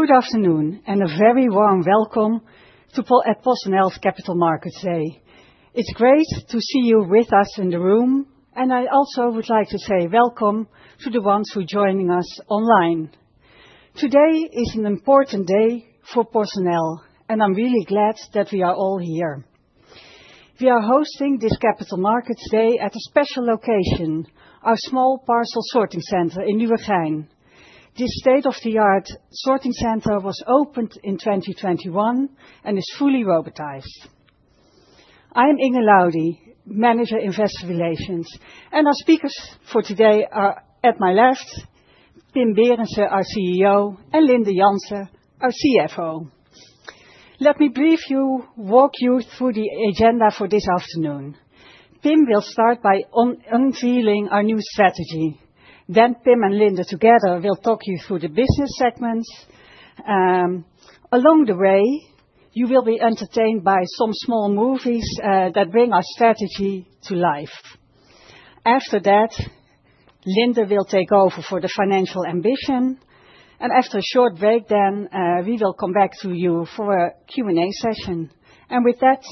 Good afternoon, and a very warm welcome to PostNL's Capital Markets Day. It's great to see you with us in the room, and I also would like to say welcome to the ones who are joining us online. Today is an important day for PostNL, and I'm really glad that we are all here. We are hosting this Capital Markets Day at a special location, our Small Parcel Sorting Center in Nieuwegein. This state-of-the-art sorting center was opened in 2021 and is fully robotized. I am Inge Laudy, Manager Investor Relations, and our speakers for today are at my left, Pim Berendsen, our CEO, and Linde Jansen, our CFO. Let me brief you, walk you through the agenda for this afternoon. Pim will start by unveiling our new strategy. Then Pim and Linde together will talk you through the business segments. Along the way, you will be entertained by some small movies that bring our strategy to life. After that, Linde will take over for the financial ambition, and after a short break, then we will come back to you for a Q&A session, and with that,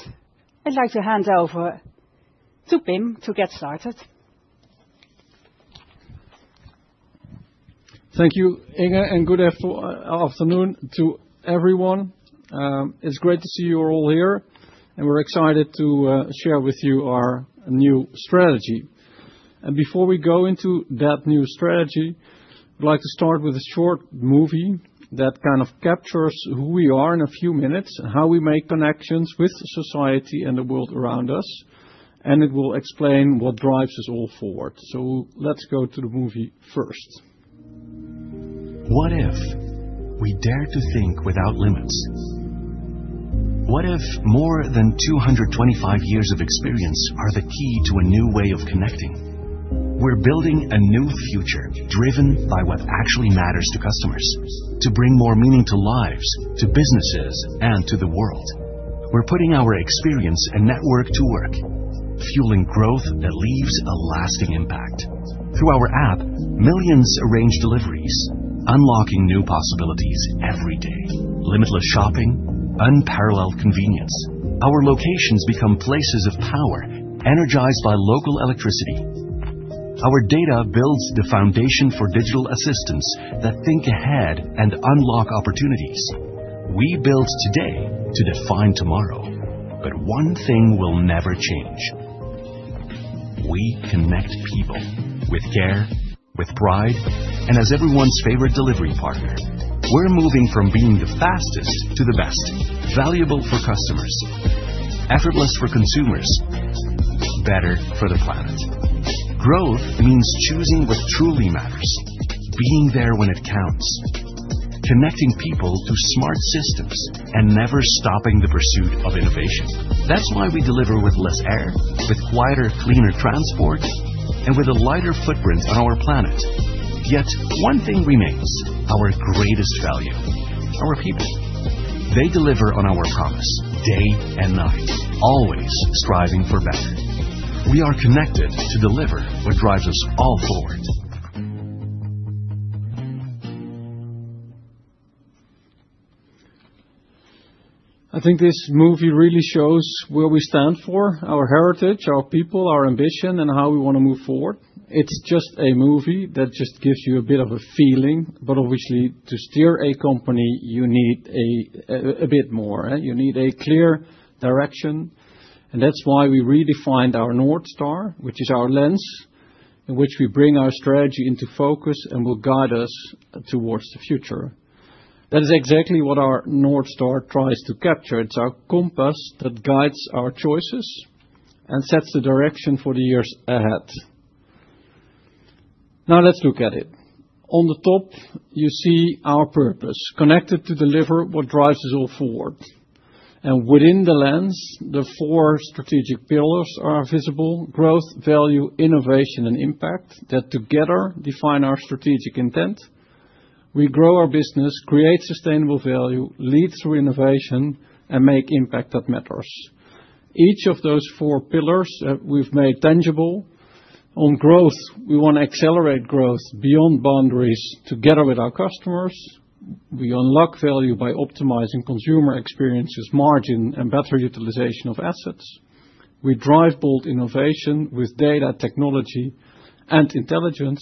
I'd like to hand over to Pim to get started. Thank you, Inge, and good afternoon to everyone. It's great to see you all here, and we're excited to share with you our new strategy. And before we go into that new strategy, we'd like to start with a short movie that kind of captures who we are in a few minutes, how we make connections with society and the world around us, and it will explain what drives us all forward. So let's go to the movie first. What if we dare to think without limits? What if more than 225 years of experience are the key to a new way of connecting? We're building a new future driven by what actually matters to customers, to bring more meaning to lives, to businesses, and to the world. We're putting our experience and network to work, fueling growth that leaves a lasting impact. Through our app, millions arrange deliveries, unlocking new possibilities every day. Limitless shopping, unparalleled convenience. Our locations become places of power, energized by local electricity. Our data builds the foundation for digital assistants that think ahead and unlock opportunities. We build today to define tomorrow. But one thing will never change: we connect people with care, with pride, and as everyone's favorite delivery partner. We're moving from being the fastest to the best, valuable for customers, effortless for consumers, better for the planet. Growth means choosing what truly matters, being there when it counts, connecting people to smart systems, and never stopping the pursuit of innovation. That's why we deliver with less air, with quieter, cleaner transport, and with a lighter footprint on our planet. Yet one thing remains our greatest value: our people. They deliver on our promise, day and night, always striving for better. We are connected to deliver what drives us all forward. I think this movie really shows where we stand for our heritage, our people, our ambition, and how we want to move forward. It's just a movie that just gives you a bit of a feeling, but obviously, to steer a company, you need a bit more. You need a clear direction. And that's why we redefined our North Star, which is our lens, in which we bring our strategy into focus and will guide us towards the future. That is exactly what our North Star tries to capture. It's our compass that guides our choices and sets the direction for the years ahead. Now let's look at it. On the top, you see our purpose connected to deliver what drives us all forward. And within the lens, the four strategic pillars are visible: growth, value, innovation, and impact that together define our strategic intent. We grow our business, create sustainable value, lead through innovation, and make impact that matters. Each of those four pillars we've made tangible. On growth, we want to accelerate growth beyond boundaries together with our customers. We unlock value by optimizing consumer experiences, margin, and better utilization of assets. We drive bold innovation with data, technology, and intelligence.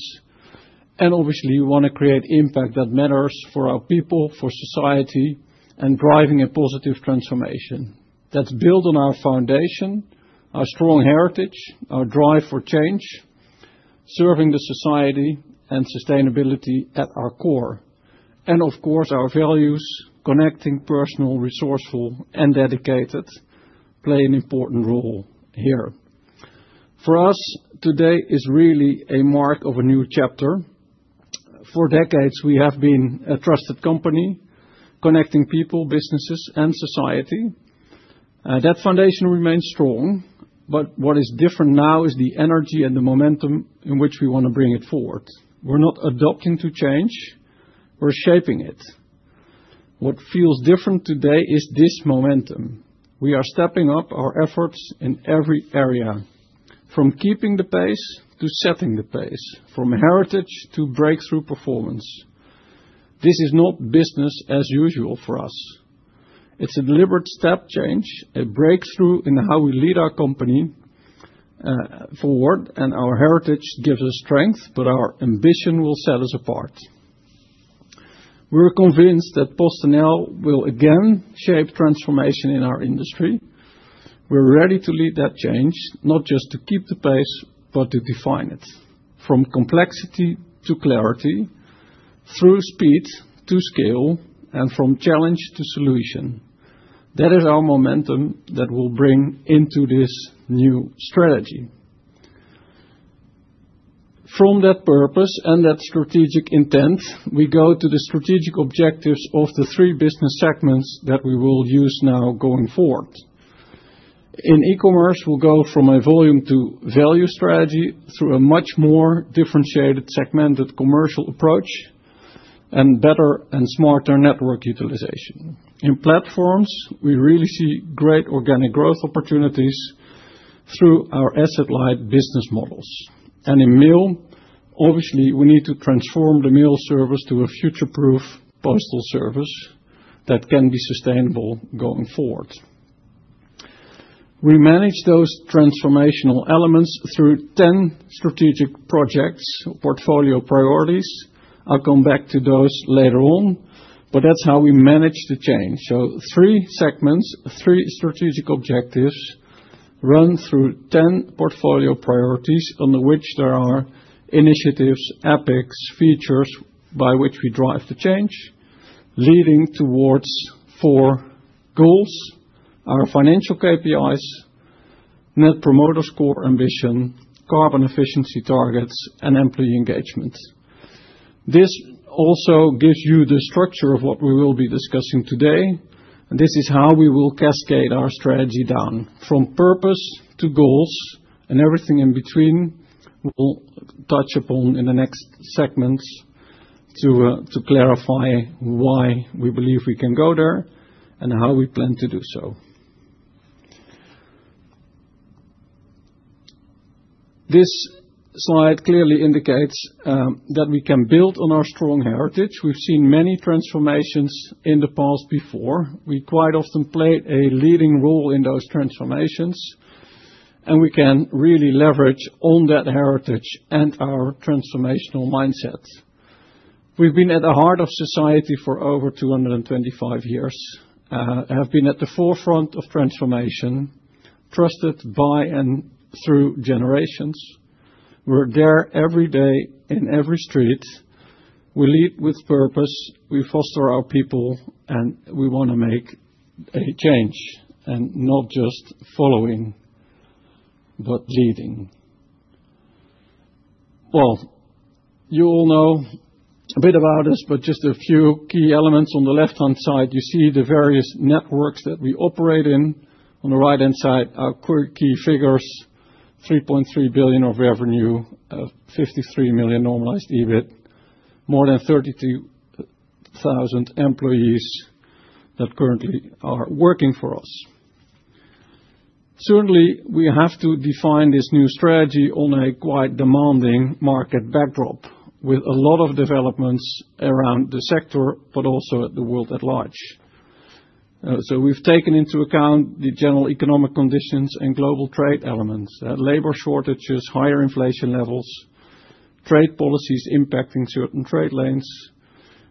And obviously, we want to create impact that matters for our people, for society, and driving a positive transformation that's built on our foundation, our strong heritage, our drive for change, serving the society and sustainability at our core. And of course, our values, connecting, personal, resourceful, and dedicated, play an important role here. For us, today is really a mark of a new chapter. For decades, we have been a trusted company connecting people, businesses, and society. That foundation remains strong, but what is different now is the energy and the momentum in which we want to bring it forward. We're not adapting to change. We're shaping it. What feels different today is this momentum. We are stepping up our efforts in every area, from keeping the pace to setting the pace, from heritage to breakthrough performance. This is not business as usual for us. It's a deliberate step change, a breakthrough in how we lead our company forward, and our heritage gives us strength, but our ambition will set us apart. We're convinced that PostNL will again shape transformation in our industry. We're ready to lead that change, not just to keep the pace, but to define it, from complexity to clarity, through speed to scale, and from challenge to solution. That is our momentum that we'll bring into this new strategy. From that purpose and that strategic intent, we go to the strategic objectives of the three business segments that we will use now going forward. In e-commerce, we'll go from a Volume to Value strategy through a much more differentiated, segmented commercial approach and better and smarter network utilization. In platforms, we really see great organic growth opportunities through our asset-light business models. And in mail, obviously, we need to transform the mail service to a future-proof postal service that can be sustainable going forward. We manage those transformational elements through 10 strategic projects, portfolio priorities. I'll come back to those later on, but that's how we manage the change. So three segments, three strategic objectives run through 10 portfolio priorities on which there are initiatives, epics, features by which we drive the change, leading towards four goals: our financial KPIs, Net Promoter Score ambition, carbon efficiency targets, and employee engagement. This also gives you the structure of what we will be discussing today. And this is how we will cascade our strategy down from purpose to goals, and everything in between we'll touch upon in the next segments to clarify why we believe we can go there and how we plan to do so. This slide clearly indicates that we can build on our strong heritage. We've seen many transformations in the past before. We quite often played a leading role in those transformations, and we can really leverage on that heritage and our transformational mindset. We've been at the heart of society for over 225 years, have been at the forefront of transformation, trusted by and through generations. We're there every day in every street. We lead with purpose. We foster our people, and we want to make a change and not just following, but leading. You all know a bit about us, but just a few key elements. On the left-hand side, you see the various networks that we operate in. On the right-hand side, our key figures: 3.3 billion of revenue, 53 million normalized EBIT, more than 32,000 employees that currently are working for us. Certainly, we have to define this new strategy on a quite demanding market backdrop with a lot of developments around the sector, but also at the world at large. So we've taken into account the general economic conditions and global trade elements: labor shortages, higher inflation levels, trade policies impacting certain trade lanes.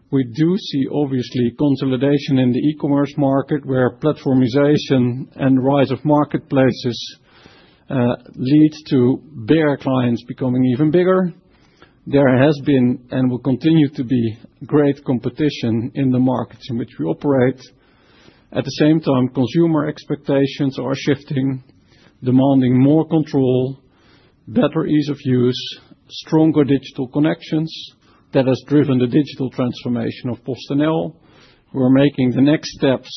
We do see, obviously, consolidation in the e-commerce market, where platformization and the rise of marketplaces lead to bigger clients becoming even bigger. There has been and will continue to be great competition in the markets in which we operate. At the same time, consumer expectations are shifting, demanding more control, better ease of use, stronger digital connections. That has driven the digital transformation of PostNL. We're making the next steps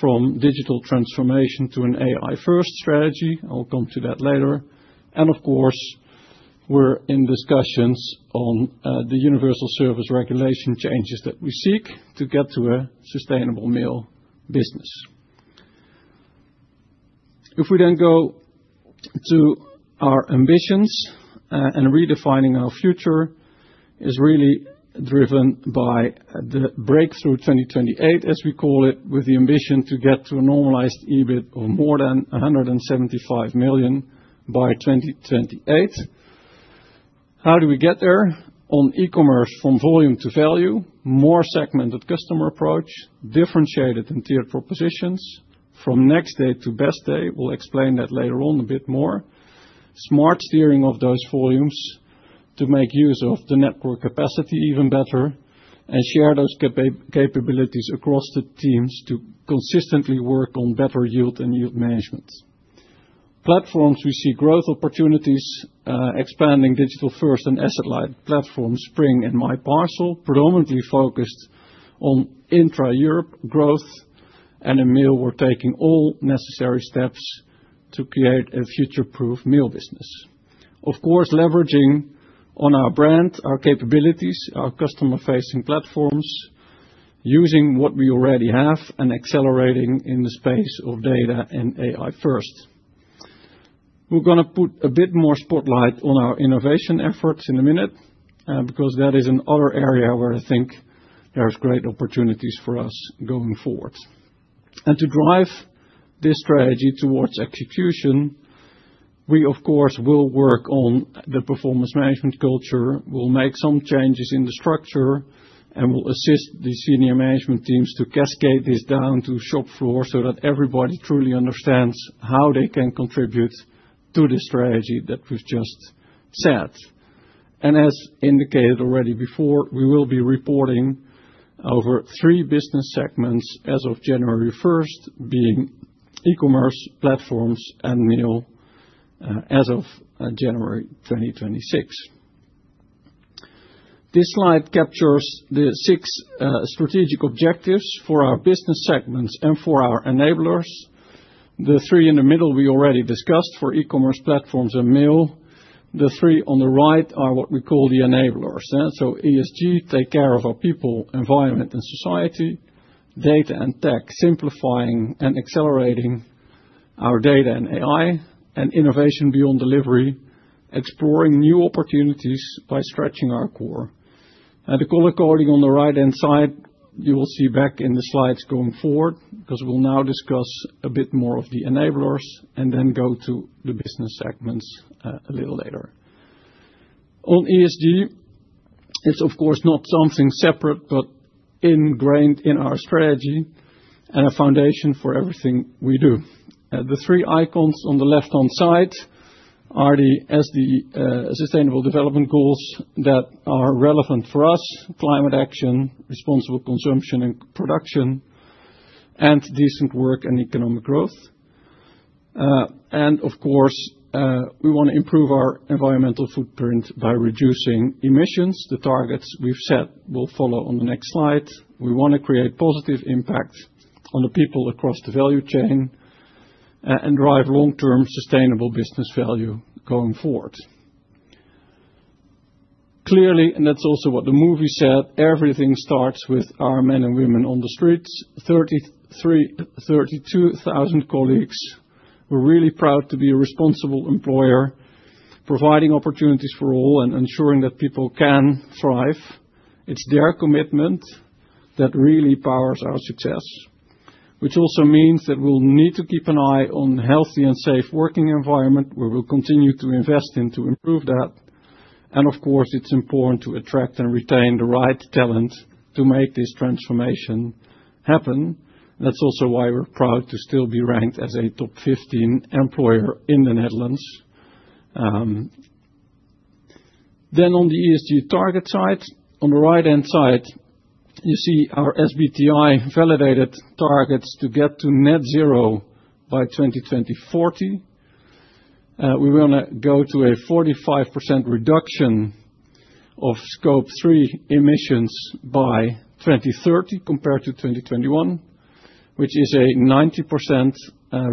from digital transformation to an AI-first strategy. I'll come to that later. And of course, we're in discussions on the universal service regulation changes that we seek to get to a sustainable mail business. If we then go to our ambitions, and redefining our future is really driven by the Breakthrough 2028, as we call it, with the ambition to get to a normalized EBIT of more than 175 million by 2028. How do we get there? On e-commerce, from Volume to Value, more segmented customer approach, differentiated and tiered propositions from Next Day to Best Day. We'll explain that later on a bit more. Smart steering of those volumes to make use of the network capacity even better and share those capabilities across the teams to consistently work on better yield and yield management. Platforms, we see growth opportunities, expanding digital-first and asset-light platforms, Spring and MyParcel, predominantly focused on intra-Europe growth. And in mail, we're taking all necessary steps to create a future-proof mail business. Of course, leveraging on our brand, our capabilities, our customer-facing platforms, using what we already have and accelerating in the space of data and AI-first. We're going to put a bit more spotlight on our innovation efforts in a minute, because that is another area where I think there are great opportunities for us going forward. To drive this strategy towards execution, we, of course, will work on the performance management culture. We'll make some changes in the structure and will assist the senior management teams to cascade this down to shop floor so that everybody truly understands how they can contribute to the strategy that we've just set. As indicated already before, we will be reporting over three business segments as of January 1st, being e-commerce, platforms, and mail as of January 2026. This slide captures the six strategic objectives for our business segments and for our enablers. The three in the middle we already discussed for e-commerce, platforms, and mail. The three on the right are what we call the enablers. So ESG, take care of our people, environment, and society. Data and tech, simplifying and accelerating our data and AI and innovation beyond delivery, exploring new opportunities by stretching our core, and the color coding on the right-hand side, you will see back in the slides going forward, because we'll now discuss a bit more of the enablers and then go to the business segments a little later. On ESG, it's of course not something separate, but ingrained in our strategy and a foundation for everything we do. The three icons on the left-hand side are the sustainable development goals that are relevant for us: climate action, responsible consumption and production, and decent work and economic growth. And of course, we want to improve our environmental footprint by reducing emissions. The targets we've set will follow on the next slide. We want to create positive impact on the people across the value chain and drive long-term sustainable business value going forward. Clearly, and that's also what the movie said, everything starts with our men and women on the streets. 32,000 colleagues. We're really proud to be a responsible employer, providing opportunities for all and ensuring that people can thrive. It's their commitment that really powers our success, which also means that we'll need to keep an eye on a healthy and safe working environment. We will continue to invest in to improve that. Of course, it's important to attract and retain the right talent to make this transformation happen. That's also why we're proud to still be ranked as a top 15 employer in the Netherlands. On the ESG target side, on the right-hand side, you see our SBTi validated targets to get to net zero by 2040. We want to go to a 45% reduction of Scope 3 emissions by 2030 compared to 2021, which is a 90%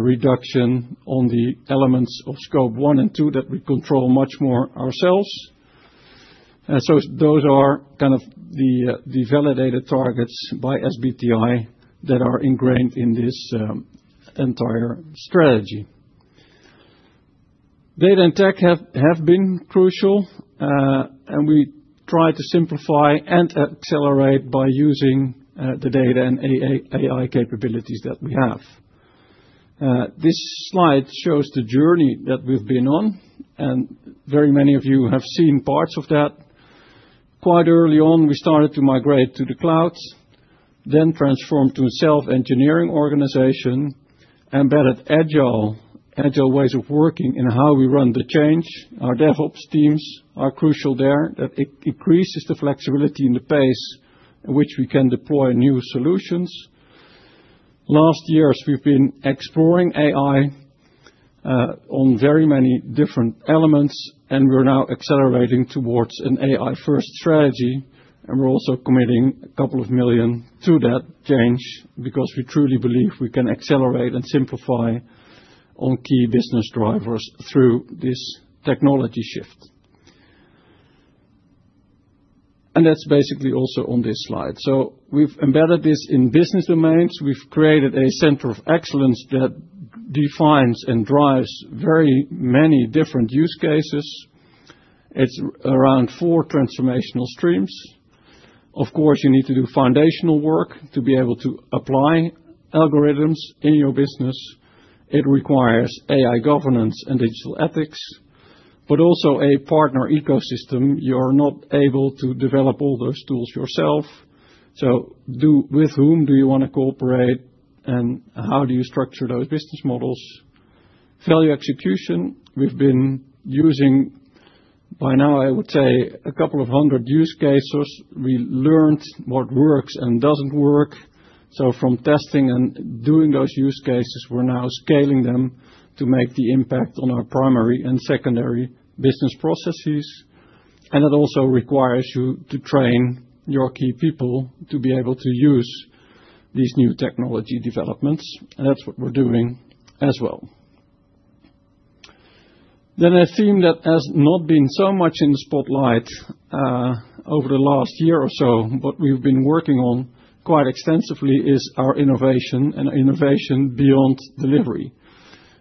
reduction on the elements of Scope 1 and 2 that we control much more ourselves. Those are kind of the validated targets by SBTi that are ingrained in this entire strategy. Data and tech have been crucial, and we try to simplify and accelerate by using the data and AI capabilities that we have. This slide shows the journey that we've been on, and very many of you have seen parts of that. Quite early on, we started to migrate to the clouds, then transformed to a self-engineering organization, embedded agile ways of working in how we run the change. Our DevOps teams are crucial there. That increases the flexibility and the pace in which we can deploy new solutions. Last year, we've been exploring AI on very many different elements, and we're now accelerating towards an AI-first strategy. And we're also committing 2 million to that change because we truly believe we can accelerate and simplify on key business drivers through this technology shift. And that's basically also on this slide. So we've embedded this in business domains. We've created a Center of Excellence that defines and drives very many different use cases. It's around four transformational streams. Of course, you need to do foundational work to be able to apply algorithms in your business. It requires AI governance and digital ethics, but also a partner ecosystem. You are not able to develop all those tools yourself. So with whom do you want to cooperate, and how do you structure those business models? Value execution. We've been using, by now, I would say, a couple of hundred use cases. We learned what works and doesn't work. So from testing and doing those use cases, we're now scaling them to make the impact on our primary and secondary business processes. And it also requires you to train your key people to be able to use these new technology developments. And that's what we're doing as well. Then a theme that has not been so much in the spotlight over the last year or so, but we've been working on quite extensively, is our innovation and innovation beyond delivery.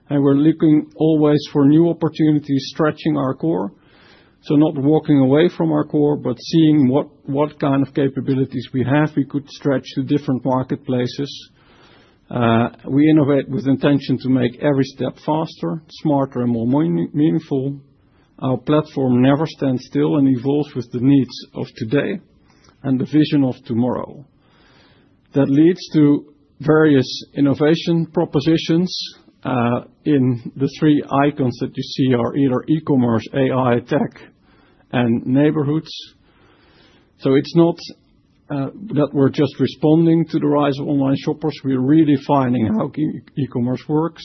And we're looking always for new opportunities, stretching our core. So not walking away from our core, but seeing what kind of capabilities we have we could stretch to different marketplaces. We innovate with intention to make every step faster, smarter, and more meaningful. Our platform never stands still and evolves with the needs of today and the vision of tomorrow. That leads to various innovation propositions. In the three icons that you see are either e-commerce, AI, tech, and neighborhoods. So it's not that we're just responding to the rise of online shoppers. We're redefining how e-commerce works.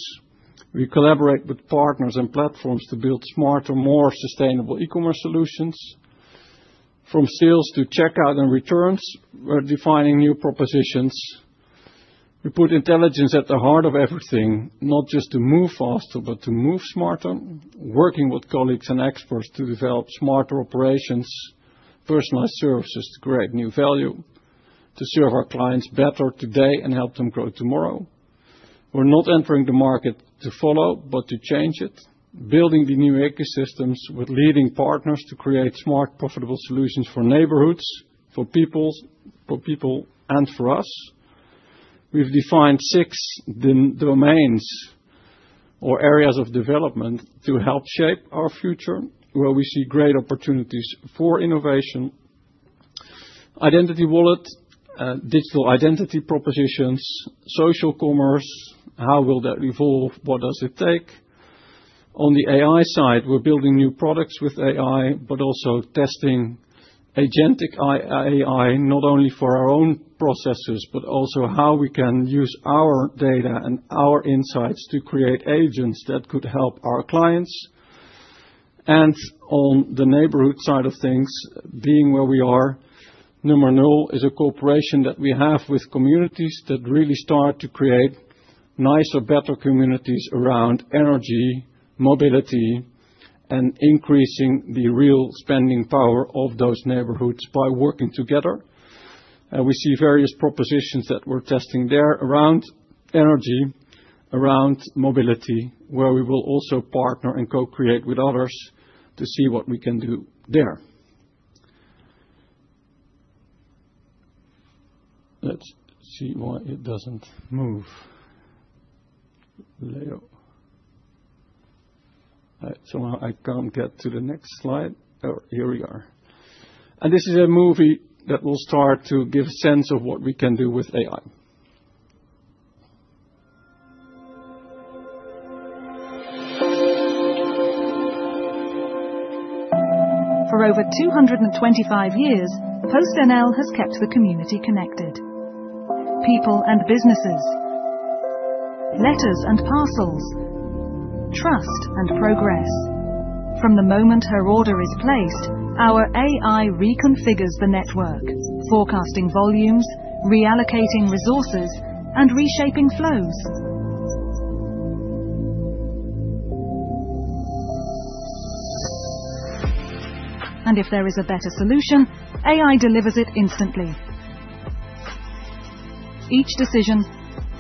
We collaborate with partners and platforms to build smarter, more sustainable e-commerce solutions. From sales to checkout and returns, we're defining new propositions. We put intelligence at the heart of everything, not just to move faster, but to move smarter, working with colleagues and experts to develop smarter operations, personalized services to create new value, to serve our clients better today and help them grow tomorrow. We're not entering the market to follow, but to change it, building the new ecosystems with leading partners to create smart, profitable solutions for neighborhoods, for people, and for us. We've defined six domains or areas of development to help shape our future, where we see great opportunities for innovation: identity wallet, digital identity propositions, social commerce. How will that evolve? What does it take? On the AI side, we're building new products with AI, but also testing agentic AI, not only for our own processes, but also how we can use our data and our insights to create agents that could help our clients. On the neighborhood side of things, being where we are, Number Null is a corporation that we have with communities that really start to create nicer, better communities around energy, mobility, and increasing the real spending power of those neighborhoods by working together. And we see various propositions that we're testing there around energy, around mobility, where we will also partner and co-create with others to see what we can do there. Let's see why it doesn't move. So now I can't get to the next slide. Oh, here we are. This is a movie that will start to give a sense of what we can do with AI. For over 225 years, PostNL has kept the community connected: people and businesses, letters and parcels, trust and progress. From the moment her order is placed, our AI reconfigures the network, forecasting volumes, reallocating resources, and reshaping flows, and if there is a better solution, AI delivers it instantly. Each decision,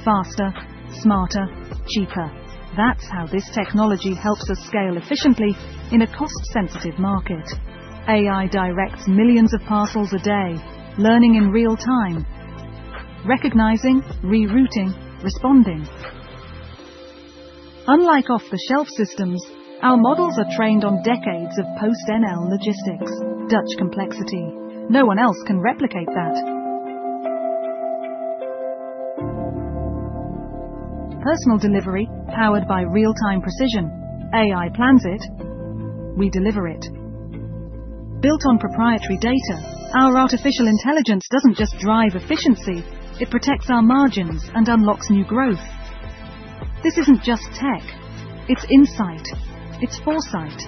faster, smarter, cheaper. That's how this technology helps us scale efficiently in a cost-sensitive market. AI directs millions of parcels a day, learning in real time, recognizing, rerouting, responding. Unlike off-the-shelf systems, our models are trained on decades of PostNL logistics, Dutch complexity. No one else can replicate that. Personal delivery, powered by real-time precision. AI plans it. We deliver it. Built on proprietary data, our artificial intelligence doesn't just drive efficiency. It protects our margins and unlocks new growth. This isn't just tech. It's insight. It's foresight.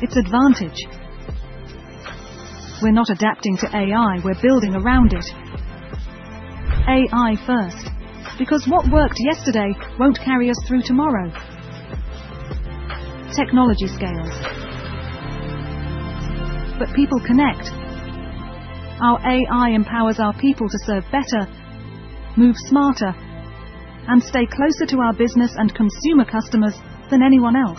It's advantage. We're not adapting to AI. We're building around it. AI first, because what worked yesterday won't carry us through tomorrow. Technology scales, but people connect. Our AI empowers our people to serve better, move smarter, and stay closer to our business and consumer customers than anyone else.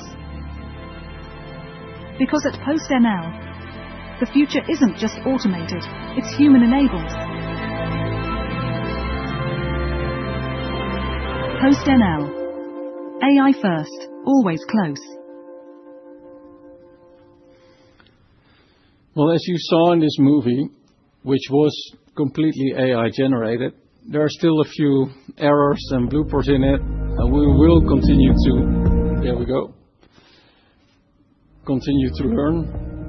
Because at PostNL, the future isn't just automated. It's human-enabled. PostNL, AI first, always close. As you saw in this movie, which was completely AI-generated, there are still a few errors and bloopers in it. And we will continue to learn.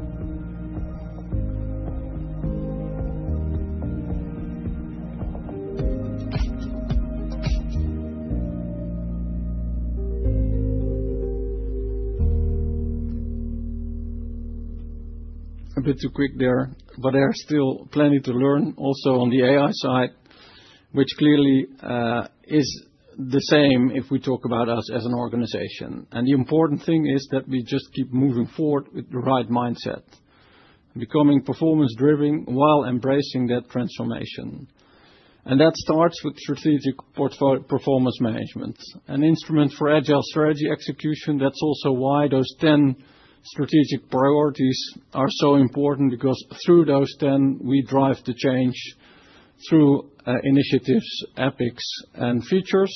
A bit too quick there, but there's still plenty to learn also on the AI side, which clearly is the same if we talk about us as an organization. The important thing is that we just keep moving forward with the right mindset, becoming performance-driven while embracing that transformation. That starts with strategic performance management, an instrument for agile strategy execution. That's also why those 10 strategic priorities are so important, because through those 10, we drive the change through initiatives, epics, and features.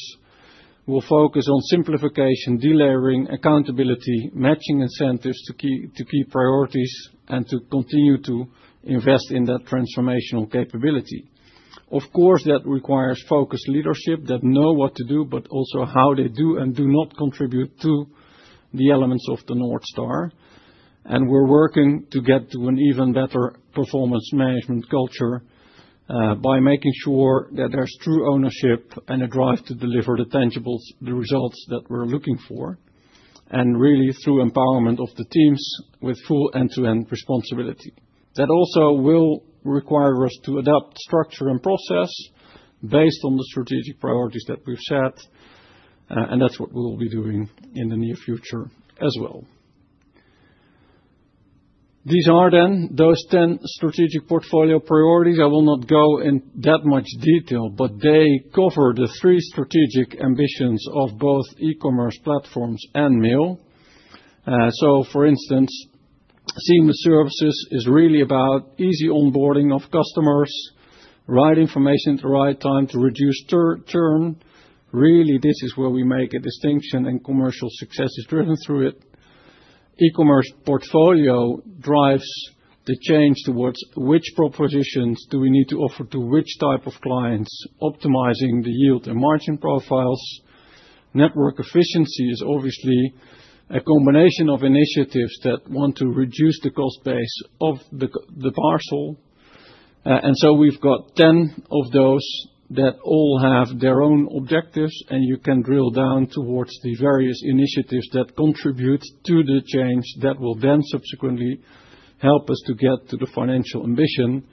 We'll focus on simplification, delivery, accountability, matching incentives to key priorities, and to continue to invest in that transformational capability. Of course, that requires focused leadership that know what to do, but also how they do and do not contribute to the elements of the North Star. We're working to get to an even better performance management culture by making sure that there's true ownership and a drive to deliver the tangibles, the results that we're looking for, and really through empowerment of the teams with full end-to-end responsibility. That also will require us to adapt structure and process based on the strategic priorities that we've set, and that's what we'll be doing in the near future as well. These are then those 10 strategic portfolio priorities. I will not go in that much detail, but they cover the three strategic ambitions of both e-commerce platforms and mail, so for instance, Seamless Services is really about easy onboarding of customers, right information at the right time to reduce churn. Really, this is where we make a distinction, and commercial success is driven through it. E-commerce portfolio drives the change towards which propositions do we need to offer to which type of clients, optimizing the yield and margin profiles. Network efficiency is obviously a combination of initiatives that want to reduce the cost base of the parcel. And so we've got 10 of those that all have their own objectives, and you can drill down towards the various initiatives that contribute to the change that will then subsequently help us to get to the financial ambition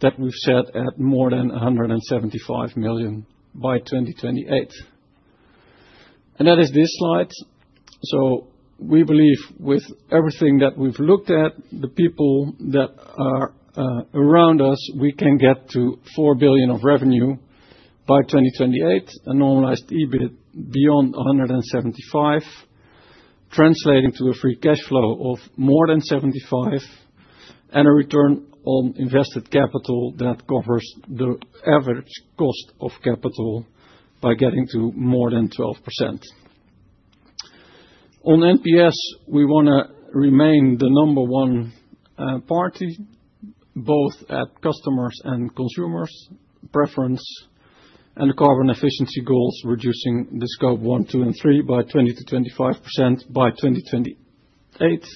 that we've set at more than 175 million by 2028. And that is this slide. So we believe with everything that we've looked at, the people that are around us, we can get to 4 billion of revenue by 2028, a normalized EBIT beyond 175 million, translating to a free cash flow of more than 75 million, and a return on invested capital that covers the average cost of capital by getting to more than 12%. On NPS, we want to remain the number one party, both at customers' and consumers' preference, and the carbon efficiency goals, reducing the Scope 1, 2, and 3 by 20%-25% by 2028,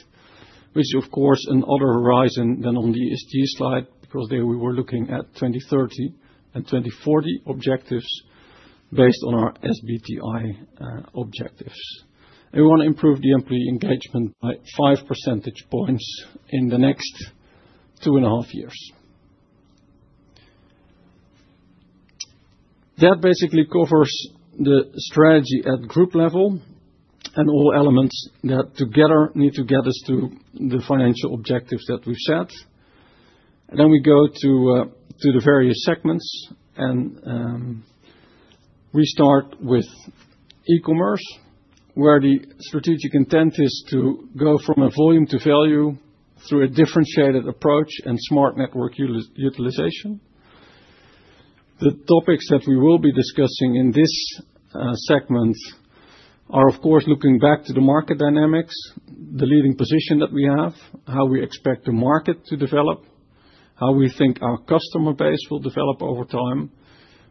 which is, of course, another horizon than on the ESG slide, because there we were looking at 2030 and 2040 objectives based on our SBTi objectives. And we want to improve the employee engagement by 5 percentage points in the next two and a half years. That basically covers the strategy at group level and all elements that together need to get us to the financial objectives that we've set. Then we go to the various segments, and we start with e-commerce, where the strategic intent is to go from a Volume to Value through a differentiated approach and smart network utilization. The topics that we will be discussing in this segment are, of course, looking back to the market dynamics, the leading position that we have, how we expect the market to develop, how we think our customer base will develop over time,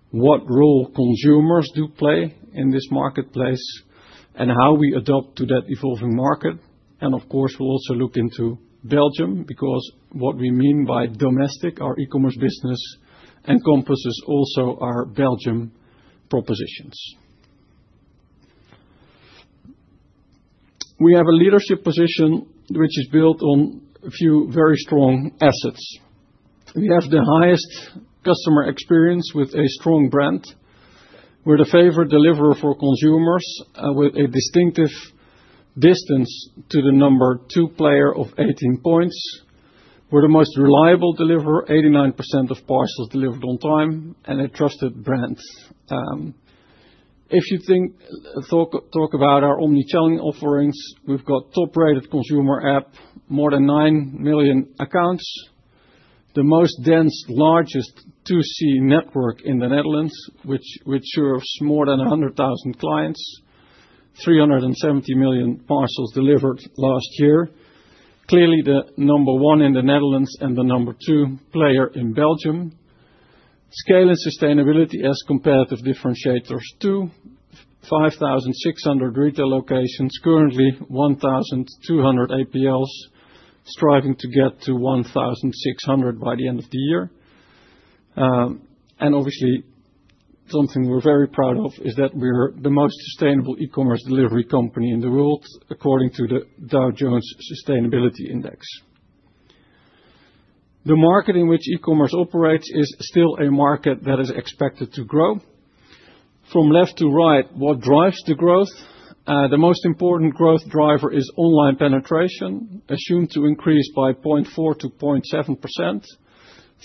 what role consumers do play in this marketplace, and how we adapt to that evolving market, and, of course, we'll also look into Belgium, because what we mean by domestic, our e-commerce business encompasses also our Belgium propositions. We have a leadership position which is built on a few very strong assets. We have the highest customer experience with a strong brand. We're the favorite deliverer for consumers with a distinctive distance to the number two player of 18 points. We're the most reliable deliverer, 89% of parcels delivered on time, and a trusted brand. If you think about our omnichannel offerings, we've got top-rated consumer app, more than 9 million accounts, the most dense, largest 2C network in the Netherlands, which serves more than 100,000 clients, 370 million parcels delivered last year. Clearly, the number one in the Netherlands and the number two player in Belgium. Scale and sustainability as comparative differentiators, too. 5,600 retail locations, currently 1,200 APMs, striving to get to 1,600 by the end of the year, and obviously, something we're very proud of is that we're the most sustainable e-commerce delivery company in the world, according to the Dow Jones Sustainability Index. The market in which e-commerce operates is still a market that is expected to grow. From left to right, what drives the growth? The most important growth driver is online penetration, assumed to increase by 0.4%-0.7%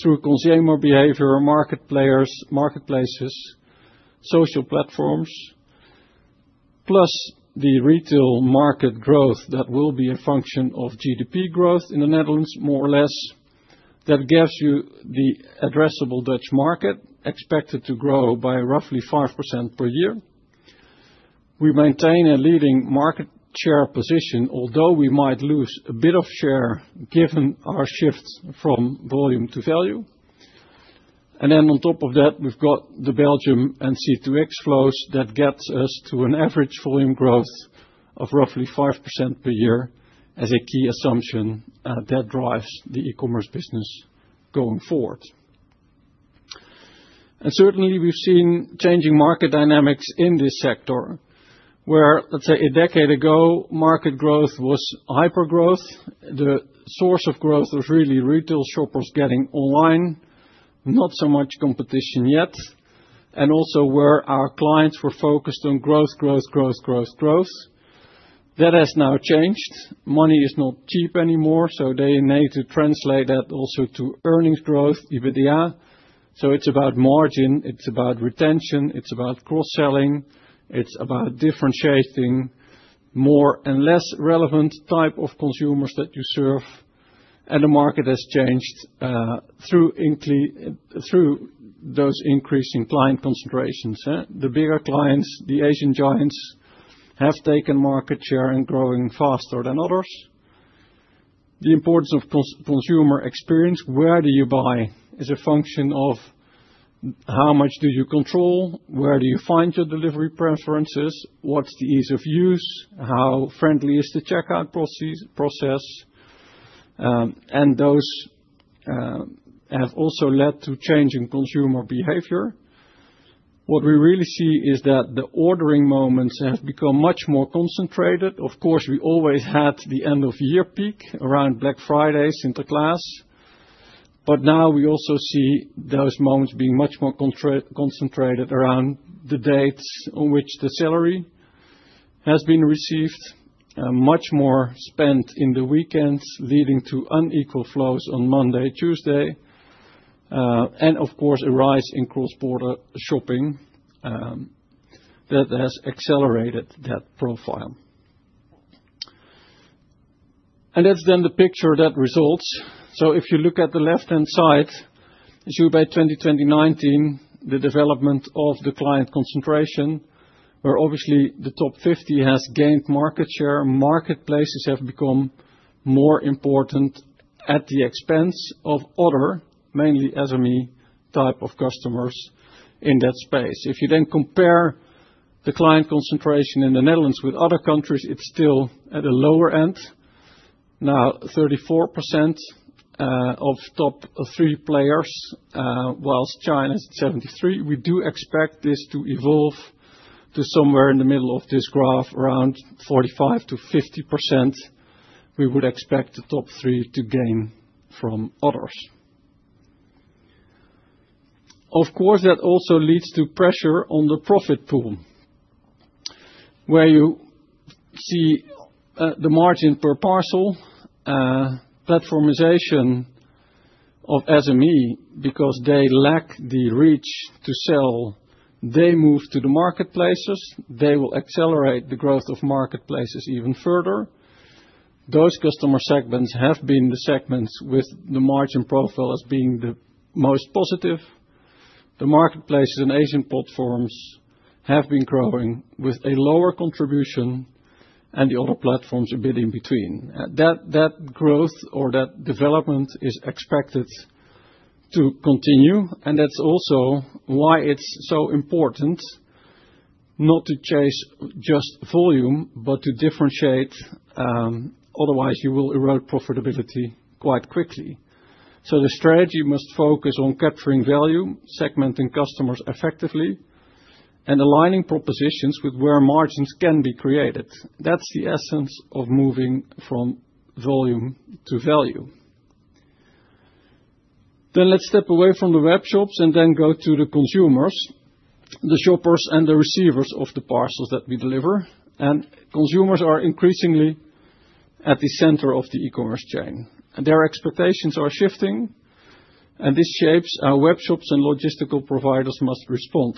through consumer behavior, market players, marketplaces, social platforms, plus the retail market growth that will be a function of GDP growth in the Netherlands, more or less, that gives you the addressable Dutch market expected to grow by roughly 5% per year. We maintain a leading market share position, although we might lose a bit of share given our shift from volume to value. And then on top of that, we've got the Belgium and C2X flows that get us to an average volume growth of roughly 5% per year as a key assumption that drives the e-commerce business going forward. And certainly, we've seen changing market dynamics in this sector, where, let's say, a decade ago, market growth was hyper-growth. The source of growth was really retail shoppers getting online, not so much competition yet, and also where our clients were focused on growth, growth, growth, growth, growth. That has now changed. Money is not cheap anymore, so they need to translate that also to earnings growth, EBITDA. So it's about margin, it's about retention, it's about cross-selling, it's about differentiating more and less relevant type of consumers that you serve. And the market has changed through those increasing client concentrations. The bigger clients, the Asian giants, have taken market share and are growing faster than others. The importance of consumer experience, where do you buy, is a function of how much do you control, where do you find your delivery preferences, what's the ease of use, how friendly is the checkout process. And those have also led to changing consumer behavior. What we really see is that the ordering moments have become much more concentrated. Of course, we always had the end-of-year peak around Black Friday, Sinterklaas, but now we also see those moments being much more concentrated around the dates on which the salary has been received, much more spent in the weekends, leading to unequal flows on Monday, Tuesday, and of course, a rise in cross-border shopping that has accelerated that profile. And that's then the picture that results. So if you look at the left-hand side, as you see by 2019-2020, the development of the client concentration, where obviously the top 50 has gained market share, marketplaces have become more important at the expense of other, mainly SME type of customers in that space. If you then compare the client concentration in the Netherlands with other countries, it's still at a lower end. Now, 34% of top three players, while China is at 73%. We do expect this to evolve to somewhere in the middle of this graph, around 45%-50%. We would expect the top three to gain from others. Of course, that also leads to pressure on the profit pool, where you see the margin per parcel, platformization of SME, because they lack the reach to sell. They move to the marketplaces. They will accelerate the growth of marketplaces even further. Those customer segments have been the segments with the margin profile as being the most positive. The marketplaces and Asian platforms have been growing with a lower contribution, and the other platforms a bit in between. That growth or that development is expected to continue, and that's also why it's so important not to chase just volume, but to differentiate. Otherwise, you will erode profitability quite quickly. So the strategy must focus on capturing value, segmenting customers effectively, and aligning propositions with where margins can be created. That's the essence of moving from volume to value, then let's step away from the web shops and then go to the consumers, the shoppers, and the receivers of the parcels that we deliver, and consumers are increasingly at the center of the e-commerce chain, and their expectations are shifting, and this shapes how web shops and logistical providers must respond,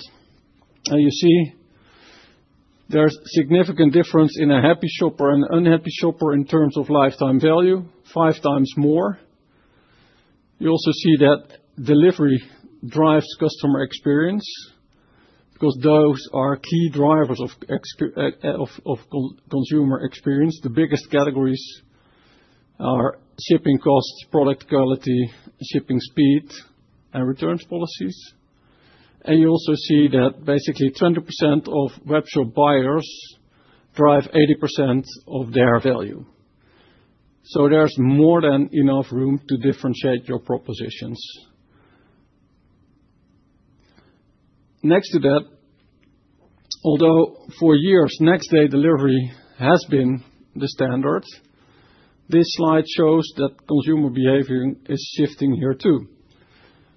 and you see there's a significant difference in a happy shopper and an unhappy shopper in terms of lifetime value, five times more. You also see that delivery drives customer experience because those are key drivers of consumer experience. The biggest categories are shipping costs, product quality, shipping speed, and returns policies, and you also see that basically 20% of web shop buyers drive 80% of their value. So there's more than enough room to differentiate your propositions. Next to that, although for years, next-day delivery has been the standard, this slide shows that consumer behavior is shifting here too.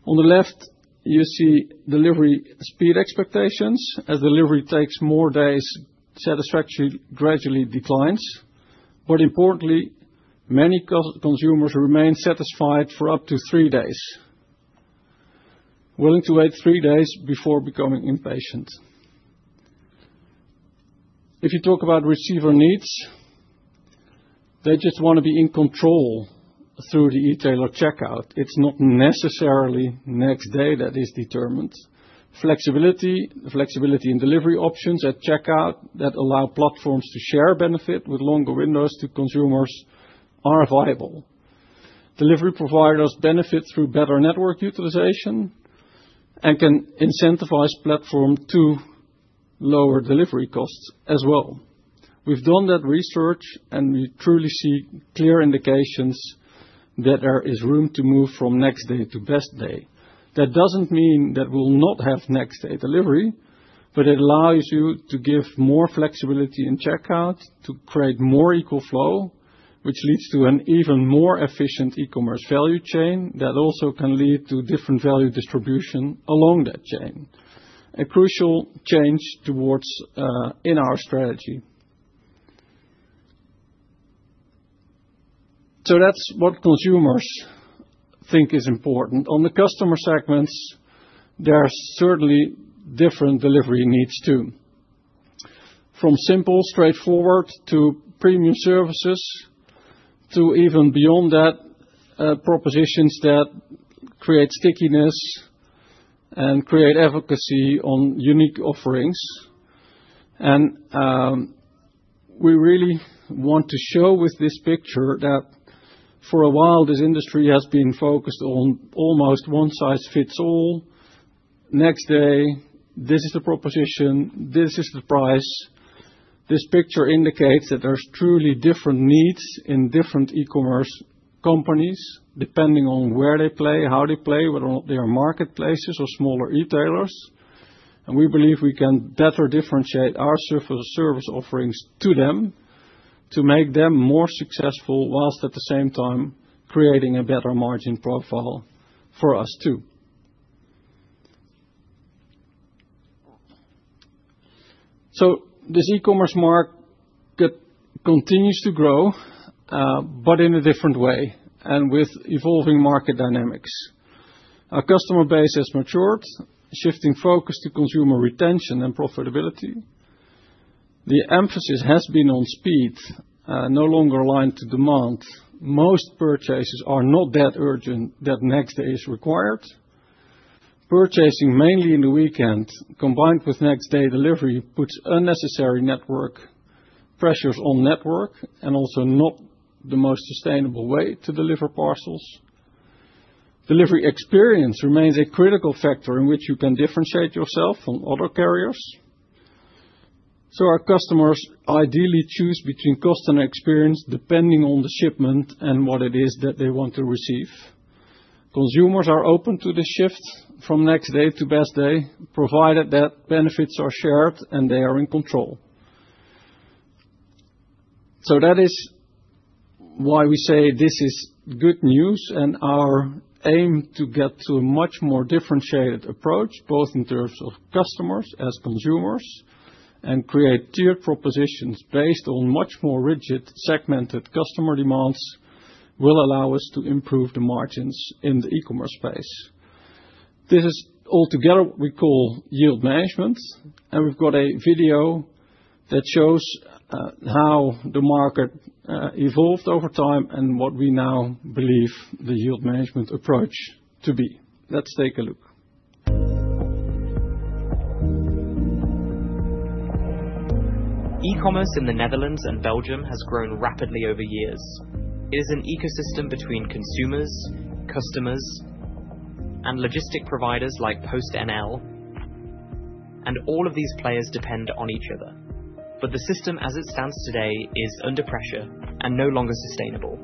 On the left, you see delivery speed expectations. As delivery takes more days, satisfaction gradually declines. But importantly, many consumers remain satisfied for up to three days, willing to wait three days before becoming impatient. If you talk about receiver needs, they just want to be in control through the retailer checkout. It's not necessarily next day that is determined. Flexibility, the flexibility in delivery options at checkout that allow platforms to share benefit with longer windows to consumers are viable. Delivery providers benefit through better network utilization and can incentivize platforms to lower delivery costs as well. We've done that research, and we truly see clear indications that there is room to move from Next Day to Best Day. That doesn't mean that we'll not have next-day delivery, but it allows you to give more flexibility in checkout to create more equal flow, which leads to an even more efficient e-commerce value chain that also can lead to different value distribution along that chain. A crucial change towards in our strategy. So that's what consumers think is important. On the customer segments, there are certainly different delivery needs too, from simple, straightforward to premium services to even beyond that, propositions that create stickiness and create efficacy on unique offerings. And we really want to show with this picture that for a while, this industry has been focused on almost one size fits all. Next day, this is the proposition, this is the price. This picture indicates that there's truly different needs in different e-commerce companies depending on where they play, how they play, whether or not they are marketplaces or smaller retailers. And we believe we can better differentiate our service offerings to them to make them more successful whilst at the same time creating a better margin profile for us too. So this e-commerce market continues to grow, but in a different way and with evolving market dynamics. Our customer base has matured, shifting focus to consumer retention and profitability. The emphasis has been on speed, no longer aligned to demand. Most purchases are not that urgent that next day is required. Purchasing mainly in the weekend, combined with next-day delivery, puts unnecessary network pressures on network and also not the most sustainable way to deliver parcels. Delivery experience remains a critical factor in which you can differentiate yourself from other carriers. So our customers ideally choose between cost and experience depending on the shipment and what it is that they want to receive. Consumers are open to the shift from Next Day to Best Day, provided that benefits are shared and they are in control. So that is why we say this is good news, and our aim to get to a much more differentiated approach, both in terms of customers as consumers and create tiered propositions based on much more rigid segmented customer demands, will allow us to improve the margins in the E-commerce space. This is altogether what we call Yield Management, and we've got a video that shows how the market evolved over time and what we now believe the Yield Management approach to be. Let's take a look. E-commerce in the Netherlands and Belgium has grown rapidly over years. It is an ecosystem between consumers, customers, and logistics providers like PostNL, and all of these players depend on each other. But the system, as it stands today, is under pressure and no longer sustainable.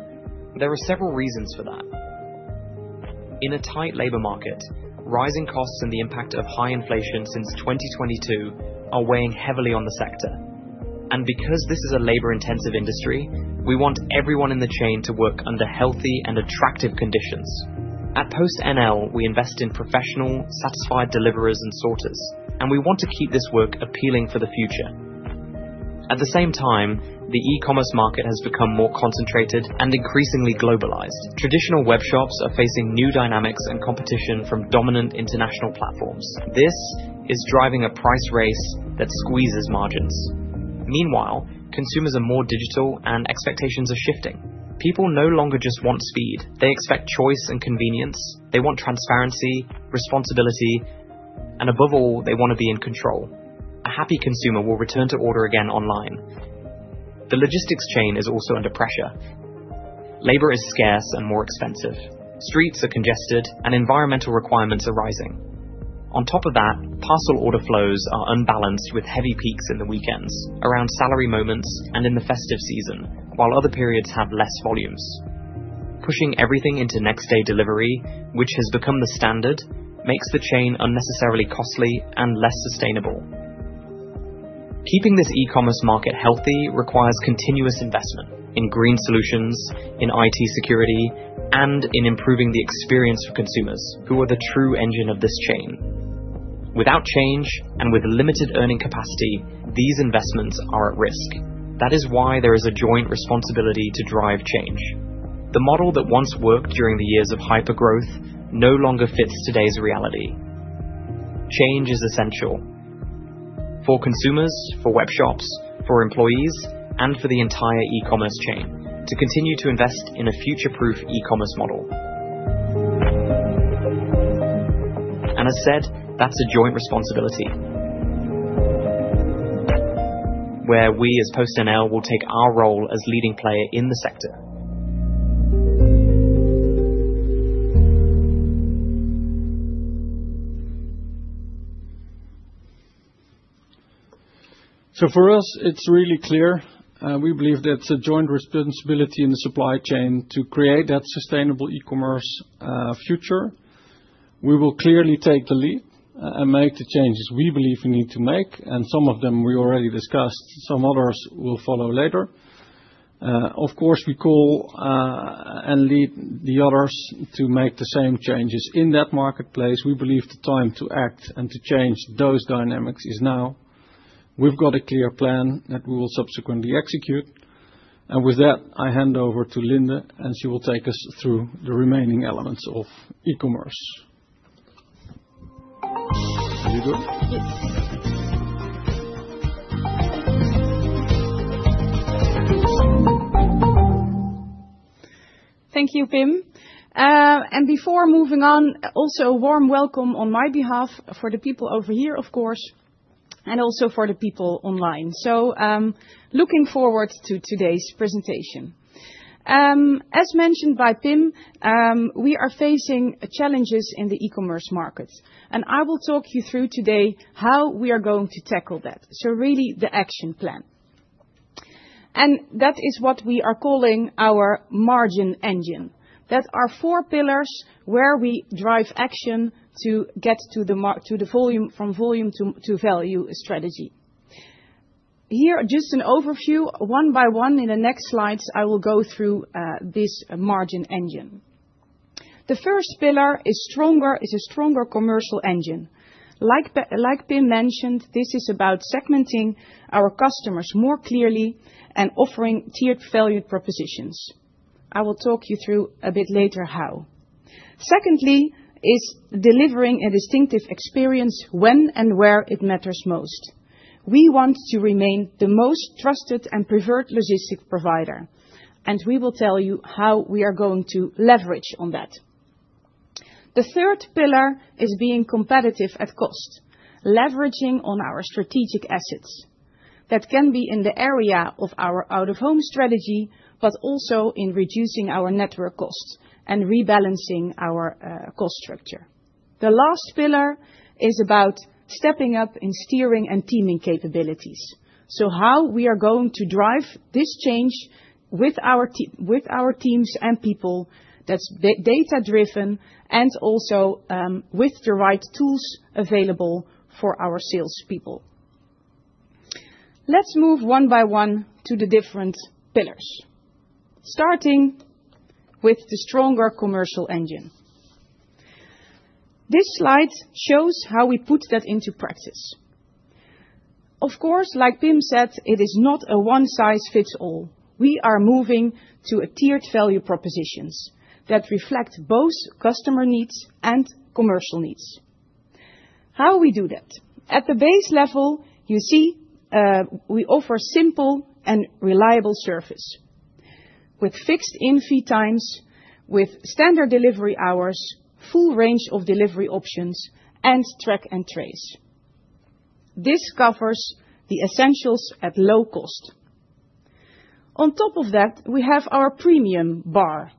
There are several reasons for that. In a tight labor market, rising costs and the impact of high inflation since 2022 are weighing heavily on the sector, and because this is a labor-intensive industry, we want everyone in the chain to work under healthy and attractive conditions. At PostNL, we invest in professional, satisfied deliverers and sorters, and we want to keep this work appealing for the future. At the same time, the e-commerce market has become more concentrated and increasingly globalized. Traditional web shops are facing new dynamics and competition from dominant international platforms. This is driving a price race that squeezes margins. Meanwhile, consumers are more digital, and expectations are shifting. People no longer just want speed. They expect choice and convenience. They want transparency, responsibility, and above all, they want to be in control. A happy consumer will return to order again online. The logistics chain is also under pressure. Labor is scarce and more expensive. Streets are congested, and environmental requirements are rising. On top of that, parcel order flows are unbalanced with heavy peaks in the weekends, around salary moments, and in the festive season, while other periods have less volumes. Pushing everything into next-day delivery, which has become the standard, makes the chain unnecessarily costly and less sustainable. Keeping this e-commerce market healthy requires continuous investment in green solutions, in IT security, and in improving the experience for consumers, who are the true engine of this chain. Without change and with limited earning capacity, these investments are at risk. That is why there is a joint responsibility to drive change. The model that once worked during the years of hypergrowth no longer fits today's reality. Change is essential for consumers, for web shops, for employees, and for the entire e-commerce chain to continue to invest in a future-proof e-commerce model. And as said, that's a joint responsibility where we as PostNL will take our role as leading player in the sector. So for us, it's really clear. We believe that's a joint responsibility in the supply chain to create that sustainable e-commerce future. We will clearly take the lead and make the changes we believe we need to make, and some of them we already discussed. Some others will follow later. Of course, we call and lead the others to make the same changes in that marketplace. We believe the time to act and to change those dynamics is now. We've got a clear plan that we will subsequently execute. And with that, I hand over to Linde, and she will take us through the remaining elements of e-commerce. Are you good? Yes. Thank you, Pim. And before moving on, also a warm welcome on my behalf for the people over here, of course, and also for the people online. So looking forward to today's presentation. As mentioned by Pim, we are facing challenges in the e-commerce market, and I will talk you through today how we are going to tackle that. So really, the action plan. And that is what we are calling our Margin Engine. That are four pillars where we drive action to get from volume to value strategy. Here, just an overview, one by one in the next slides, I will go through this Margin Engine. The first pillar is a stronger commercial engine. Like Pim mentioned, this is about segmenting our customers more clearly and offering tiered value propositions. I will talk you through a bit later how. Secondly is delivering a distinctive experience when and where it matters most. We want to remain the most trusted and preferred logistics provider, and we will tell you how we are going to leverage on that. The third pillar is being competitive at cost, leveraging on our strategic assets. That can be in the area of our out-of-home strategy, but also in reducing our network costs and rebalancing our cost structure. The last pillar is about stepping up in steering and teaming capabilities. So, how we are going to drive this change with our teams and people, that's data-driven and also with the right tools available for our salespeople. Let's move one by one to the different pillars, starting with the stronger commercial engine. This slide shows how we put that into practice. Of course, like Pim said, it is not a one size fits all. We are moving to a tiered value propositions that reflect both customer needs and commercial needs. How we do that? At the base level, you see we offer simple and reliable service with fixed delivery times, with standard delivery hours, full range of delivery options, and track and trace. This covers the essentials at low cost. On top of that, we have our premium tier.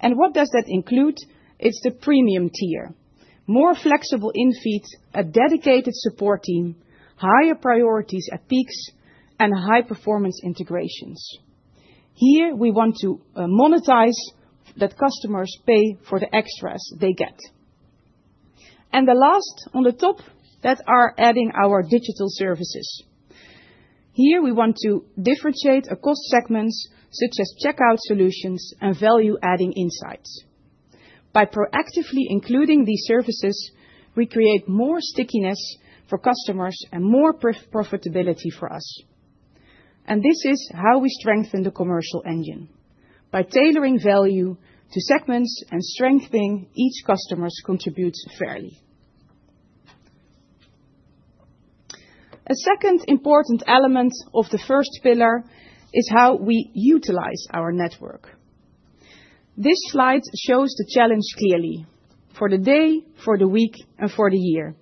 And what does that include? It's the premium tier: more flexible in fleet, a dedicated support team, higher priorities at peaks, and high-performance integrations. Here, we want to monetize that customers pay for the extras they get, and the last on the top that are adding our digital services. Here, we want to differentiate across segments such as checkout solutions and value-adding insights. By proactively including these services, we create more stickiness for customers and more profitability for us, and this is how we strengthen the commercial engine: by tailoring value to segments and strengthening each customer's contributions fairly. A second important element of the first pillar is how we utilize our network. This slide shows the challenge clearly for the day, for the week, and for the year.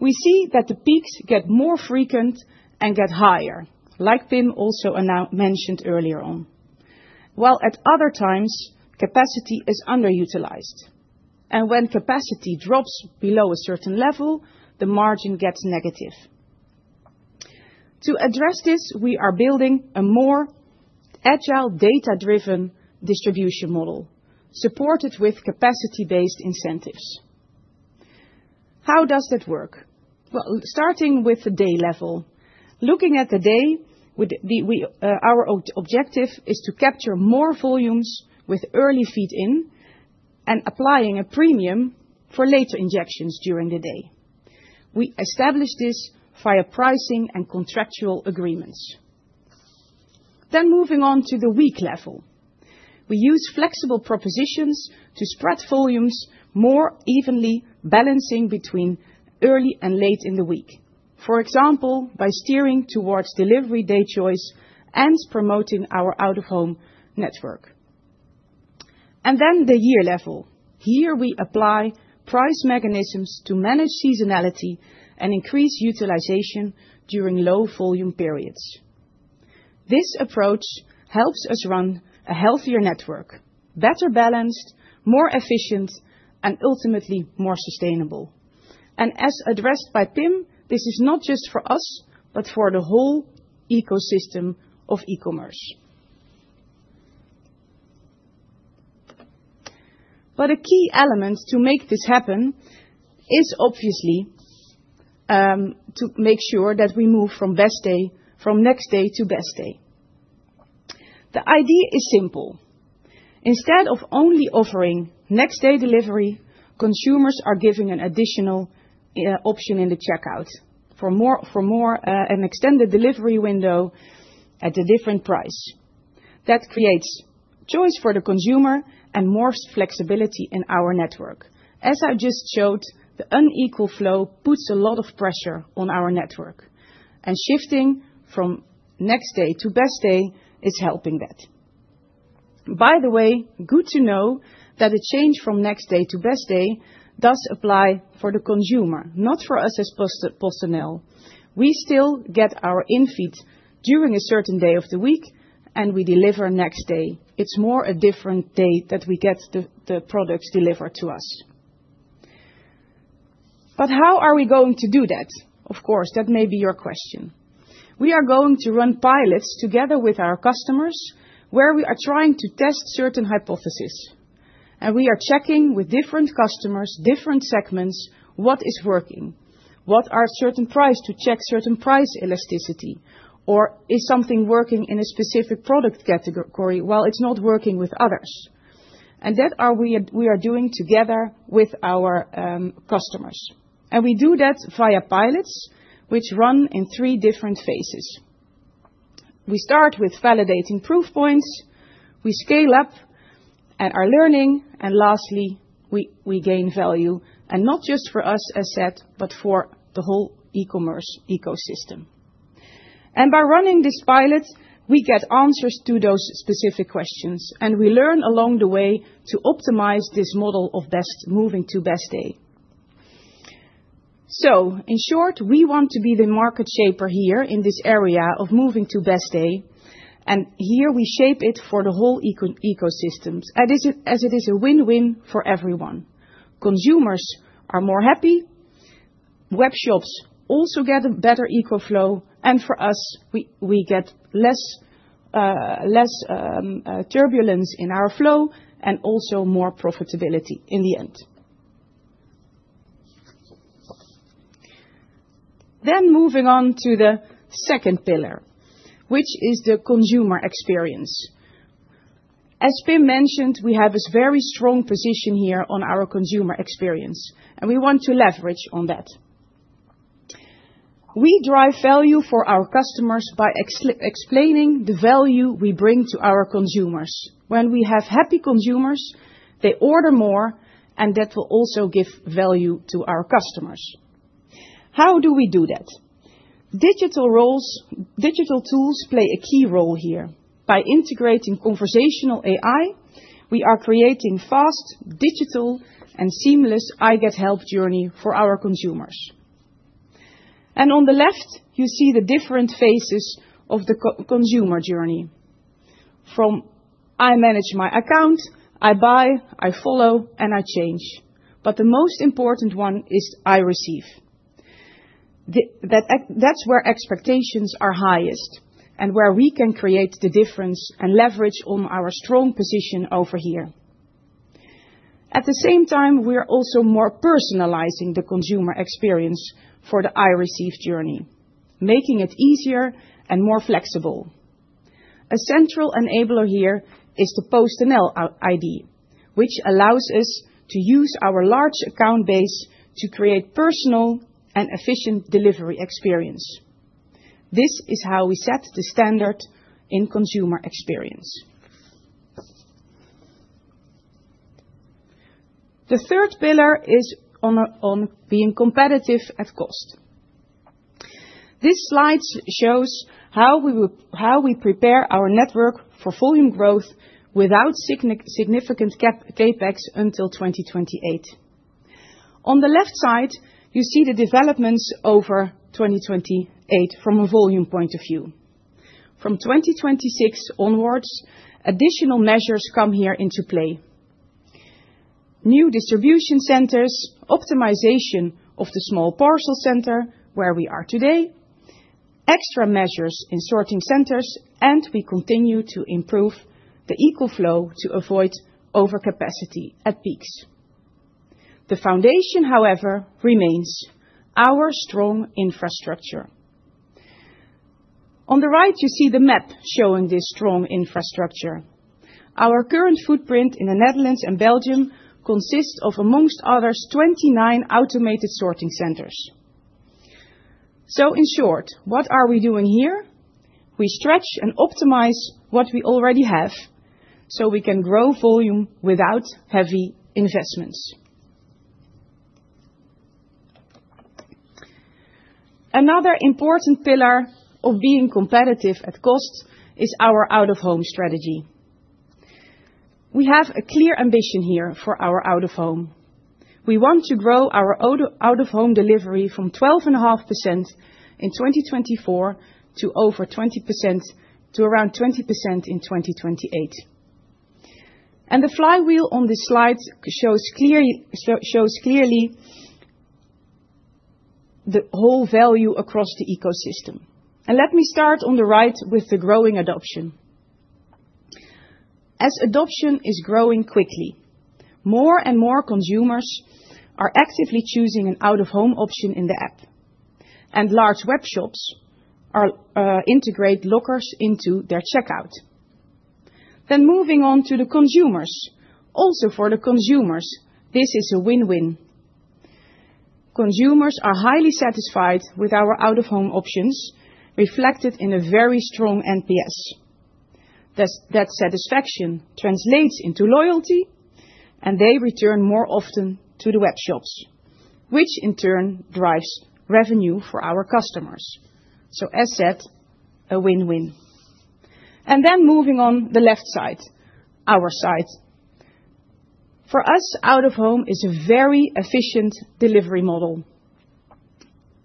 We see that the peaks get more frequent and get higher, like Pim also mentioned earlier on, while at other times, capacity is underutilized. When capacity drops below a certain level, the margin gets negative. To address this, we are building a more agile, data-driven distribution model supported with capacity-based incentives. How does that work? Well, starting with the day level, looking at the day, our objective is to capture more volumes with early feed-in and applying a premium for later injections during the day. We establish this via pricing and contractual agreements. Moving on to the week level, we use flexible propositions to spread volumes more evenly, balancing between early and late in the week, for example, by steering towards delivery day choice and promoting our out-of-home network. The year level. Here, we apply price mechanisms to manage seasonality and increase utilization during low volume periods. This approach helps us run a healthier network, better balanced, more efficient, and ultimately more sustainable. As addressed by Pim, this is not just for us, but for the whole ecosystem of e-commerce. A key element to make this happen is obviously to make sure that we move from Next Day to Best Day. The idea is simple. Instead of only offering next-day delivery, consumers are given an additional option in the checkout for an extended delivery window at a different price. That creates choice for the consumer and more flexibility in our network. As I just showed, the unequal flow puts a lot of pressure on our network, and shifting from Next Day to Best Day is helping that. By the way, good to know that the change from Next Day to Best Day does apply for the consumer, not for us as PostNL. We still get our infeed during a certain day of the week, and we deliver next day. It's more a different day that we get the products delivered to us, but how are we going to do that? Of course, that may be your question. We are going to run pilots together with our customers where we are trying to test certain hypotheses, and we are checking with different customers, different segments, what is working, what are certain prices to check certain price elasticity, or is something working in a specific product category while it's not working with others, and that we are doing together with our customers, and we do that via pilots, which run in three different phases. We start with validating proof points, we scale up and are learning, and lastly, we gain value, and not just for us, as said, but for the whole e-commerce ecosystem. By running this pilot, we get answers to those specific questions, and we learn along the way to optimize this model of moving to best day. So, in short, we want to be the market shaper here in this area of moving to best day, and here we shape it for the whole ecosystem as it is a win-win for everyone. Consumers are more happy, web shops also get a better e-com flow, and for us, we get less turbulence in our flow and also more profitability in the end. Then moving on to the second pillar, which is the consumer experience. As Pim mentioned, we have a very strong position here on our consumer experience, and we want to leverage on that. We drive value for our customers by explaining the value we bring to our consumers. When we have happy consumers, they order more, and that will also give value to our customers. How do we do that? Digital tools play a key role here. By integrating conversational AI, we are creating fast, digital, and seamless I-get-help journey for our consumers, and on the left, you see the different phases of the consumer journey. From I manage my account, I buy, I follow, and I change, but the most important one is I receive. That's where expectations are highest and where we can create the difference and leverage on our strong position over here. At the same time, we are also more personalizing the consumer experience for the I-receive journey, making it easier and more flexible. A central enabler here is the PostNL ID, which allows us to use our large account base to create personal and efficient delivery experience. This is how we set the standard in consumer experience. The third pillar is on being competitive at cost. This slide shows how we prepare our network for volume growth without significant CAPEX until 2028. On the left side, you see the developments over 2028 from a volume point of view. From 2026 onwards, additional measures come here into play: new distribution centers, optimization of the small parcel center where we are today, extra measures in sorting centers, and we continue to improve the equal flow to avoid overcapacity at peaks. The foundation, however, remains our strong infrastructure. On the right, you see the map showing this strong infrastructure. Our current footprint in the Netherlands and Belgium consists of, among others, 29 automated sorting centers. So, in short, what are we doing here? We stretch and optimize what we already have so we can grow volume without heavy investments. Another important pillar of being competitive at cost is our out-of-home strategy. We have a clear ambition here for our out-of-home. We want to grow our out-of-home delivery from 12.5% in 2024 to over 20% to around 20% in 2028. The flywheel on this slide shows clearly the whole value across the ecosystem. Let me start on the right with the growing adoption. As adoption is growing quickly, more and more consumers are actively choosing an out-of-home option in the app, and large web shops integrate lockers into their checkout. Moving on to the consumers. Also, for the consumers, this is a win-win. Consumers are highly satisfied with our out-of-home options, reflected in a very strong NPS. That satisfaction translates into loyalty, and they return more often to the web shops, which in turn drives revenue for our customers. As said, a win-win. Moving on the left side, our side. For us, out-of-home is a very efficient delivery model.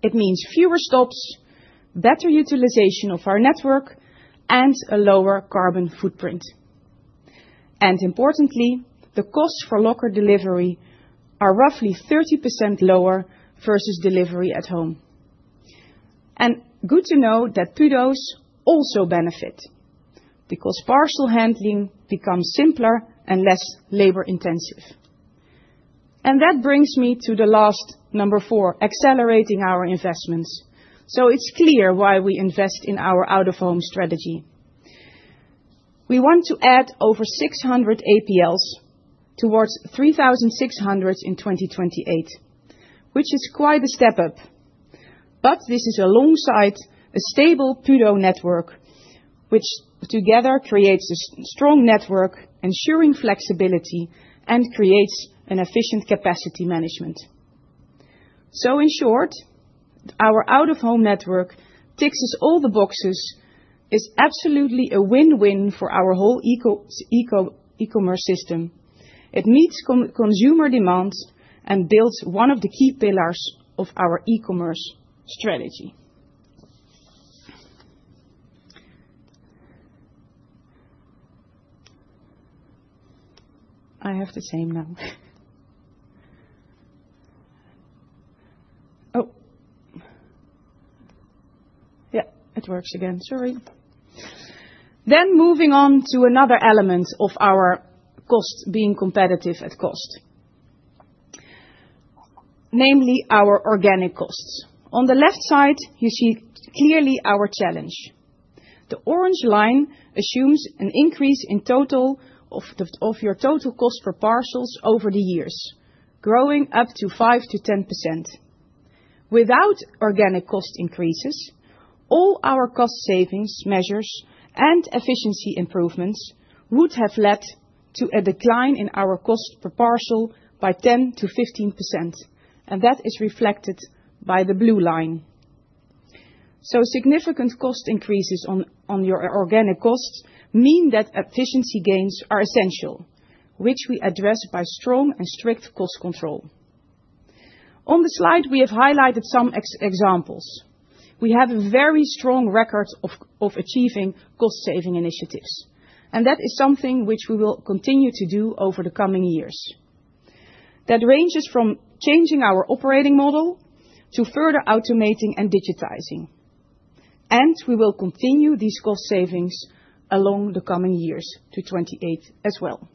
It means fewer stops, better utilization of our network, and a lower carbon footprint. Importantly, the costs for locker delivery are roughly 30% lower versus delivery at home. Good to know that PUDOs also benefit because parcel handling becomes simpler and less labor-intensive. That brings me to the last number four: accelerating our investments. It's clear why we invest in our out-of-home strategy. We want to add over 600 APLs towards 3,600 in 2028, which is quite a step up. This is alongside a stable PUDO network, which together creates a strong network, ensuring flexibility and creates an efficient capacity management. In short, our out-of-home network ticks all the boxes, is absolutely a win-win for our whole e-commerce system. It meets consumer demands and builds one of the key pillars of our e-commerce strategy. I have the same now. Oh, yeah, it works again. Sorry. Then moving on to another element of our cost being competitive at cost, namely our organic costs. On the left side, you see clearly our challenge. The orange line assumes an increase in total of your total cost per parcel over the years, growing up to 5%-10%. Without organic cost increases, all our cost savings measures and efficiency improvements would have led to a decline in our cost per parcel by 10%-15%, and that is reflected by the blue line. So, significant cost increases on your organic costs mean that efficiency gains are essential, which we address by strong and strict cost control. On the slide, we have highlighted some examples. We have a very strong record of achieving cost-saving initiatives, and that is something which we will continue to do over the coming years. That ranges from changing our operating model to further automating and digitizing. And we will continue these cost savings along the coming years to 2028 as well.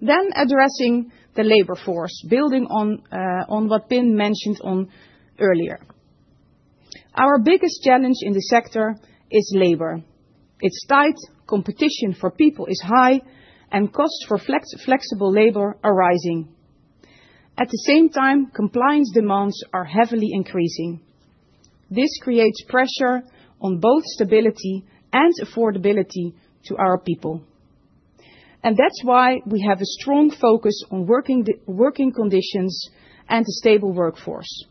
Then addressing the labor force, building on what Pim mentioned earlier. Our biggest challenge in the sector is labor. It's tight competition for people is high, and costs for flexible labor are rising. At the same time, compliance demands are heavily increasing. This creates pressure on both stability and affordability to our people. And that's why we have a strong focus on working conditions and a stable workforce.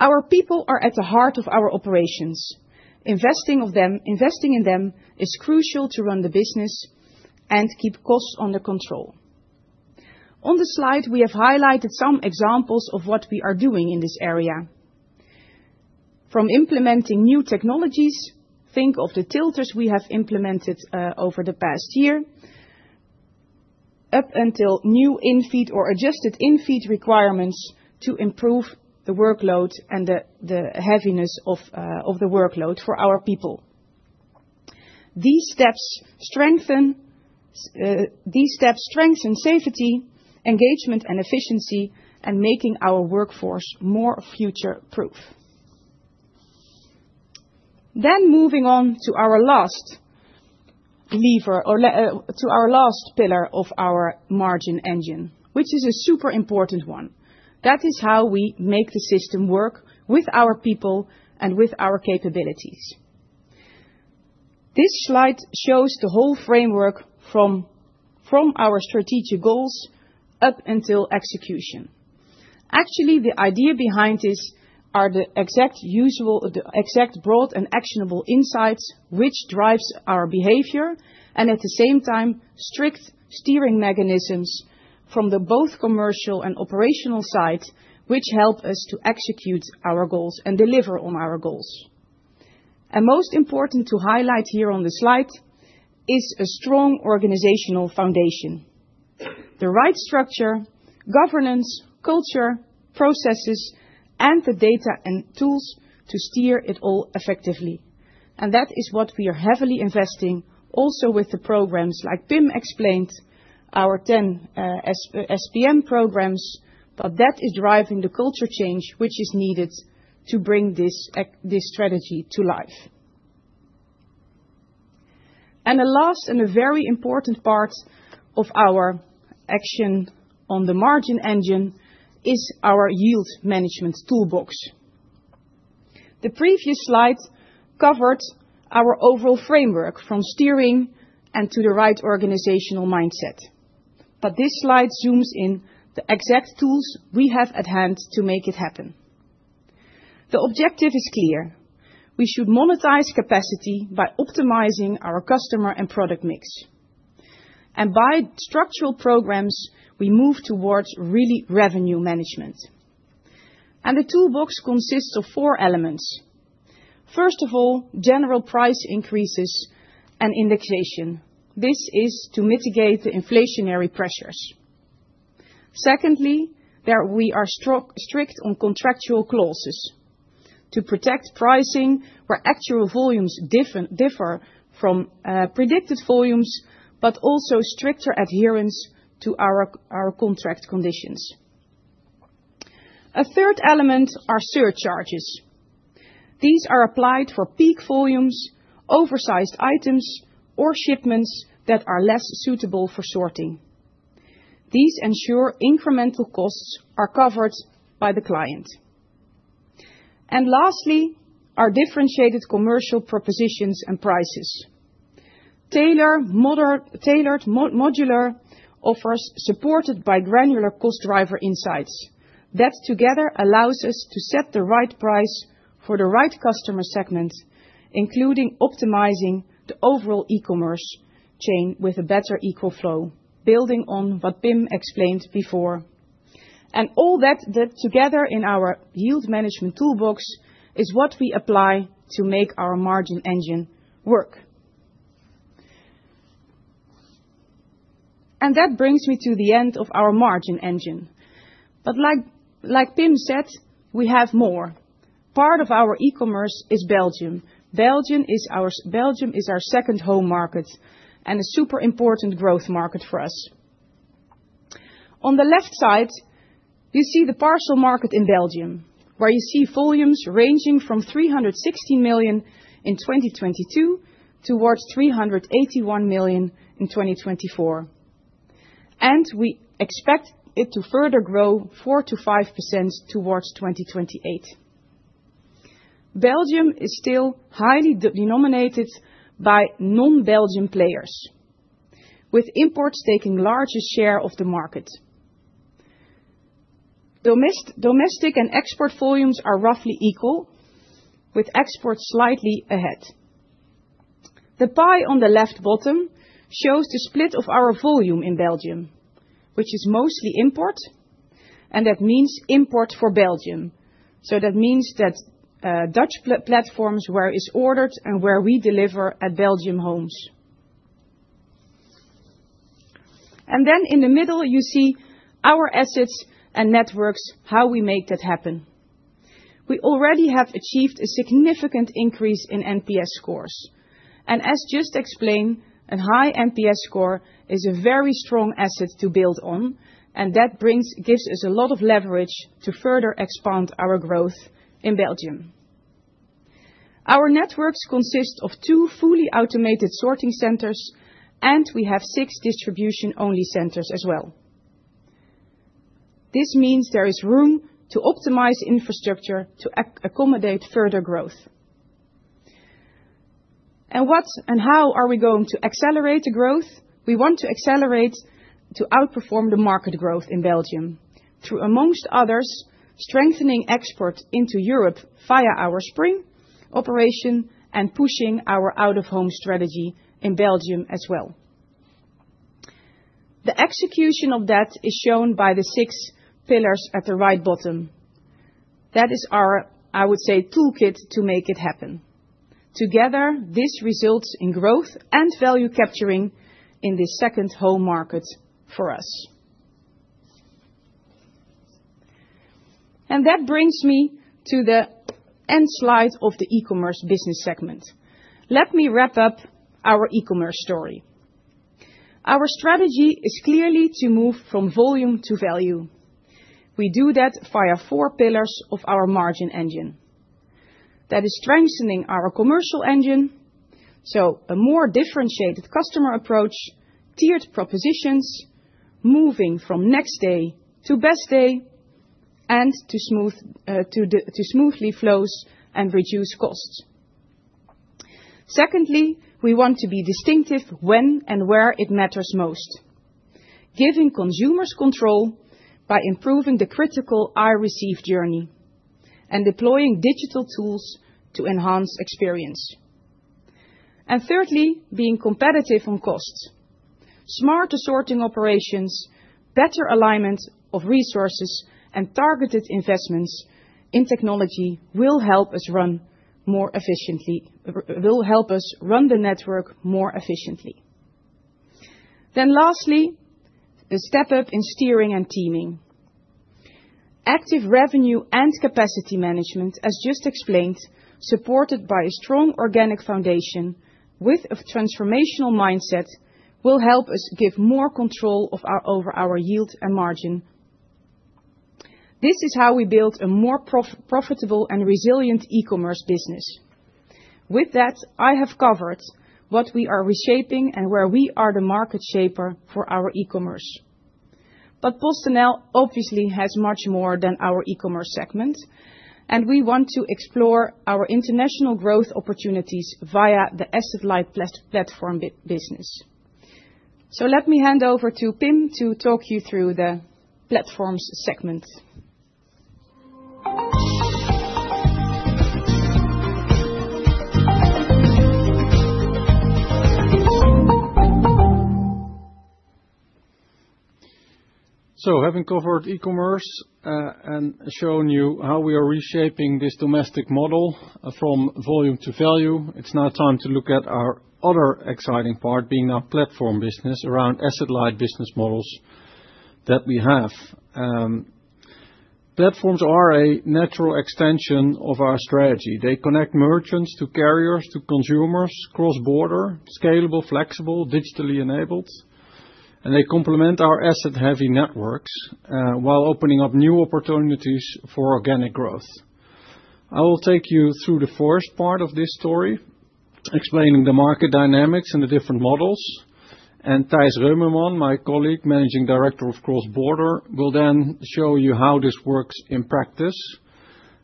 Our people are at the heart of our operations. Investing in them is crucial to run the business and keep costs under control. On the slide, we have highlighted some examples of what we are doing in this area. From implementing new technologies, think of the tilters we have implemented over the past year, up until new infeed or adjusted infeed requirements to improve the workload and the heaviness of the workload for our people. These steps strengthen safety, engagement, and efficiency, and make our workforce more future-proof. Then moving on to our last pillar of our Margin Engine, which is a super important one. That is how we make the system work with our people and with our capabilities. This slide shows the whole framework from our strategic goals up until execution. Actually, the idea behind this are the exact broad and actionable insights which drive our behavior and, at the same time, strict steering mechanisms from both the commercial and operational side, which help us to execute our goals and deliver on our goals. And most important to highlight here on the slide is a strong organizational foundation: the right structure, governance, culture, processes, and the data and tools to steer it all effectively. And that is what we are heavily investing in, also with the programs like Pim explained, our 10 strategic programs, but that is driving the culture change which is needed to bring this strategy to life. And the last and the very important part of our action on the margin engine is our yield management toolbox. The previous slide covered our overall framework from steering and to the right organizational mindset. But this slide zooms in on the exact tools we have at hand to make it happen. The objective is clear. We should monetize capacity by optimizing our customer and product mix. And by structural programs, we move towards really revenue management. And the toolbox consists of four elements. First of all, general price increases and indexation. This is to mitigate the inflationary pressures. Secondly, we are strict on contractual clauses to protect pricing where actual volumes differ from predicted volumes, but also stricter adherence to our contract conditions. A third element are surcharges. These are applied for peak volumes, oversized items, or shipments that are less suitable for sorting. These ensure incremental costs are covered by the client. And lastly, our differentiated commercial propositions and prices. Tailored modular offers supported by granular cost driver insights. That together allows us to set the right price for the right customer segment, including optimizing the overall e-commerce chain with a better equal flow, building on what Pim explained before. And all that together in our yield management toolbox is what we apply to make our margin engine work. And that brings me to the end of our margin engine. But like Pim said, we have more. Part of our e-commerce is Belgium. Belgium is our second home market and a super important growth market for us. On the left side, you see the parcel market in Belgium, where you see volumes ranging from 316 million in 2022 towards 381 million in 2024. And we expect it to further grow 4%-5% towards 2028. Belgium is still highly dominated by non-Belgian players, with imports taking the largest share of the market. Domestic and export volumes are roughly equal, with exports slightly ahead. The pie on the left bottom shows the split of our volume in Belgium, which is mostly import, and that means import for Belgium, so that means that Dutch platforms where it's ordered and where we deliver at Belgium homes, and then in the middle, you see our assets and networks, how we make that happen. We already have achieved a significant increase in NPS scores, and as just explained, a high NPS score is a very strong asset to build on, and that gives us a lot of leverage to further expand our growth in Belgium. Our networks consist of two fully automated sorting centers, and we have six distribution-only centers as well. This means there is room to optimize infrastructure to accommodate further growth, and what and how are we going to accelerate the growth? We want to accelerate to outperform the market growth in Belgium through, among others, strengthening export into Europe via our Spring operation and pushing our out-of-home strategy in Belgium as well. The execution of that is shown by the six pillars at the right bottom. That is our, I would say, toolkit to make it happen. Together, this results in growth and value capturing in this second home market for us. And that brings me to the end slide of the e-commerce business segment. Let me wrap up our e-commerce story. Our strategy is clearly to move from volume to value. We do that via four pillars of our Margin Engine. That is strengthening our commercial engine, so a more differentiated customer approach, tiered propositions, moving from Next Day to Best Day, and to smooth flows and reduce costs. Secondly, we want to be distinctive when and where it matters most, giving consumers control by improving the critical I-receive journey and deploying digital tools to enhance experience, and thirdly, being competitive on costs. Smarter sorting operations, better alignment of resources, and targeted investments in technology will help us run more efficiently, will help us run the network more efficiently, then lastly, a step up in steering and teaming. Active revenue and capacity management, as just explained, supported by a strong organic foundation with a transformational mindset, will help us give more control over our yield and margin. This is how we build a more profitable and resilient e-commerce business. With that, I have covered what we are reshaping and where we are the market shaper for our e-commerce. PostNL obviously has much more than our e-commerce segment, and we want to explore our international growth opportunities via the asset-like platform business. So let me hand over to Pim to talk you through the platforms segment. So having covered e-commerce and shown you how we are reshaping this domestic model from volume to value, it is now time to look at our other exciting part being our platform business around asset-like business models that we have. Platforms are a natural extension of our strategy. They connect merchants to carriers, to consumers, cross-border, scalable, flexible, digitally enabled, and they complement our asset-heavy networks while opening up new opportunities for organic growth. I will take you through the first part of this story, explaining the market dynamics and the different models. Tijs Reumerman, my colleague, managing director of Cross Border, will then show you how this works in practice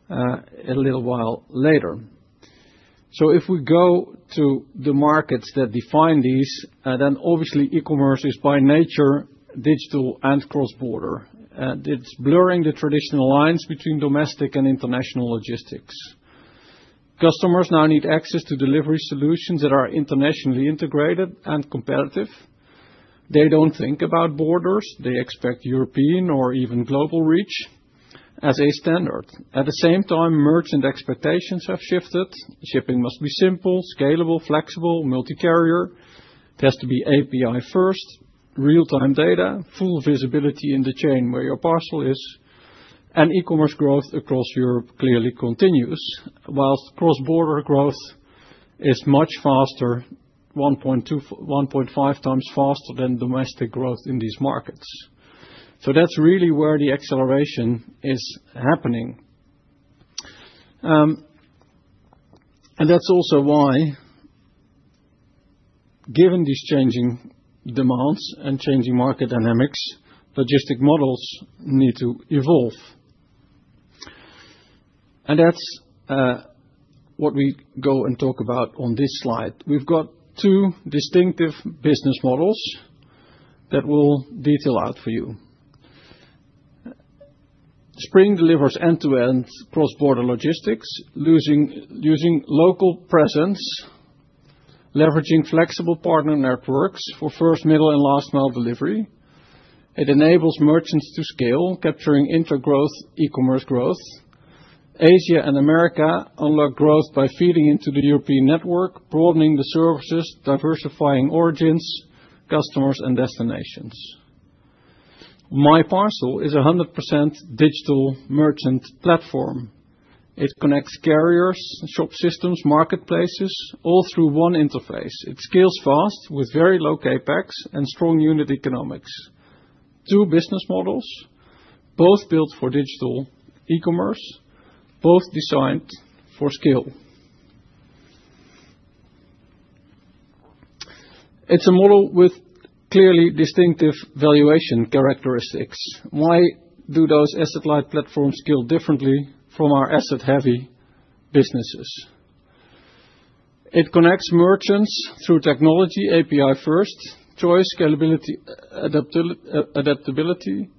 a little while later. If we go to the markets that define these, then obviously e-commerce is by nature digital and cross-border. It's blurring the traditional lines between domestic and international logistics. Customers now need access to delivery solutions that are internationally integrated and competitive. They don't think about borders. They expect European or even global reach as a standard. At the same time, merchant expectations have shifted. Shipping must be simple, scalable, flexible, multi-carrier. It has to be API-first, real-time data, full visibility in the chain where your parcel is. E-commerce growth across Europe clearly continues, while cross-border growth is much faster, 1.5x faster than domestic growth in these markets. That's really where the acceleration is happening. That's also why, given these changing demands and changing market dynamics, logistic models need to evolve. That's what we go and talk about on this slide. We've got two distinctive business models that we'll detail out for you. Spring delivers end-to-end cross-border logistics, using local presence, leveraging flexible partner networks for first, middle, and last-mile delivery. It enables merchants to scale, capturing inter-growth e-commerce growth. Asia and Americas unlock growth by feeding into the European network, broadening the services, diversifying origins, customers, and destinations. MyParcel is a 100% digital merchant platform. It connects carriers, shop systems, marketplaces, all through one interface. It scales fast with very low CAPEX and strong unit economics. Two business models, both built for digital e-commerce, both designed for scale. It's a model with clearly distinctive valuation characteristics. Why do those asset-like platforms scale differently from our asset-heavy businesses? It connects merchants through technology, API-first, choice, scalability, adaptability.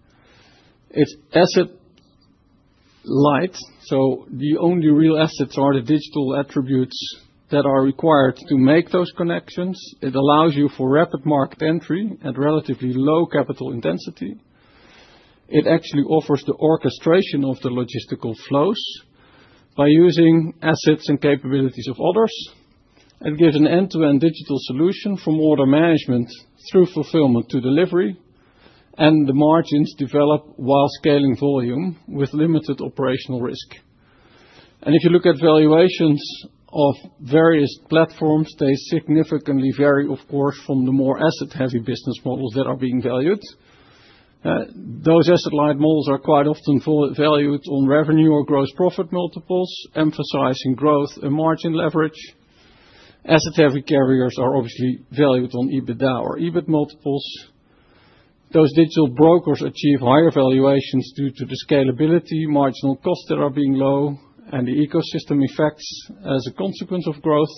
It's asset-light, so the only real assets are the digital attributes that are required to make those connections. It allows you for rapid market entry at relatively low capital intensity. It actually offers the orchestration of the logistical flows by using assets and capabilities of others. It gives an end-to-end digital solution from order management through fulfillment to delivery, and the margins develop while scaling volume with limited operational risk. And if you look at valuations of various platforms, they significantly vary, of course, from the more asset-heavy business models that are being valued. Those asset-light models are quite often valued on revenue or gross profit multiples, emphasizing growth and margin leverage. Asset-heavy carriers are obviously valued on EBITDA or EBIT multiples. Those digital brokers achieve higher valuations due to the scalability, marginal costs that are being low, and the ecosystem effects as a consequence of growth,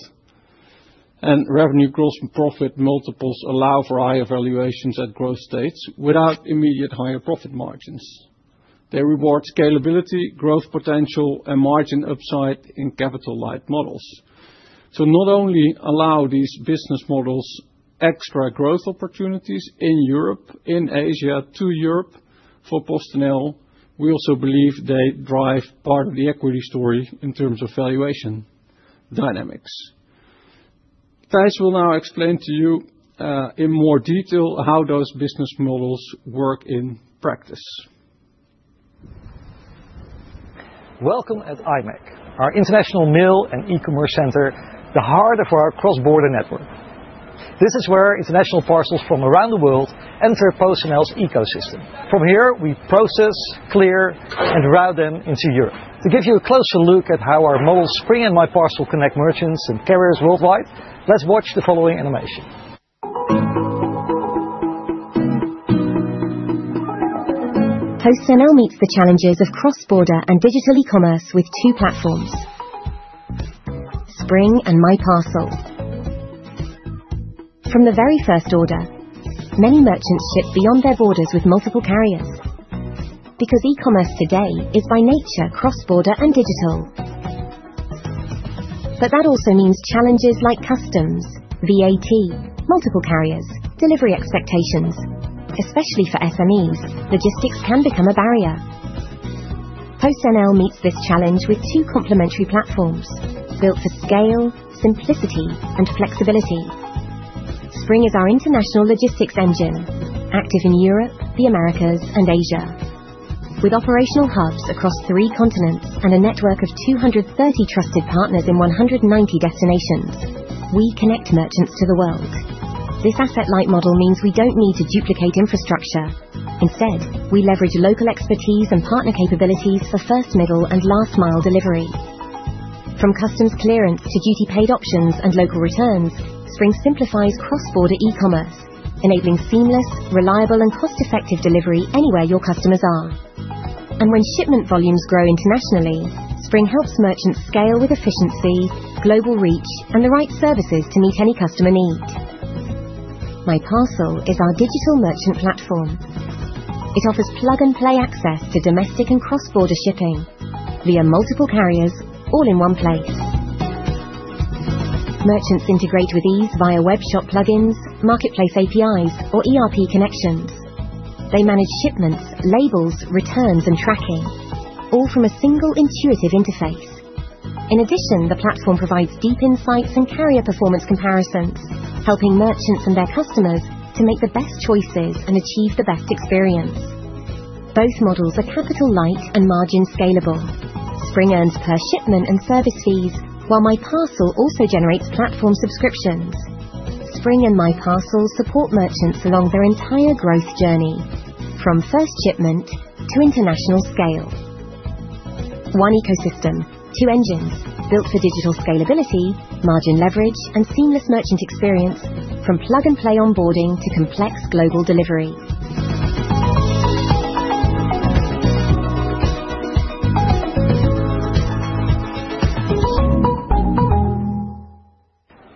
and revenue growth and profit multiples allow for higher valuations at growth states without immediate higher profit margins. They reward scalability, growth potential, and margin upside in capital-light models, so not only allow these business models extra growth opportunities in Europe, in Asia, to Europe for PostNL, we also believe they drive part of the equity story in terms of valuation dynamics. Tijs will now explain to you in more detail how those business models work in practice. Welcome at IMEC, our international mail and e-commerce center, the heart of our cross-border network. This is where international parcels from around the world enter PostNL's ecosystem. From here, we process, clear, and route them into Europe.To give you a closer look at how our model Spring and MyParcel connect merchants and carriers worldwide, let's watch the following animation. PostNL meets the challenges of cross-border and digital e-commerce with two platforms: Spring and MyParcel. From the very first order, many merchants ship beyond their borders with multiple carriers because e-commerce today is by nature cross-border and digital. But that also means challenges like customs, VAT, multiple carriers, delivery expectations. Especially for SMEs, logistics can become a barrier. PostNL meets this challenge with two complementary platforms built for scale, simplicity, and flexibility. Spring is our international logistics engine, active in Europe, the Americas, and Asia. With operational hubs across three continents and a network of 230 trusted partners in 190 destinations, we connect merchants to the world. This asset-light model means we don't need to duplicate infrastructure. Instead, we leverage local expertise and partner capabilities for first, middle, and last-mile delivery. From customs clearance to duty-paid options and local returns, Spring simplifies cross-border e-commerce, enabling seamless, reliable, and cost-effective delivery anywhere your customers are, and when shipment volumes grow internationally, Spring helps merchants scale with efficiency, global reach, and the right services to meet any customer need. MyParcel is our digital merchant platform. It offers plug-and-play access to domestic and cross-border shipping via multiple carriers, all in one place. Merchants integrate with ease via web shop plugins, marketplace APIs, or ERP connections. They manage shipments, labels, returns, and tracking, all from a single, intuitive interface. In addition, the platform provides deep insights and carrier performance comparisons, helping merchants and their customers to make the best choices and achieve the best experience. Both models are capital-light and margin-scalable. Spring earns per shipment and service fees, while MyParcel also generates platform subscriptions. Spring and MyParcel support merchants along their entire growth journey, from first shipment to international scale. One ecosystem, two engines built for digital scalability, margin leverage, and seamless merchant experience, from plug-and-play onboarding to complex global delivery.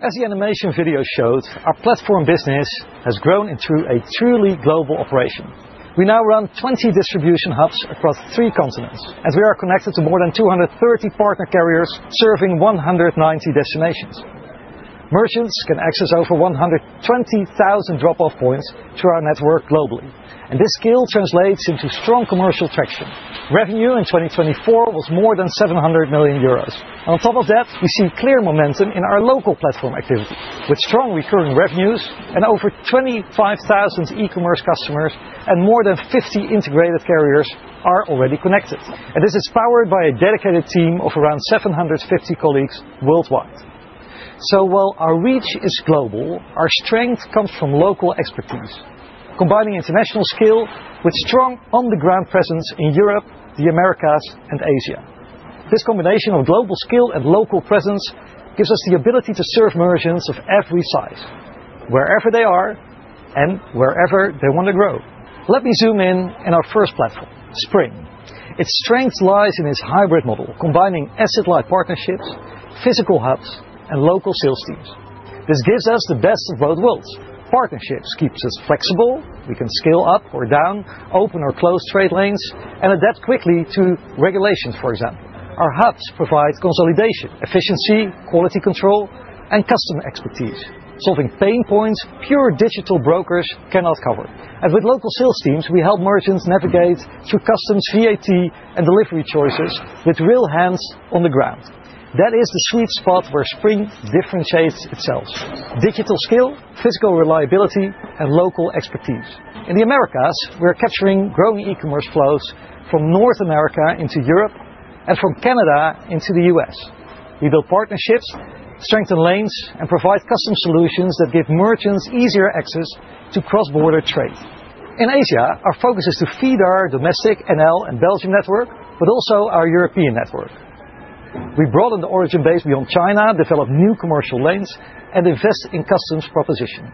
As the animation video showed, our platform business has grown into a truly global operation. We now run 20 distribution hubs across three continents, and we are connected to more than 230 partner carriers serving 190 destinations. Merchants can access over 120,000 drop-off points through our network globally, and this skill translates into strong commercial traction. Revenue in 2024 was more than 700 million euros. On top of that, we see clear momentum in our local platform activity, with strong recurring revenues and over 25,000 e-commerce customers and more than 50 integrated carriers already connected. This is powered by a dedicated team of around 750 colleagues worldwide. While our reach is global, our strength comes from local expertise, combining international skill with strong on-the-ground presence in Europe, the Americas, and Asia. This combination of global skill and local presence gives us the ability to serve merchants of every size, wherever they are and wherever they want to grow. Let me zoom in on our first platform, Spring. Its strength lies in its hybrid model, combining asset-light partnerships, physical hubs, and local sales teams. This gives us the best of both worlds. Partnerships keep us flexible. We can scale up or down, open or close trade lanes, and adapt quickly to regulations, for example. Our hubs provide consolidation, efficiency, quality control, and customer expertise, solving pain points pure digital brokers cannot cover. With local sales teams, we help merchants navigate through customs, VAT, and delivery choices with real hands on the ground. That is the sweet spot where Spring differentiates itself: digital skill, physical reliability, and local expertise. In the Americas, we're capturing growing e-commerce flows from North America into Europe and from Canada into the U.S. We build partnerships, strengthen lanes, and provide custom solutions that give merchants easier access to cross-border trade. In Asia, our focus is to feed our domestic NL and Belgium network, but also our European network. We broaden the origin base beyond China, develop new commercial lanes, and invest in customs proposition.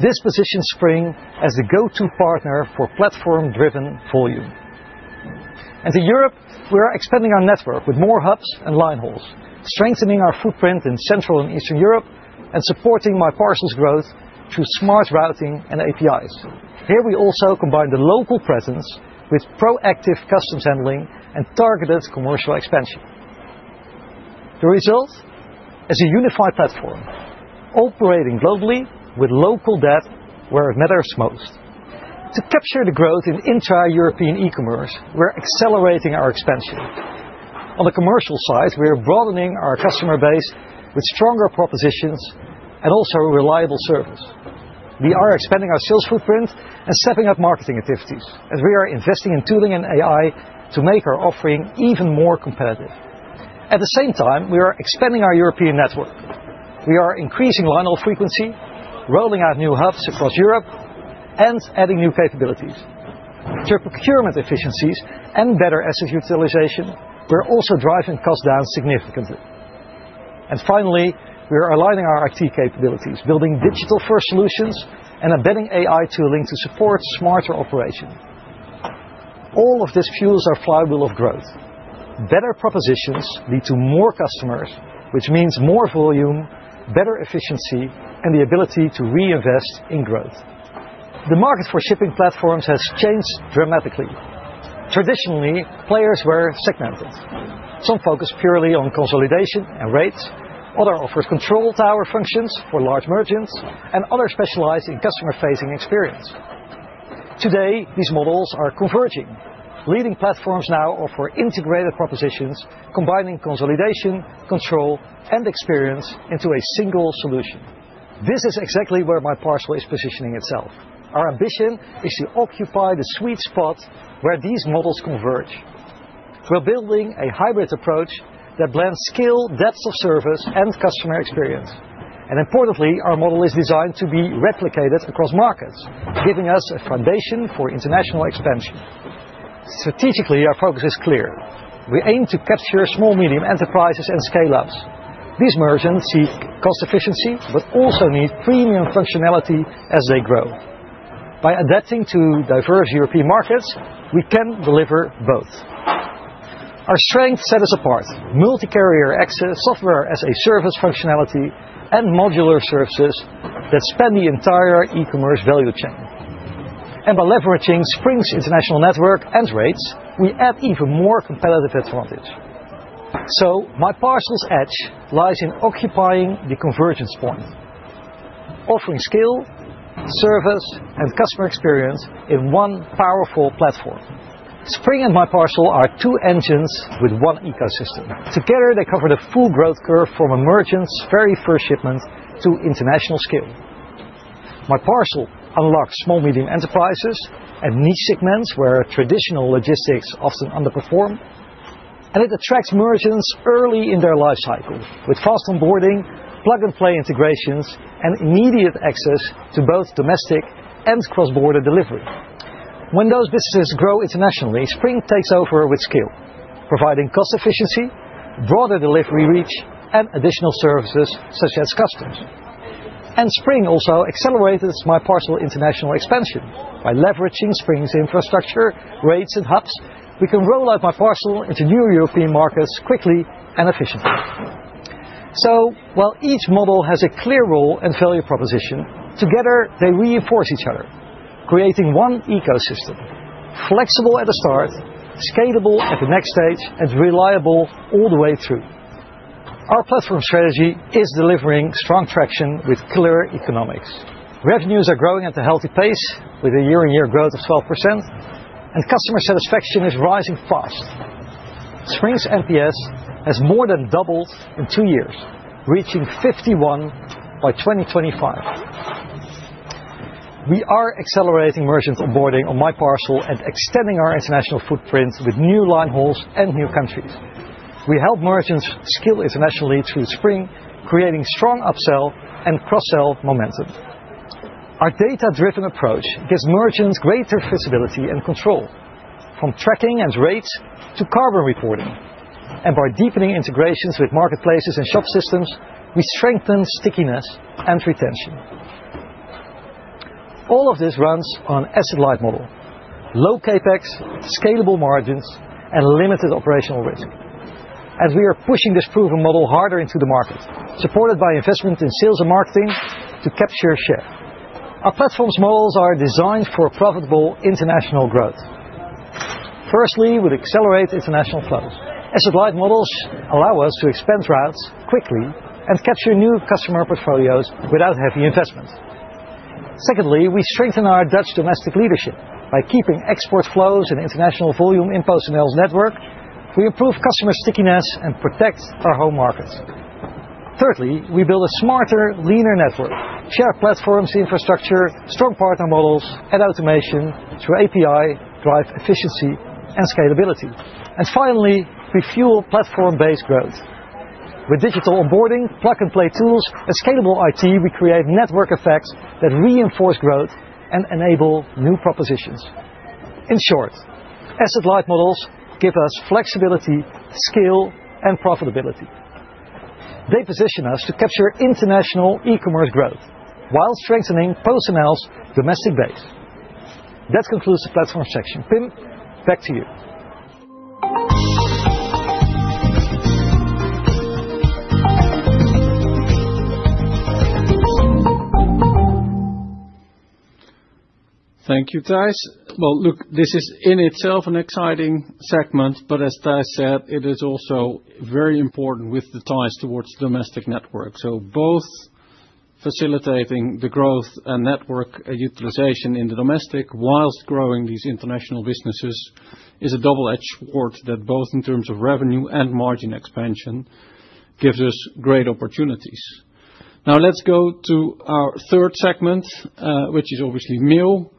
This positions Spring as the go-to partner for platform-driven volume. In Europe, we're expanding our network with more hubs and linehauls, strengthening our footprint in Central and Eastern Europe, and supporting MyParcel's growth through smart routing and APIs. Here, we also combine the local presence with proactive customs handling and targeted commercial expansion. The result: As a unified platform operating globally with local debt where it matters most. To capture the growth in the entire European e-commerce, we're accelerating our expansion. On the commercial side, we're broadening our customer base with stronger propositions and also reliable service. We are expanding our sales footprint and stepping up marketing activities, as we are investing in tooling and AI to make our offering even more competitive. At the same time, we are expanding our European network. We are increasing linehaul frequency, rolling out new hubs across Europe, and adding new capabilities. Through procurement efficiencies and better asset utilization, we're also driving costs down significantly. And finally, we're aligning our IT capabilities, building digital-first solutions and embedding AI tooling to support smarter operation. All of this fuels our flywheel of growth. Better propositions lead to more customers, which means more volume, better efficiency, and the ability to reinvest in growth. The market for shipping platforms has changed dramatically. Traditionally, players were segmented. Some focus purely on consolidation and rates. Others offer control tower functions for large merchants, and others specialize in customer-facing experience. Today, these models are converging. Leading platforms now offer integrated propositions, combining consolidation, control, and experience into a single solution. This is exactly where MyParcel is positioning itself. Our ambition is to occupy the sweet spot where these models converge. We're building a hybrid approach that blends skill, depth of service, and customer experience, and importantly, our model is designed to be replicated across markets, giving us a foundation for international expansion. Strategically, our focus is clear. We aim to capture small, medium enterprises and scale-ups. These merchants seek cost efficiency but also need premium functionality as they grow. By adapting to diverse European markets, we can deliver both. Our strengths set us apart: multi-carrier access, software-as-a-service functionality, and modular services that span the entire e-commerce value chain. And by leveraging Spring's international network and rates, we add even more competitive advantage. So MyParcel's edge lies in occupying the convergence point, offering skill, service, and customer experience in one powerful platform. Spring and MyParcel are two engines with one ecosystem. Together, they cover the full growth curve from a merchant's very first shipment to international scale. MyParcel unlocks small, medium enterprises and niche segments where traditional logistics often underperform, and it attracts merchants early in their life cycle with fast onboarding, plug-and-play integrations, and immediate access to both domestic and cross-border delivery. When those businesses grow internationally, Spring takes over with skill, providing cost efficiency, broader delivery reach, and additional services such as customs. And Spring also accelerates MyParcel international expansion. By leveraging Spring's infrastructure, rates, and hubs, we can roll out MyParcel into new European markets quickly and efficiently. So while each model has a clear role and value proposition, together, they reinforce each other, creating one ecosystem: flexible at the start, scalable at the next stage, and reliable all the way through. Our platform strategy is delivering strong traction with clear economics. Revenues are growing at a healthy pace, with a year-on-year growth of 12%, and customer satisfaction is rising fast. Spring's NPS has more than doubled in two years, reaching 51 by 2025. We are accelerating merchant onboarding on MyParcel and extending our international footprint with new linehauls and new countries. We help merchants scale internationally through Spring, creating strong upsell and cross-sell momentum. Our data-driven approach gives merchants greater visibility and control, from tracking and rates to carbon reporting, and by deepening integrations with marketplaces and shop systems, we strengthen stickiness and retention. All of this runs on an asset-light model: low CAPEX, scalable margins, and limited operational risk, and we are pushing this proven model harder into the market, supported by investment in sales and marketing to capture share. Our platform's models are designed for profitable international growth, firstly with accelerated international flows. Asset-light models allow us to expand routes quickly and capture new customer portfolios without heavy investment. Secondly, we strengthen our Dutch domestic leadership by keeping export flows and international volume in PostNL's network. We improve customer stickiness and protect our home markets. Thirdly, we build a smarter, leaner network. Shared platforms, infrastructure, strong partner models, and automation through API drive efficiency and scalability. And finally, we fuel platform-based growth. With digital onboarding, plug-and-play tools, and scalable IT, we create network effects that reinforce growth and enable new propositions. In short, asset-light models give us flexibility, skill, and profitability. They position us to capture international e-commerce growth while strengthening PostNL's domestic base. That concludes the platform section. Pim, back to you. Thank you, Tijs. Well, look, this is in itself an exciting segment, but as Tijs said, it is also very important with the ties towards the domestic network. So both facilitating the growth and network utilization in the domestic whilst growing these international businesses is a double-edged sword that both in terms of revenue and margin expansion gives us great opportunities. Now let's go to our third segment, which is obviously Mail.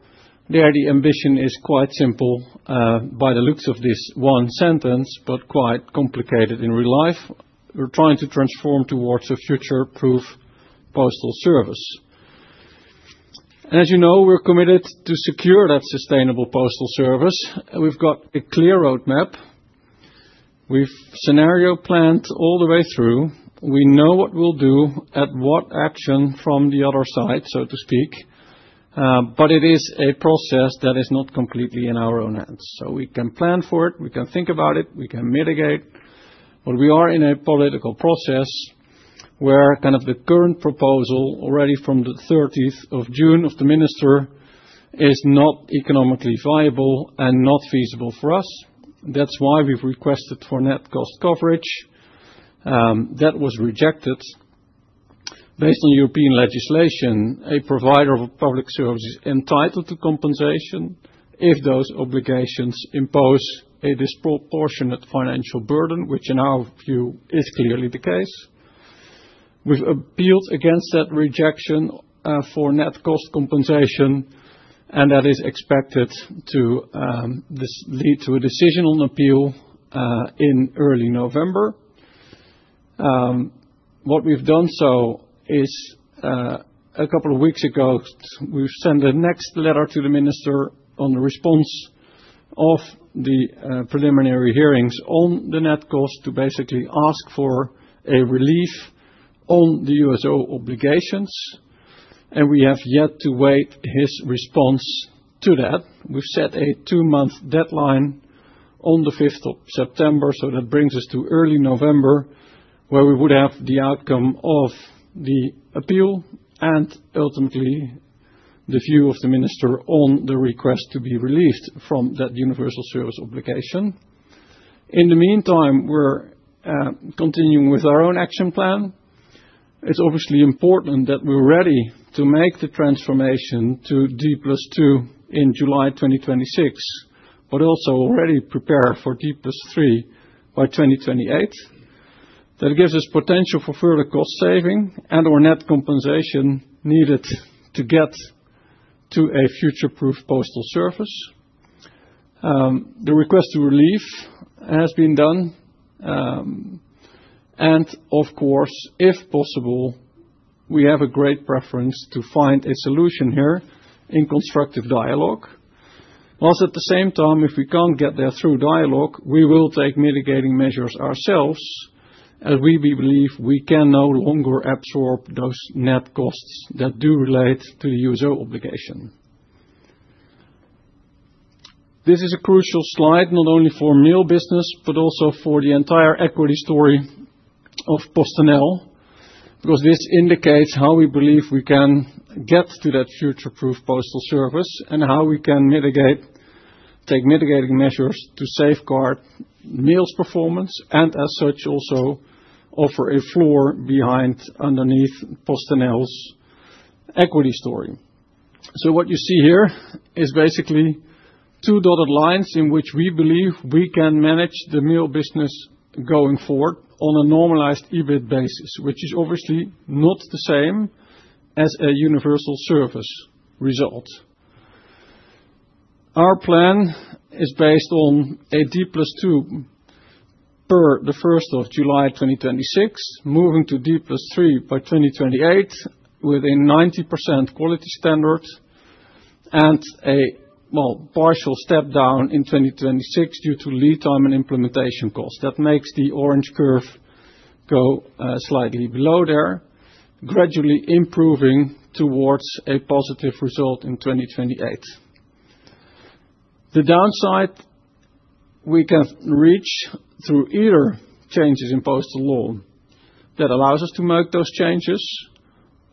There, the ambition is quite simple by the looks of this one sentence, but quite complicated in real life. We're trying to transform towards a future-proof postal service, and as you know, we're committed to secure that sustainable postal service. We've got a clear roadmap. We've scenario-planned all the way through. We know what we'll do and what action from the other side, so to speak, but it is a process that is not completely in our own hands, so we can plan for it. We can think about it. We can mitigate, but we are in a political process where kind of the current proposal already from the 30th of June of the minister is not economically viable and not feasible for us. That's why we've requested for net cost coverage. That was rejected. Based on European legislation, a provider of public service is entitled to compensation if those obligations impose a disproportionate financial burden, which in our view is clearly the case. We've appealed against that rejection for net cost compensation, and that is expected to lead to a decision on appeal in early November. What we've done so is, a couple of weeks ago, we've sent a next letter to the minister on the response of the preliminary hearings on the net cost to basically ask for a relief on the USO obligations, and we have yet to wait his response to that. We've set a two-month deadline on the 5th of September, so that brings us to early November, where we would have the outcome of the appeal and ultimately the view of the minister on the request to be released from that universal service obligation. In the meantime, we're continuing with our own action plan. It's obviously important that we're ready to make the transformation to D+2 in July 2026, but also already prepare for D+3 by 2028. That gives us potential for further cost saving and/or net compensation needed to get to a future-proof postal service. The request for relief has been done. And of course, if possible, we have a great preference to find a solution here in constructive dialogue. While at the same time, if we can't get there through dialogue, we will take mitigating measures ourselves, as we believe we can no longer absorb those net costs that do relate to the USO obligation. This is a crucial slide not only for Mail business, but also for the entire equity story of PostNL, because this indicates how we believe we can get to that future-proof postal service and how we can take mitigating measures to safeguard Mail's performance and, as such, also offer a floor behind, underneath PostNL's equity story. So what you see here is basically two dotted lines in which we believe we can manage the Mail business going forward on a normalized EBIT basis, which is obviously not the same as a universal service result. Our plan is based on a D+2 per the 1st of July 2026, moving to D+3 by 2028 with a 90% quality standard and a partial step down in 2026 due to lead time and implementation costs. That makes the orange curve go slightly below there, gradually improving towards a positive result in 2028. The downside we can reach through either changes in postal law that allows us to make those changes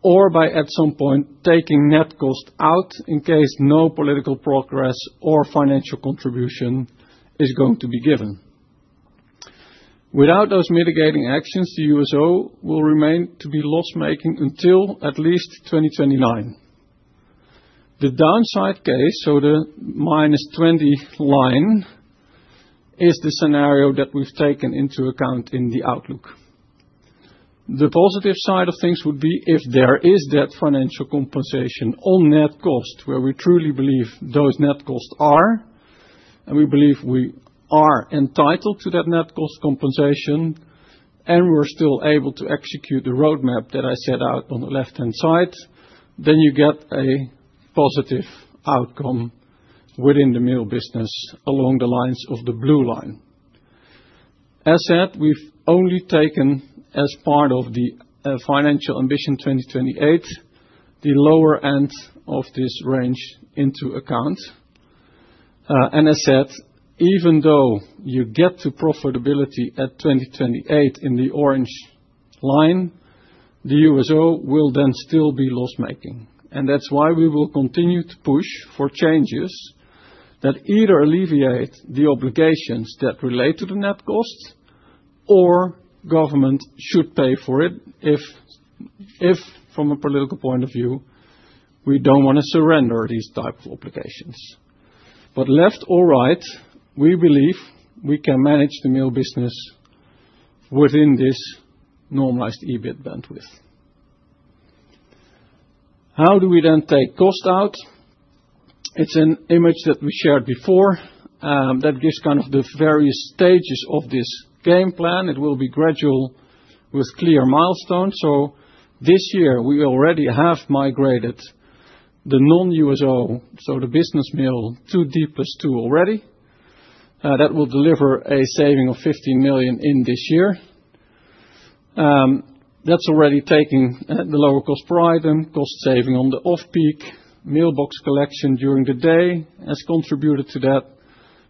or by at some point taking net cost out in case no political progress or financial contribution is going to be given. Without those mitigating actions, the USO will remain to be loss-making until at least 2029. The downside case, so the -20 line, is the scenario that we've taken into account in the outlook. The positive side of things would be if there is that financial compensation on net cost, where we truly believe those net costs are, and we believe we are entitled to that net cost compensation, and we're still able to execute the roadmap that I set out on the left-hand side, then you get a positive outcome within the mail business along the lines of the blue line. As said, we've only taken, as part of the financial ambition 2028, the lower end of this range into account. And as said, even though you get to profitability at 2028 in the orange line, the USO will then still be loss-making. And that's why we will continue to push for changes that either alleviate the obligations that relate to the net cost or government should pay for it if, from a political point of view, we don't want to surrender these types of obligations. But left or right, we believe we can manage the Business Mail within this normalized EBIT bandwidth. How do we then take cost out? It's an image that we shared before that gives kind of the various stages of this game plan. It will be gradual with clear milestones. So this year, we already have migrated the non-USO, so the Business Mail to D+2 already. That will deliver a saving of 15 million in this year. That's already taking the lower cost per item. Cost saving on the off-peak mailbox collection during the day has contributed to that.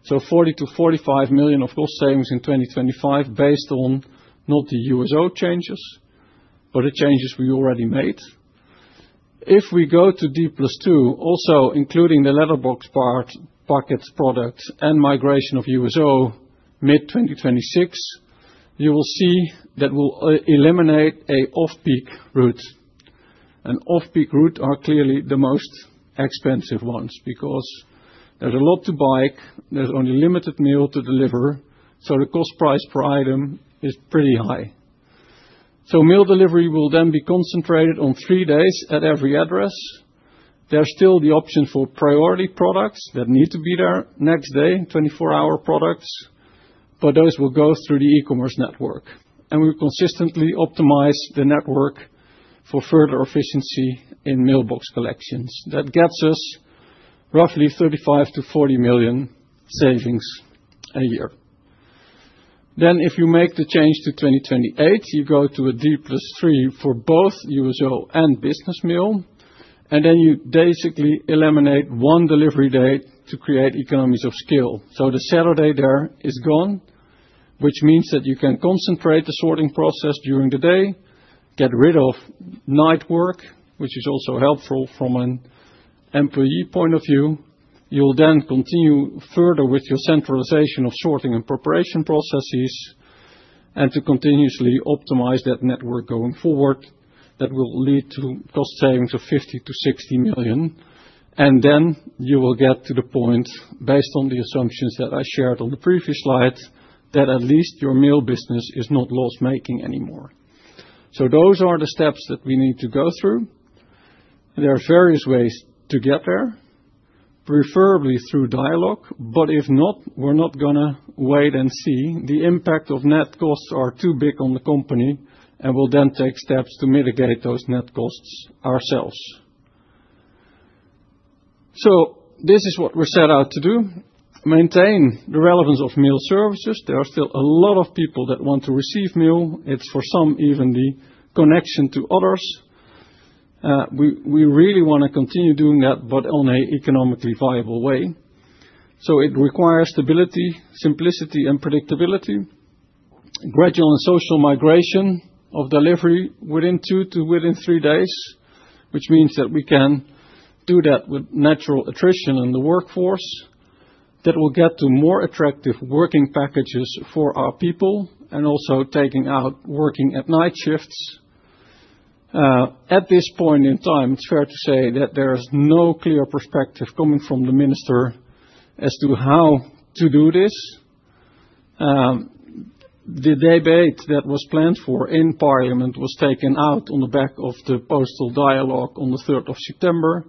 So 40 million-45 million of cost savings in 2025 based on not the USO changes, but the changes we already made. If we go to D+2, also including the letterbox packets product and migration of USO mid-2026, you will see that we'll eliminate an off-peak route. Off-peak routes are clearly the most expensive ones because there's a lot to bike. There's only limited mail to deliver. So the cost price per item is pretty high. So mail delivery will then be concentrated on three days at every address. There's still the option for priority products that need to be there next day, 24-hour products, but those will go through the e-commerce network. We consistently optimize the network for further efficiency in mailbox collections. That gets us roughly 35 million-40 million in savings a year. Then if you make the change to 2028, you go to a D+3 for both USO and business MIL. And then you basically eliminate one delivery day to create economies of scale. So the Saturday there is gone, which means that you can concentrate the sorting process during the day, get rid of night work, which is also helpful from an employee point of view. You'll then continue further with your centralization of sorting and preparation processes and to continuously optimize that network going forward. That will lead to cost savings of 50 million-60 million. And then you will get to the point, based on the assumptions that I shared on the previous slide, that at least your Business Mail is not loss-making anymore. So those are the steps that we need to go through. There are various ways to get there, preferably through dialogue. But if not, we're not going to wait and see. The impact of net costs is too big on the company, and we'll then take steps to mitigate those net costs ourselves. So this is what we're set out to do: maintain the relevance of mail services. There are still a lot of people that want to receive mail. It's for some even the connection to others. We really want to continue doing that, but in an economically viable way. So it requires stability, simplicity, and predictability, gradual and social migration of delivery within two to three days, which means that we can do that with natural attrition in the workforce. That will get to more attractive working packages for our people and also taking out working at night shifts. At this point in time, it's fair to say that there is no clear perspective coming from the minister as to how to do this. The debate that was planned for in Parliament was taken out on the back of the postal dialogue on the 3rd of September.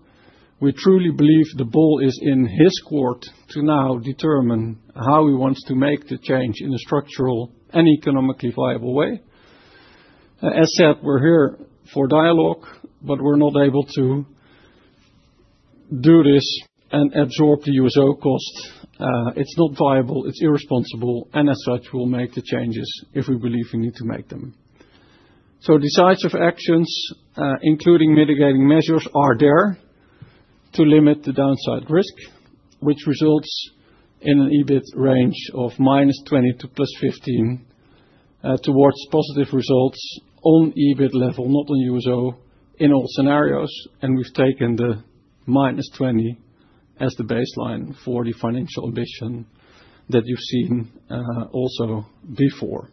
We truly believe the ball is in his court to now determine how he wants to make the change in a structural and economically viable way. As said, we're here for dialogue, but we're not able to do this and absorb the USO cost. It's not viable. It's irresponsible. And as such, we'll make the changes if we believe we need to make them. The scenarios, including mitigating measures, are there to limit the downside risk, which results in an EBIT range of -20 million to +15 million towards positive results on EBIT level, not on USO in all scenarios. And we've taken the -20 million as the baseline for the financial ambition that you've seen also before.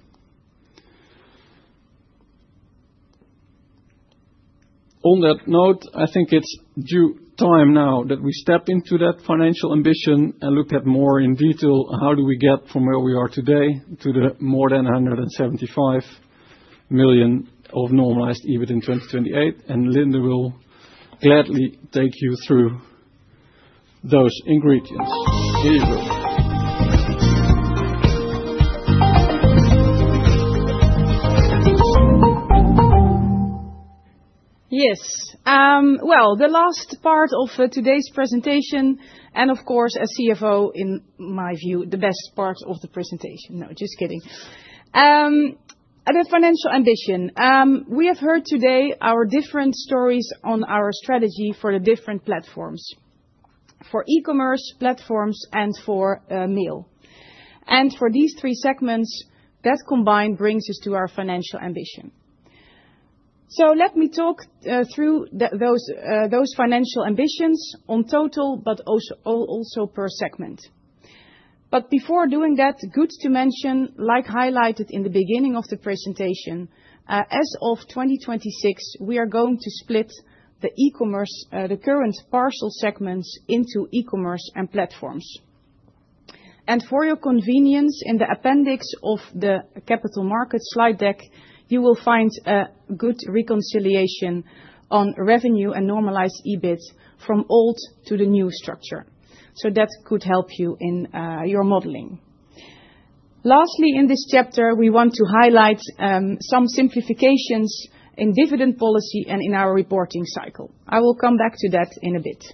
On that note, I think it's due time now that we step into that financial ambition and look at more in detail how do we get from where we are today to the more than 175 million of normalized EBIT in 2028. And Linde will gladly take you through those ingredients. Please welcome. Yes. Well, the last part of today's presentation, and of course, as CFO, in my view, the best part of the presentation. No, just kidding. The financial ambition. We have heard today our different stories on our strategy for the different platforms, for e-commerce platforms and for mail. For these three segments, that combined brings us to our financial ambition. Let me talk through those financial ambitions on total, but also per segment. Before doing that, good to mention, like highlighted in the beginning of the presentation, as of 2026, we are going to split the e-commerce, the current parcel segments into e-commerce and platforms. For your convenience, in the appendix of the capital markets slide deck, you will find a good reconciliation on revenue and normalized EBIT from old to the new structure. That could help you in your modeling. Lastly, in this chapter, we want to highlight some simplifications in dividend policy and in our reporting cycle. I will come back to that in a bit.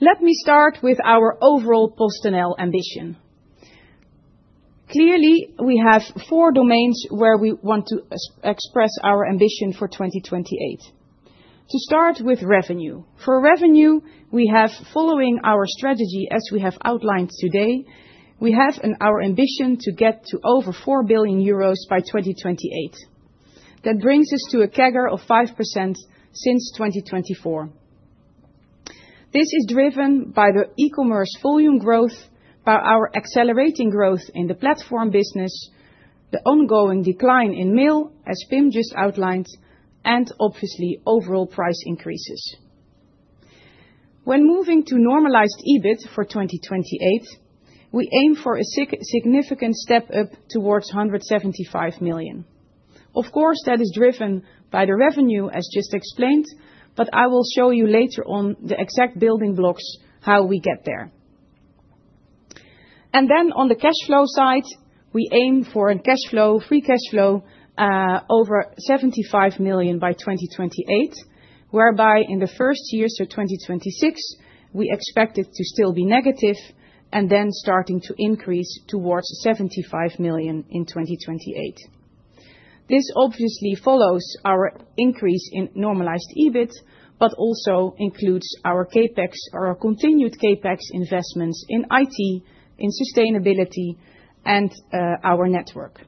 Let me start with our overall PostNL ambition. Clearly, we have four domains where we want to express our ambition for 2028. To start with revenue. For revenue, we have, following our strategy as we have outlined today, we have our ambition to get to over 4 billion euros by 2028. That brings us to a CAGR of 5% since 2024. This is driven by the e-commerce volume growth, by our accelerating growth in the platform business, the ongoing decline in mail, as Pim just outlined, and obviously overall price increases. When moving to normalized EBIT for 2028, we aim for a significant step up towards 175 million. Of course, that is driven by the revenue, as just explained, but I will show you later on the exact building blocks how we get there. And then on the cash flow side, we aim for a free cash flow over 75 million by 2028, whereby in the first year, so 2026, we expect it to still be negative and then starting to increase towards 75 million in 2028. This obviously follows our increase in normalized EBIT, but also includes our continued CAPEX investments in IT, in sustainability, and our network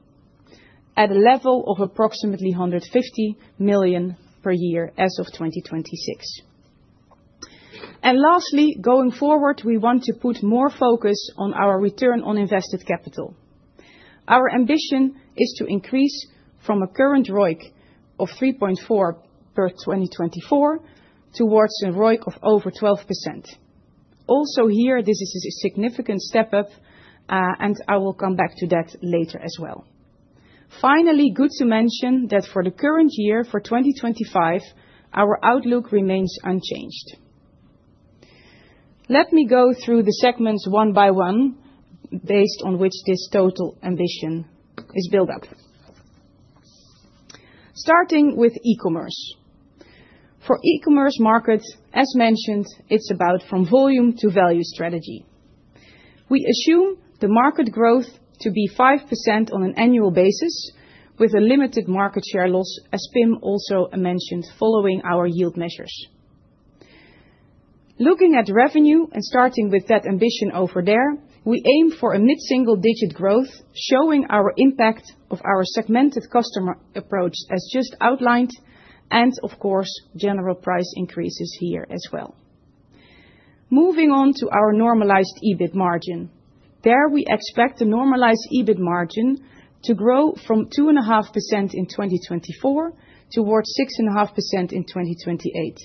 at a level of approximately 150 million per year as of 2026. And lastly, going forward, we want to put more focus on our return on invested capital. Our ambition is to increase from a current ROIC of 3.4% for 2024 towards a ROIC of over 12%. Also here, this is a significant step up, and I will come back to that later as well. Finally, good to mention that for the current year, for 2025, our outlook remains unchanged. Let me go through the segments one by one based on which this total ambition is built up. Starting with e-commerce. For e-commerce markets, as mentioned, it's about from volume to value strategy. We assume the market growth to be 5% on an annual basis with a limited market share loss, as Pim also mentioned following our yield measures. Looking at revenue and starting with that ambition over there, we aim for a mid-single digit growth showing our impact of our segmented customer approach as just outlined and, of course, general price increases here as well. Moving on to our normalized EBIT margin. There we expect the normalized EBIT margin to grow from 2.5% in 2024 towards 6.5% in 2028,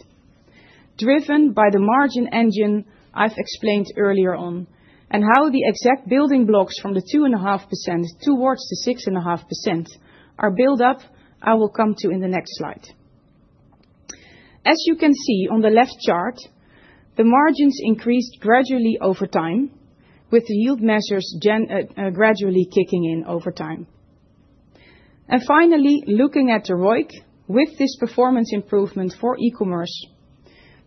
driven by the margin engine I've explained earlier on and how the exact building blocks from the 2.5% towards the 6.5% are built up. I will come to in the next slide. As you can see on the left chart, the margins increased gradually over time with the yield measures gradually kicking in over time. Finally, looking at the ROIC with this performance improvement for e-commerce,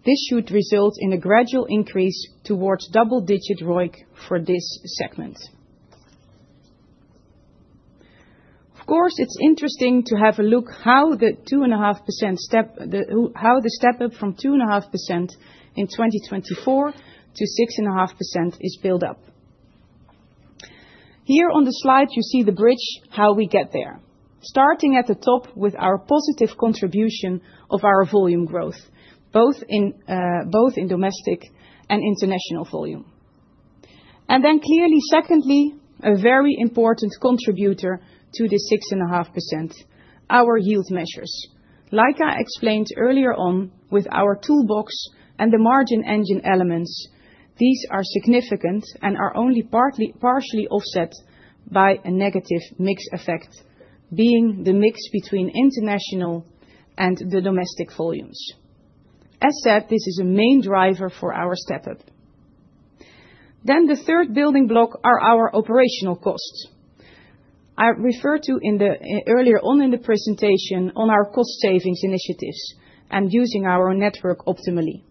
this should result in a gradual increase towards double-digit ROIC for this segment. Of course, it's interesting to have a look how the step up from 2.5% in 2024 to 6.5% is built up. Here on the slide, you see the bridge, how we get there, starting at the top with our positive contribution of our volume growth, both in domestic and international volume. And then clearly, secondly, a very important contributor to the 6.5%, our yield measures. Like I explained earlier on with our toolbox and the margin engine elements, these are significant and are only partially offset by a negative mix effect being the mix between international and the domestic volumes. As said, this is a main driver for our step up. Then the third building block are our operational costs. I referred to earlier on in the presentation on our cost savings initiatives and using our network optimally.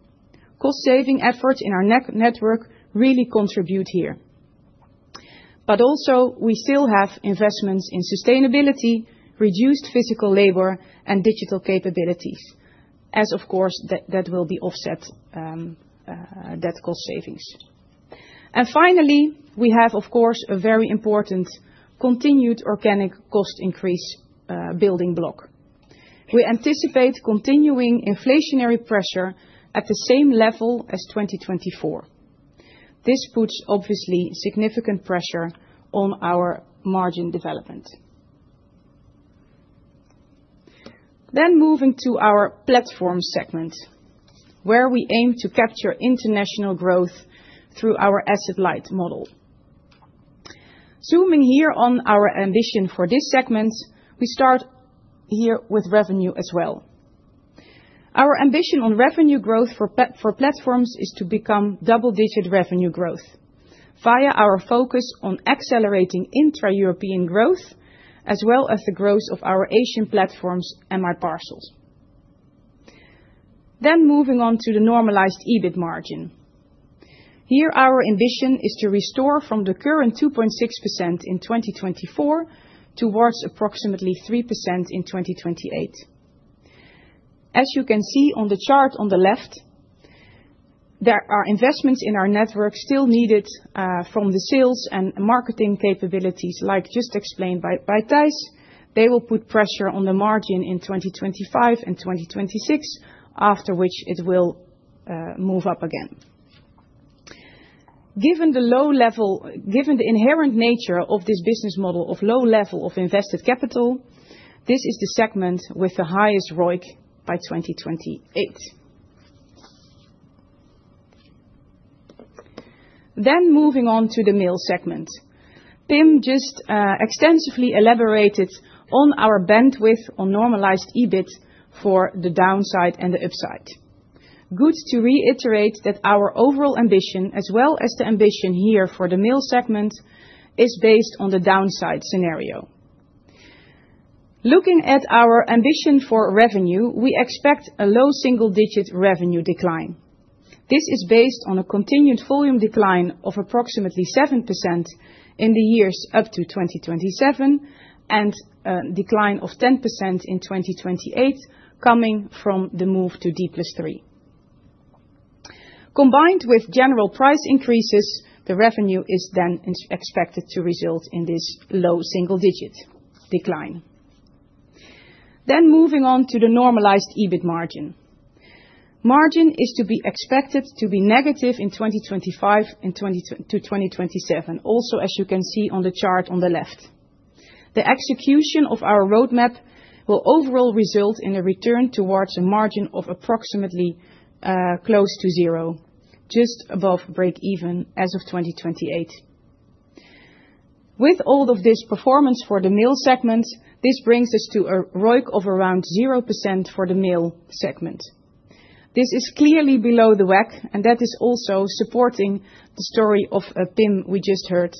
Cost saving efforts in our network really contribute here. But also, we still have investments in sustainability, reduced physical labor, and digital capabilities, as of course, that will be offset that cost savings. Finally, we have, of course, a very important continued organic cost increase building block. We anticipate continuing inflationary pressure at the same level as 2024. This puts obviously significant pressure on our margin development. Moving to our platform segment, where we aim to capture international growth through our asset light model. Zooming here on our ambition for this segment, we start here with revenue as well. Our ambition on revenue growth for platforms is to become double-digit revenue growth via our focus on accelerating intra-European growth as well as the growth of our Asian platforms and MyParcel. Moving on to the normalized EBIT margin. Here, our ambition is to restore from the current 2.6% in 2024 towards approximately 3% in 2028. As you can see on the chart on the left, there are investments in our network still needed from the sales and marketing capabilities, like just explained by Tijs. They will put pressure on the margin in 2025 and 2026, after which it will move up again. Given the low level, given the inherent nature of this business model of low level of invested capital, this is the segment with the highest ROIC by 2028, then moving on to the Mail segment. Pim just extensively elaborated on our bandwidth on normalized EBIT for the downside and the upside. Good to reiterate that our overall ambition, as well as the ambition here for the Mail segment, is based on the downside scenario. Looking at our ambition for revenue, we expect a low single-digit revenue decline. This is based on a continued volume decline of approximately 7% in the years up to 2027 and a decline of 10% in 2028 coming from the move to D+3. Combined with general price increases, the revenue is then expected to result in this low single-digit decline. Then moving on to the normalized EBIT margin. Margin is to be expected to be negative in 2025-2027, also as you can see on the chart on the left. The execution of our roadmap will overall result in a return towards a margin of approximately close to zero, just above break-even as of 2028. With all of this performance for the mail segment, this brings us to a ROIC of around 0% for the mail segment. This is clearly below the WACC, and that is also supporting the story of Pim we just heard.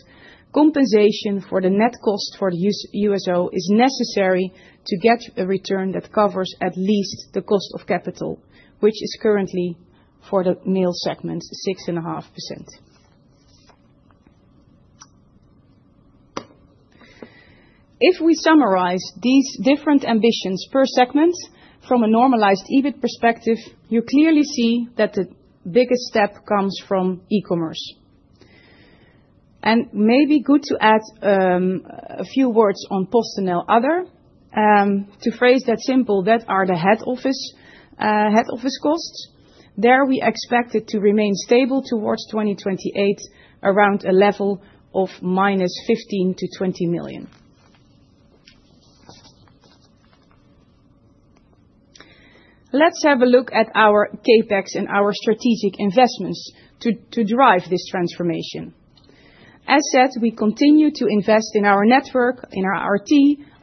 Compensation for the net cost for the USO is necessary to get a return that covers at least the cost of capital, which is currently for the Mail segment, 6.5%. If we summarize these different ambitions per segment from a normalized EBIT perspective, you clearly see that the biggest step comes from e-commerce, and maybe good to add a few words on PostNL Other. To phrase that simple, that are the head office costs. There we expect it to remain stable towards 2028 around a level of -15 million to -20 million. Let's have a look at our CAPEX and our strategic investments to drive this transformation. As said, we continue to invest in our network, in our IT,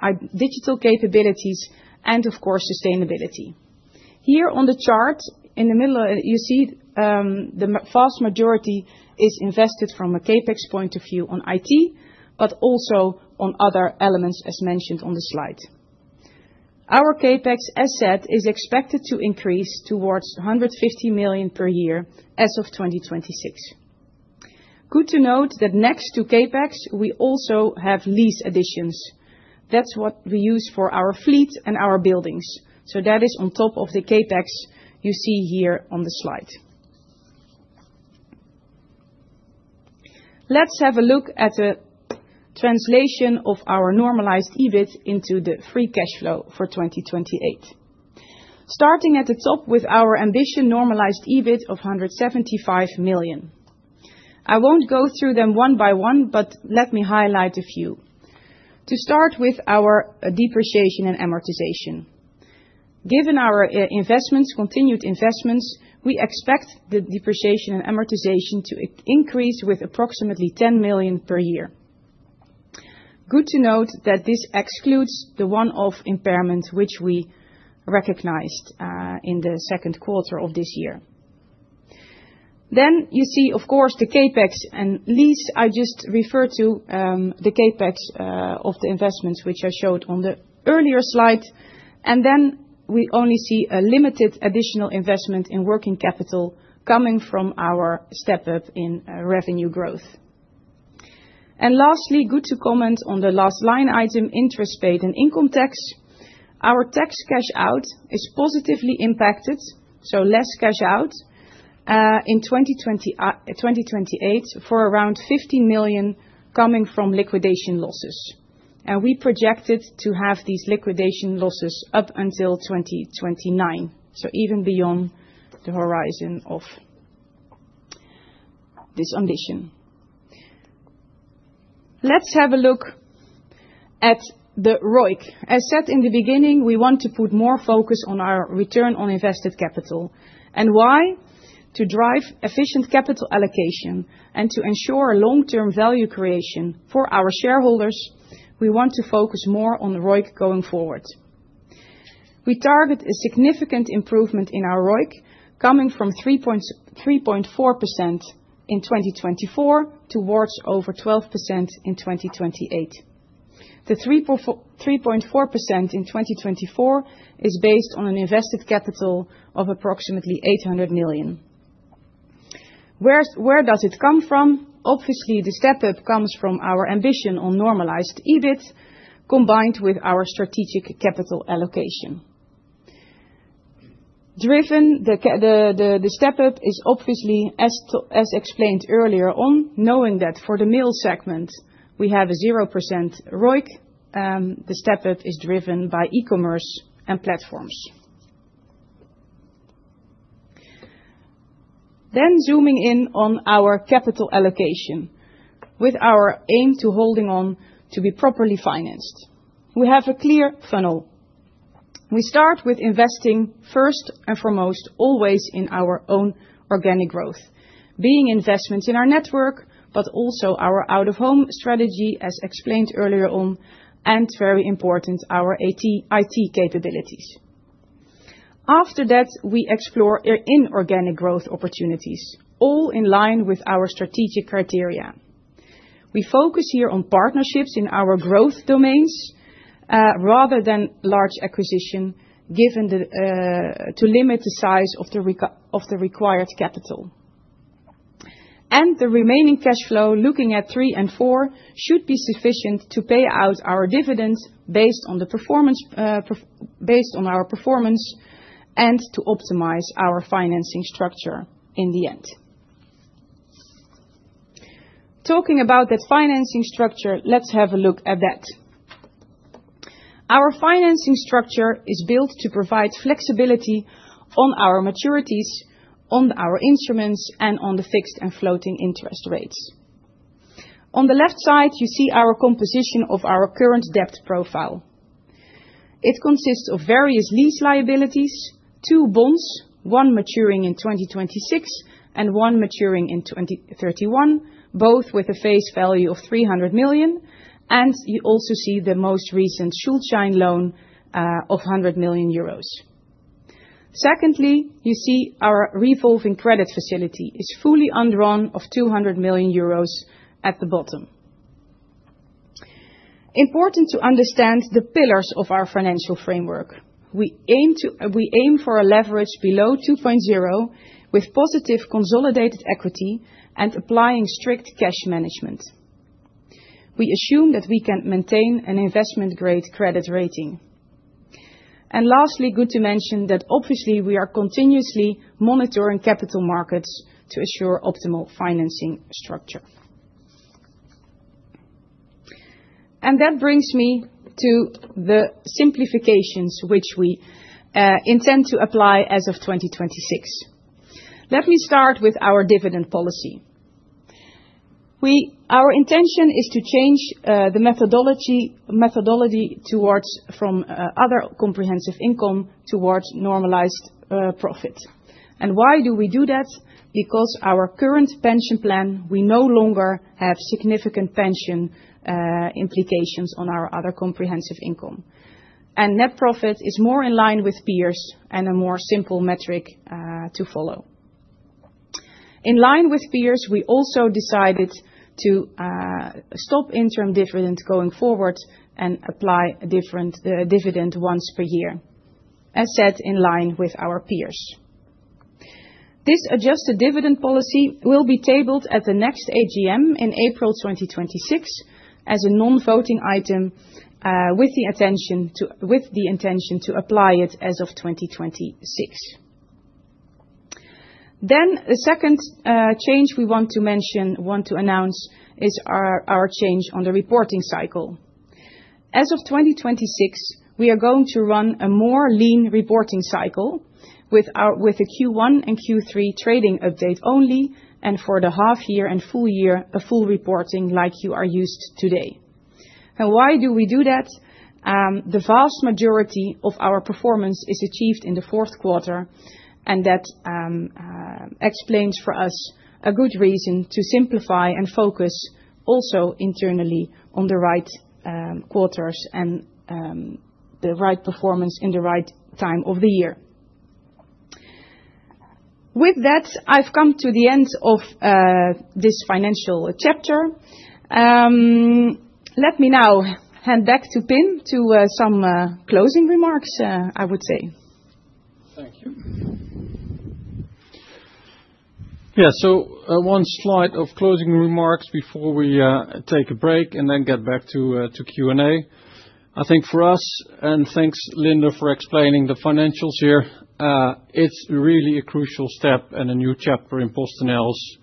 our digital capabilities, and of course, sustainability. Here on the chart, in the middle, you see the vast majority is invested from a CapEx point of view on IT, but also on other elements as mentioned on the slide. Our CapEx, as said, is expected to increase towards 150 million per year as of 2026. Good to note that next to CapEx, we also have lease additions. That's what we use for our fleet and our buildings. So that is on top of the CapEx you see here on the slide. Let's have a look at a translation of our normalized EBIT into the free cash flow for 2028. Starting at the top with our ambition, normalized EBIT of 175 million. I won't go through them one by one, but let me highlight a few. To start with our depreciation and amortization. Given our investments, continued investments, we expect the depreciation and amortization to increase with approximately 10 million per year. Good to note that this excludes the one-off impairment, which we recognized in the second quarter of this year. Then you see, of course, the CapEx and lease. I just referred to the CapEx of the investments, which I showed on the earlier slide. And then we only see a limited additional investment in working capital coming from our step up in revenue growth. And lastly, good to comment on the last line item, interest paid and income tax. Our tax cash out is positively impacted, so less cash out in 2028 for around 15 million coming from liquidation losses. And we projected to have these liquidation losses up until 2029, so even beyond the horizon of this ambition. Let's have a look at the ROIC. As said in the beginning, we want to put more focus on our return on invested capital. And why? To drive efficient capital allocation and to ensure long-term value creation for our shareholders, we want to focus more on ROIC going forward. We target a significant improvement in our ROIC coming from 3.4% in 2024 towards over 12% in 2028. The 3.4% in 2024 is based on an invested capital of approximately 800 million. Where does it come from? Obviously, the step up comes from our ambition on normalized EBIT combined with our strategic capital allocation. Driven the step up is obviously, as explained earlier on, knowing that for the mail segment, we have a 0% ROIC, the step up is driven by e-commerce and platforms. Then zooming in on our capital allocation with our aim to holding on to be properly financed. We have a clear funnel. We start with investing first and foremost, always in our own organic growth, being investments in our network, but also our out-of-home strategy, as explained earlier on, and very important, our IT capabilities. After that, we explore inorganic growth opportunities, all in line with our strategic criteria. We focus here on partnerships in our growth domains rather than large acquisition, given to limit the size of the required capital. And the remaining cash flow, looking at three and four, should be sufficient to pay out our dividends based on our performance and to optimize our financing structure in the end. Talking about that financing structure, let's have a look at that. Our financing structure is built to provide flexibility on our maturities, on our instruments, and on the fixed and floating interest rates. On the left side, you see our composition of our current debt profile. It consists of various lease liabilities, two bonds, one maturing in 2026 and one maturing in 2031, both with a face value of 300 million, and you also see the most recent Schuldschein loan of 100 million euros. Secondly, you see our revolving credit facility is fully undrawn of 200 million euros at the bottom. It is important to understand the pillars of our financial framework. We aim for a leverage below 2.0 with positive consolidated equity and applying strict cash management. We assume that we can maintain an investment-grade credit rating. Lastly, good to mention that obviously we are continuously monitoring capital markets to assure optimal financing structure. That brings me to the simplifications which we intend to apply as of 2026. Let me start with our dividend policy. Our intention is to change the methodology from other comprehensive income towards normalized profit. Why do we do that? Because our current pension plan, we no longer have significant pension implications on our other comprehensive income. Net profit is more in line with peers and a more simple metric to follow. In line with peers, we also decided to stop interim dividends going forward and apply a different dividend once per year, as said in line with our peers. This adjusted dividend policy will be tabled at the next AGM in April 2026 as a non-voting item with the intention to apply it as of 2026. The second change we want to mention, want to announce is our change on the reporting cycle. As of 2026, we are going to run a more lean reporting cycle with a Q1 and Q3 trading update only and for the half year and full year, a full reporting like you are used to today. And why do we do that? The vast majority of our performance is achieved in the fourth quarter, and that explains for us a good reason to simplify and focus also internally on the right quarters and the right performance in the right time of the year. With that, I've come to the end of this financial chapter. Let me now hand back to Pim for some closing remarks, I would say. Thank you. Yeah, so one slide of closing remarks before we take a break and then get back to Q&A. I think for us, and thanks, Linde, for explaining the financials here, it's really a crucial step and a new chapter in PostNL's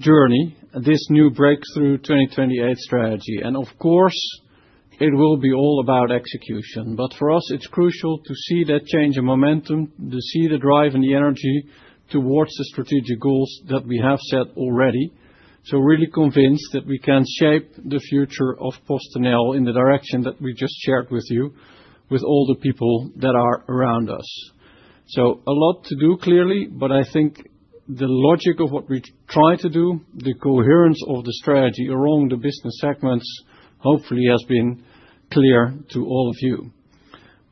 journey, this new Breakthrough 2028 strategy. And of course, it will be all about execution. But for us, it's crucial to see that change of momentum, to see the drive and the energy towards the strategic goals that we have set already. So really convinced that we can shape the future of PostNL in the direction that we just shared with you with all the people that are around us. So a lot to do clearly, but I think the logic of what we try to do, the coherence of the strategy along the business segments, hopefully has been clear to all of you.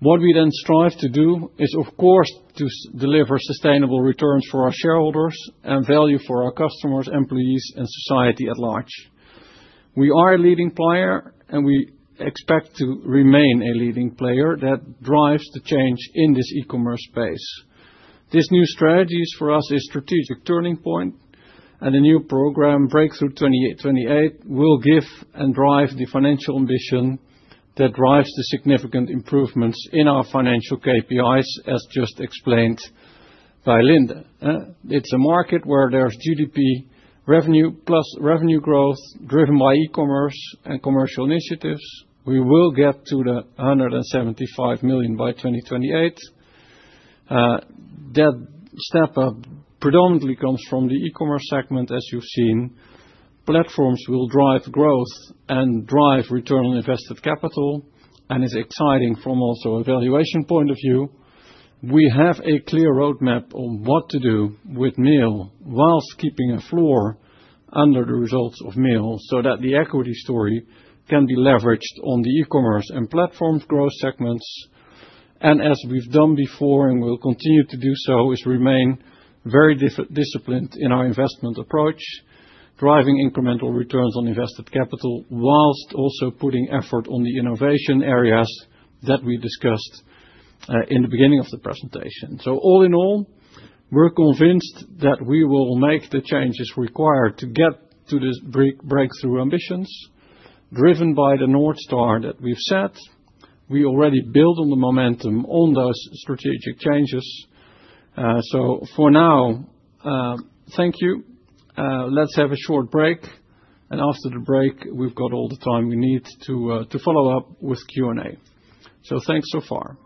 What we then strive to do is, of course, to deliver sustainable returns for our shareholders and value for our customers, employees, and society at large. We are a leading player, and we expect to remain a leading player that drives the change in this e-commerce space. This new strategy for us is a strategic turning point, and the new program, Breakthrough 2028, will give and drive the financial ambition that drives the significant improvements in our financial KPIs, as just explained by Linde. It's a market where there's GDP revenue plus revenue growth driven by e-commerce and commercial initiatives. We will get to the 175 million by 2028. That step up predominantly comes from the e-commerce segment, as you've seen. Platforms will drive growth and drive return on invested capital, and it's exciting from also a valuation point of view. We have a clear roadmap on what to do with mail whilst keeping a floor under the results of mail so that the equity story can be leveraged on the e-commerce and platforms growth segments. As we've done before and will continue to do so, is remain very disciplined in our investment approach, driving incremental returns on invested capital whilst also putting effort on the innovation areas that we discussed in the beginning of the presentation. So all in all, we're convinced that we will make the changes required to get to the breakthrough ambitions driven by the North Star that we've set. We already build on the momentum on those strategic changes. So for now, thank you. Let's have a short break, and after the break, we've got all the time we need to follow up with Q&A. So thanks so far.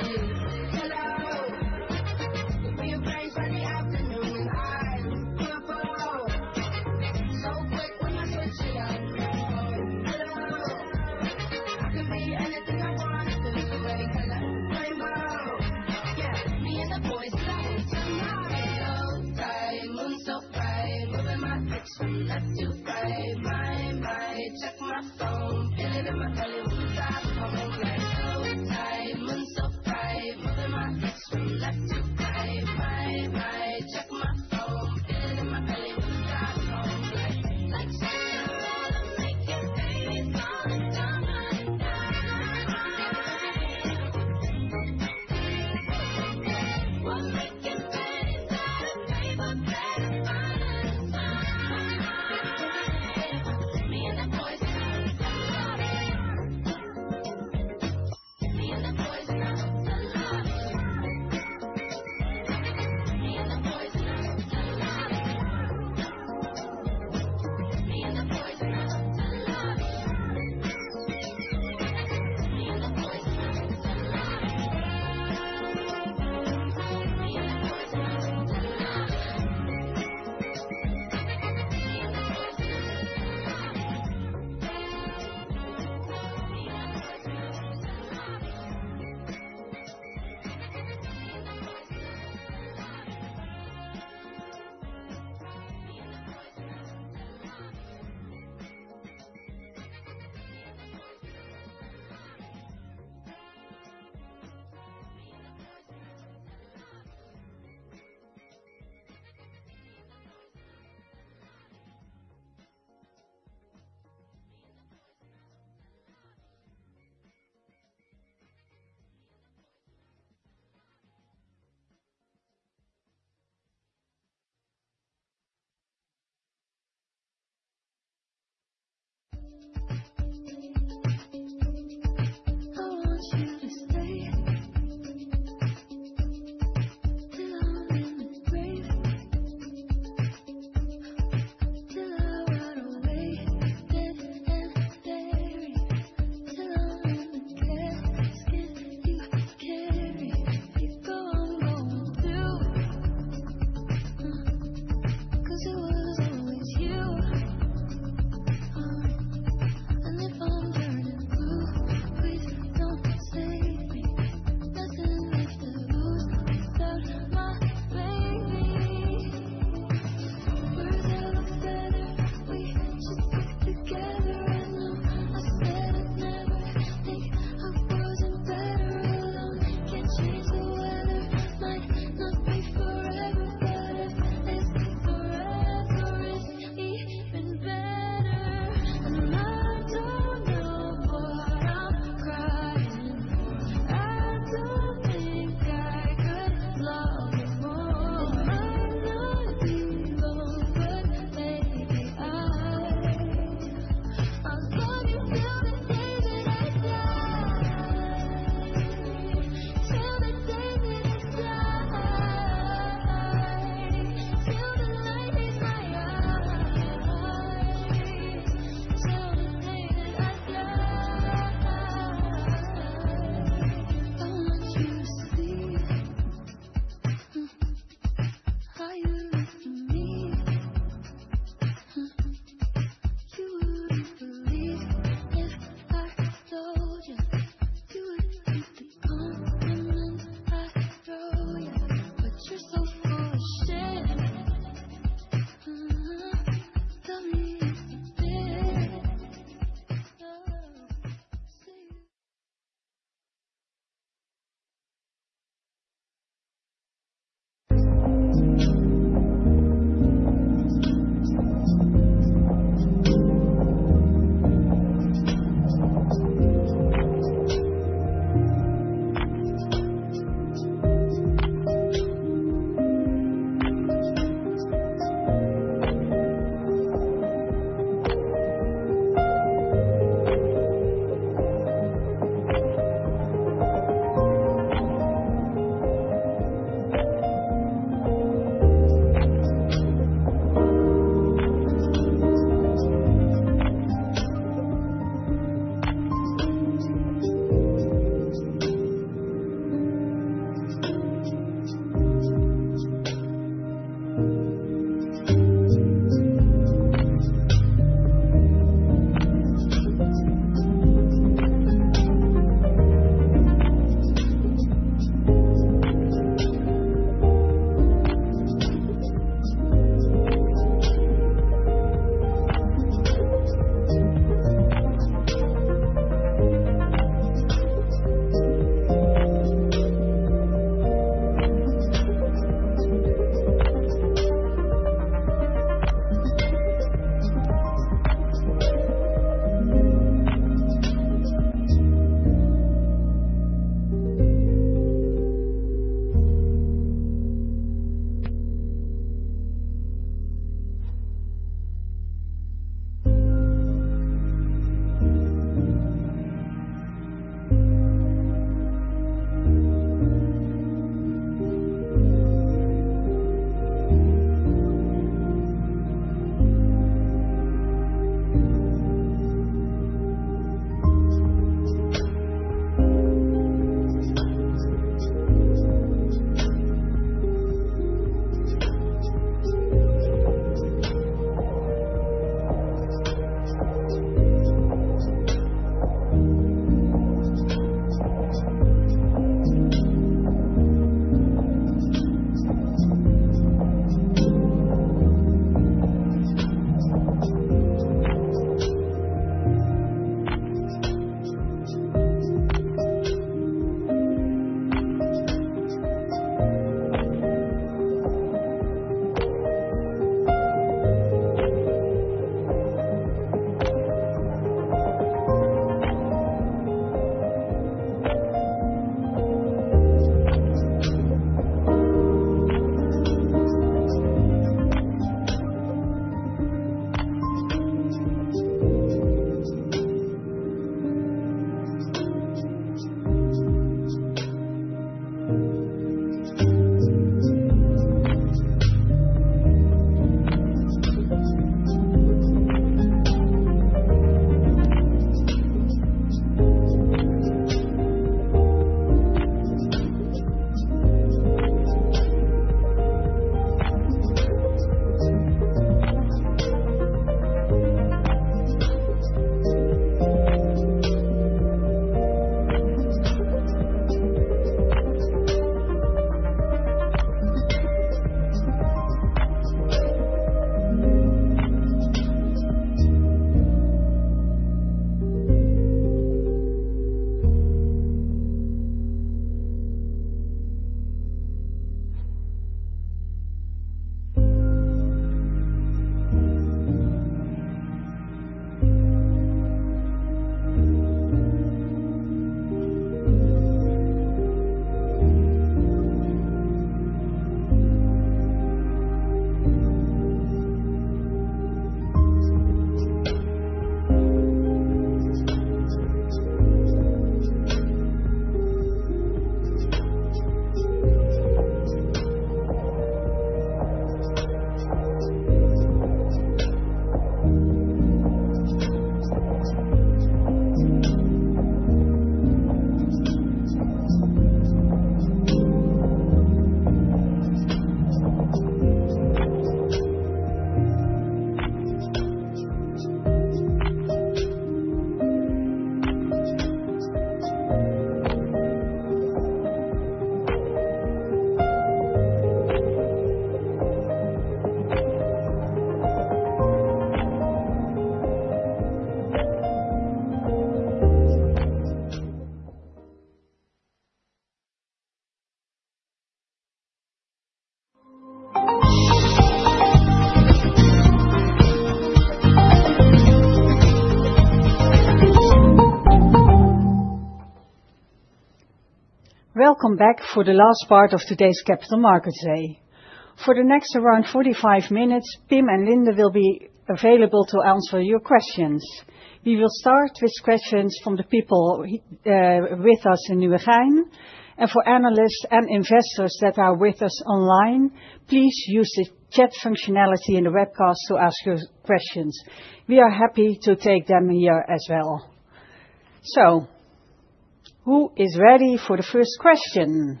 who is ready for the first question?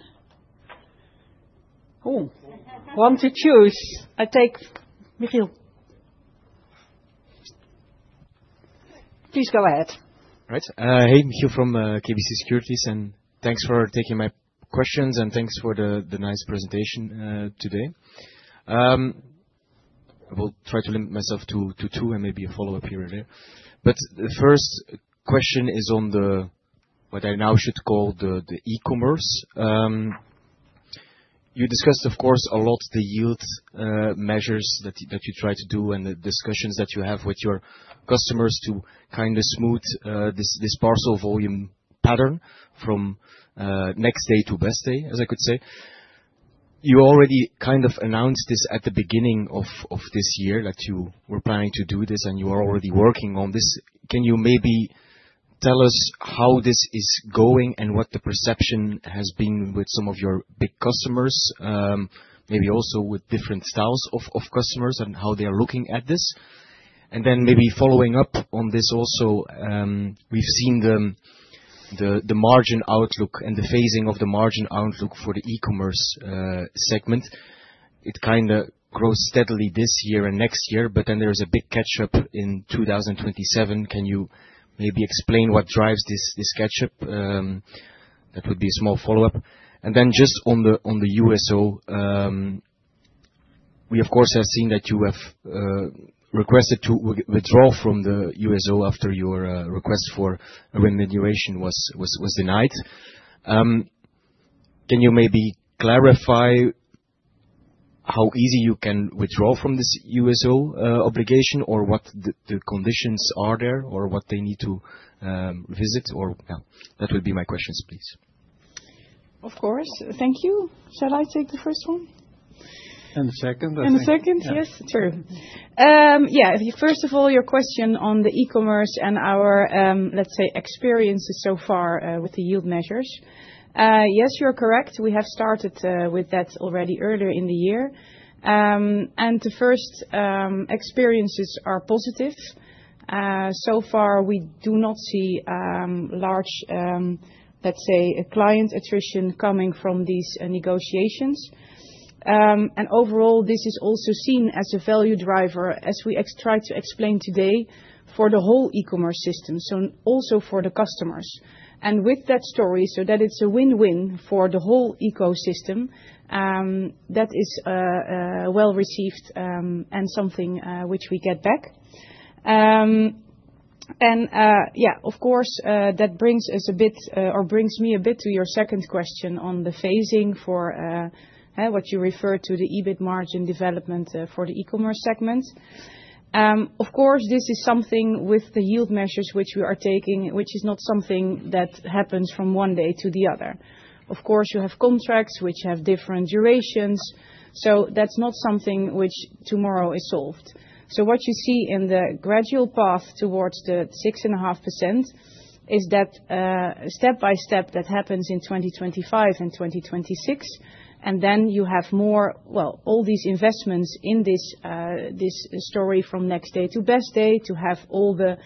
Ooh, one to choose. I take Michiel. Please go ahead. Right. Hey, Michiel from KBC Securities. And thanks for taking my questions. And thanks for the nice presentation today. I will try to limit myself to two and maybe a follow-up here and there. But the first question is on what I now should call the e-commerce. You discussed, of course, a lot of the yield measures that you try to do and the discussions that you have with your customers to kind of smooth this parcel volume pattern from Next Day to Best Day, as I could say. You already kind of announced this at the beginning of this year that you were planning to do this, and you are already working on this. Can you maybe tell us how this is going and what the perception has been with some of your big customers, maybe also with different styles of customers and how they are looking at this? And then maybe following up on this also, we've seen the margin outlook and the phasing of the margin outlook for the e-commerce segment. It kind of grows steadily this year and next year, but then there is a big catch-up in 2027. Can you maybe explain what drives this catch-up? That would be a small follow-up, and then just on the USO, we, of course, have seen that you have requested to withdraw from the USO after your request for remuneration was denied. Can you maybe clarify how easy you can withdraw from this USO obligation or what the conditions are there or what they need to revisit? Or that would be my questions, please. Of course. Thank you. Shall I take the first one and the second, yes. Sure. Yeah. First of all, your question on the e-commerce and our, let's say, experiences so far with the yield measures. Yes, you're correct. We have started with that already earlier in the year, and the first experiences are positive. So far, we do not see large, let's say, client attrition coming from these negotiations. Overall, this is also seen as a value driver, as we try to explain today, for the whole e-commerce system, so also for the customers. With that story, so that it's a win-win for the whole ecosystem, that is well received and something which we get back. Yeah, of course, that brings us a bit, or brings me a bit to your second question on the phasing for what you refer to the EBIT margin development for the e-commerce segment. Of course, this is something with the yield measures which we are taking, which is not something that happens from one day to the other. Of course, you have contracts which have different durations. That's not something which tomorrow is solved. What you see in the gradual path towards the 6.5% is that step by step that happens in 2025 and 2026. And then you have more, well, all these investments in this story from Next Day to Best Day to have all the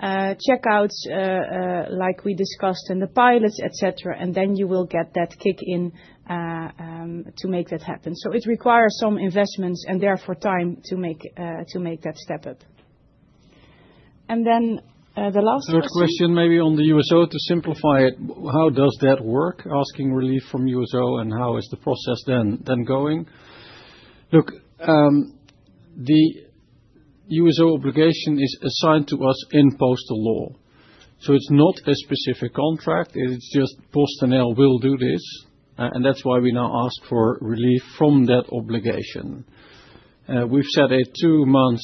checkouts like we discussed and the pilots, etc. And then you will get that kick in to make that happen. So it requires some investments and therefore time to make that step up. And then the last question. Another question maybe on the USO to simplify it. How does that work? Asking relief from USO and how is the process then going? Look, the USO obligation is assigned to us in postal law. So it's not a specific contract. It's just PostNL will do this. And that's why we now ask for relief from that obligation. We've set a two-month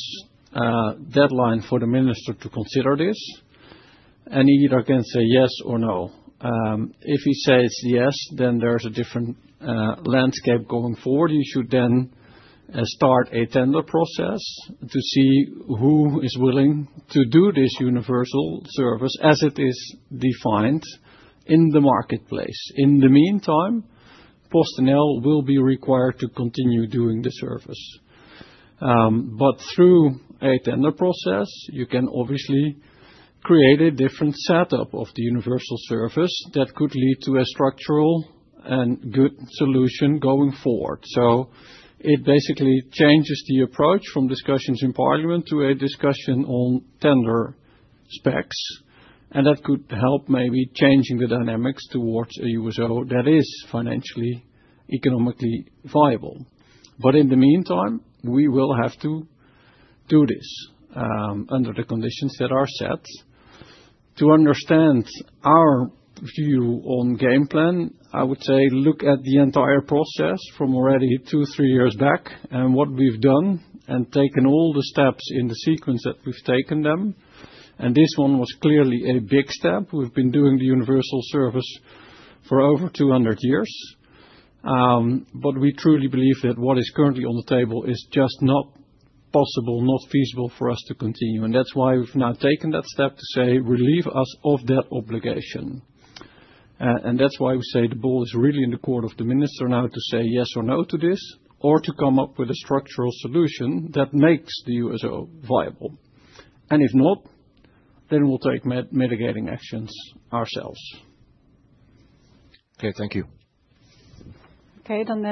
deadline for the minister to consider this. And he either can say yes or no. If he says yes, then there's a different landscape going forward. You should then start a tender process to see who is willing to do this universal service as it is defined in the marketplace. In the meantime, PostNL will be required to continue doing the service. But through a tender process, you can obviously create a different setup of the universal service that could lead to a structural and good solution going forward. So it basically changes the approach from discussions in Parliament to a discussion on tender specs. And that could help maybe changing the dynamics towards a USO that is financially, economically viable. But in the meantime, we will have to do this under the conditions that are set. To understand our view on game plan, I would say look at the entire process from already two, three years back and what we've done and taken all the steps in the sequence that we've taken them. This one was clearly a big step. We've been doing the universal service for over 200 years. We truly believe that what is currently on the table is just not possible, not feasible for us to continue. That's why we've now taken that step to say, relieve us of that obligation. That's why we say the ball is really in the court of the minister now to say yes or no to this or to come up with a structural solution that makes the USO viable. And if not, then we'll take mitigating actions ourselves. Okay, thank you. Okay, then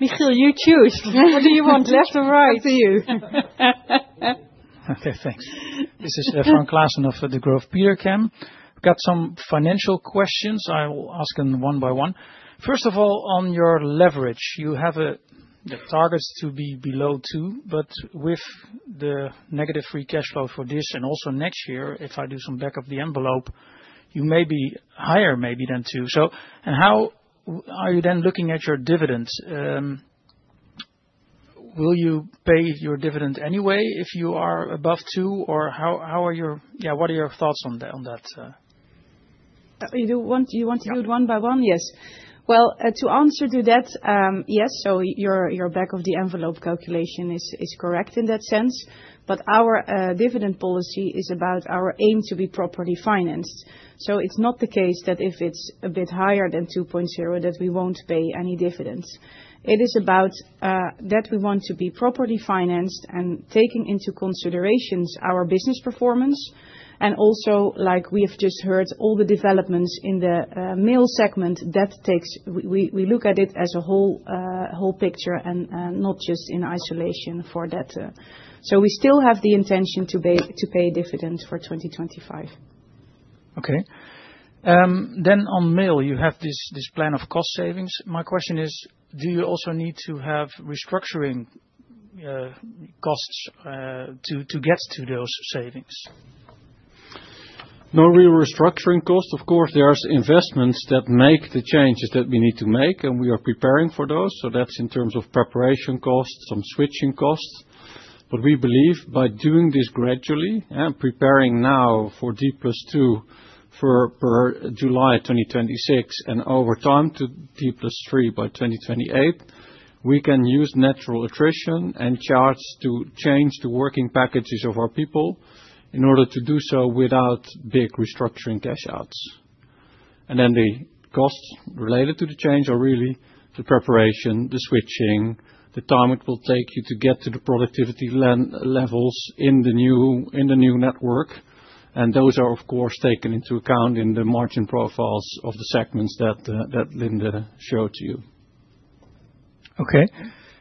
Michiel, you choose. What do you want, left or right? Up to you. Okay, thanks. This is Frank Claassen of Degroof Petercam. We've got some financial questions. I will ask them one by one. First of all, on your leverage, you have targets to be below two, but with the negative Free Cash Flow for this and also next year, if I do some back-of-the-envelope, you may be higher maybe than two. And how are you then looking at your dividends? Will you pay your dividend anyway if you are above two? Or how are your, yeah, what are your thoughts on that? You want to do it one one? Yes. Well, to answer to that, yes. So your back-of-the-envelope calculation is correct in that sense. But our dividend policy is about our aim to be properly financed. So it's not the case that if it's a bit higher than 2.0, that we won't pay any dividends. It is about that we want to be properly financed and taking into consideration our business performance. Also, like we have just heard, all the developments in the mail segment. We look at it as a whole picture and not just in isolation for that. We still have the intention to pay dividend for 2025. Okay. On mail, you have this plan of cost savings. My question is, do you also need to have restructuring costs to get to those savings? No, we have restructuring costs. Of course, there are investments that make the changes that we need to make, and we are preparing for those. That's in terms of preparation costs, some switching costs. But we believe by doing this gradually and preparing now for D+2 for July 2026 and over time to D+3 by 2028, we can use natural attrition and charge to change the working packages of our people in order to do so without big restructuring cash outs. And then the costs related to the change are really the preparation, the switching, the time it will take you to get to the productivity levels in the new network. And those are, of course, taken into account in the margin profiles of the segments that Linde showed to you. Okay.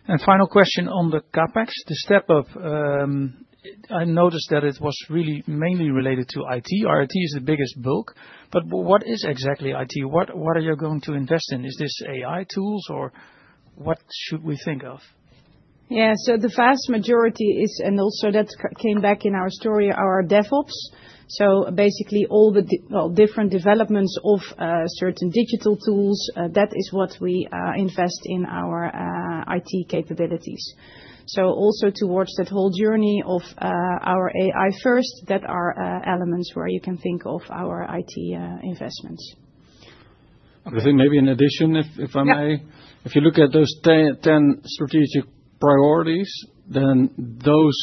And final question on the CapEx, the step up. I noticed that it was really mainly related to IT. IT is the biggest bulk. But what is exactly IT? What are you going to invest in? Is this AI tools or what should we think of? Yeah, so the vast majority is, and also that came back in our story, our DevOps. So basically all the different developments of certain digital tools, that is what we invest in our IT capabilities. So also towards that whole journey of our AI-first, that are elements where you can think of our IT investments. I think maybe in addition, if I may, if you look at those 10 strategic priorities, then those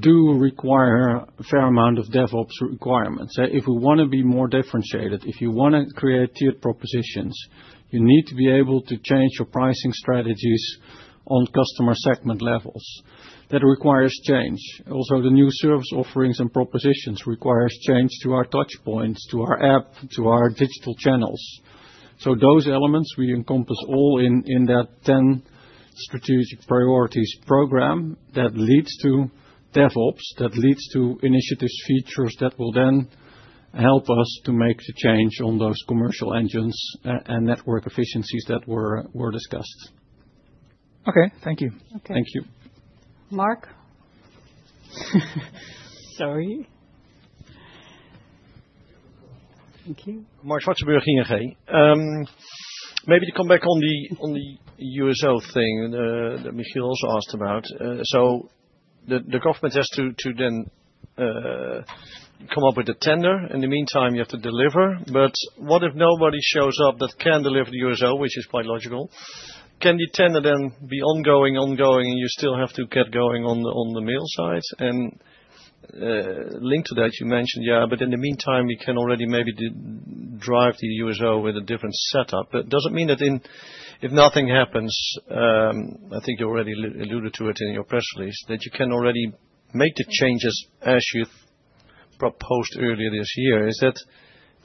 do require a fair amount of DevOps requirements. If we want to be more differentiated, if you want to create tiered propositions, you need to be able to change your pricing strategies on customer segment levels. That requires change. Also, the new service offerings and propositions require change to our touchpoints, to our app, to our digital channels. Those elements we encompass all in that 10 strategic priorities program that leads to DevOps, that leads to initiatives, features that will then help us to make the change on those commercial engines and network efficiencies that were discussed. Okay, thank you. Thank you. Mark? Sorry. Thank you. Marc Zwartsenburg, ING. Maybe to come back on the USO thing that Michiel also asked about. The government has to then come up with a tender. In the meantime, you have to deliver. But what if nobody shows up that can deliver the USO, which is quite logical? Can the tender then be ongoing, and you still have to get going on the mail side? And linked to that, you mentioned, yeah, but in the meantime, we can already maybe drive the USO with a different setup. But it doesn't mean that if nothing happens. I think you already alluded to it in your press release, that you can already make the changes as you proposed earlier this year. Is that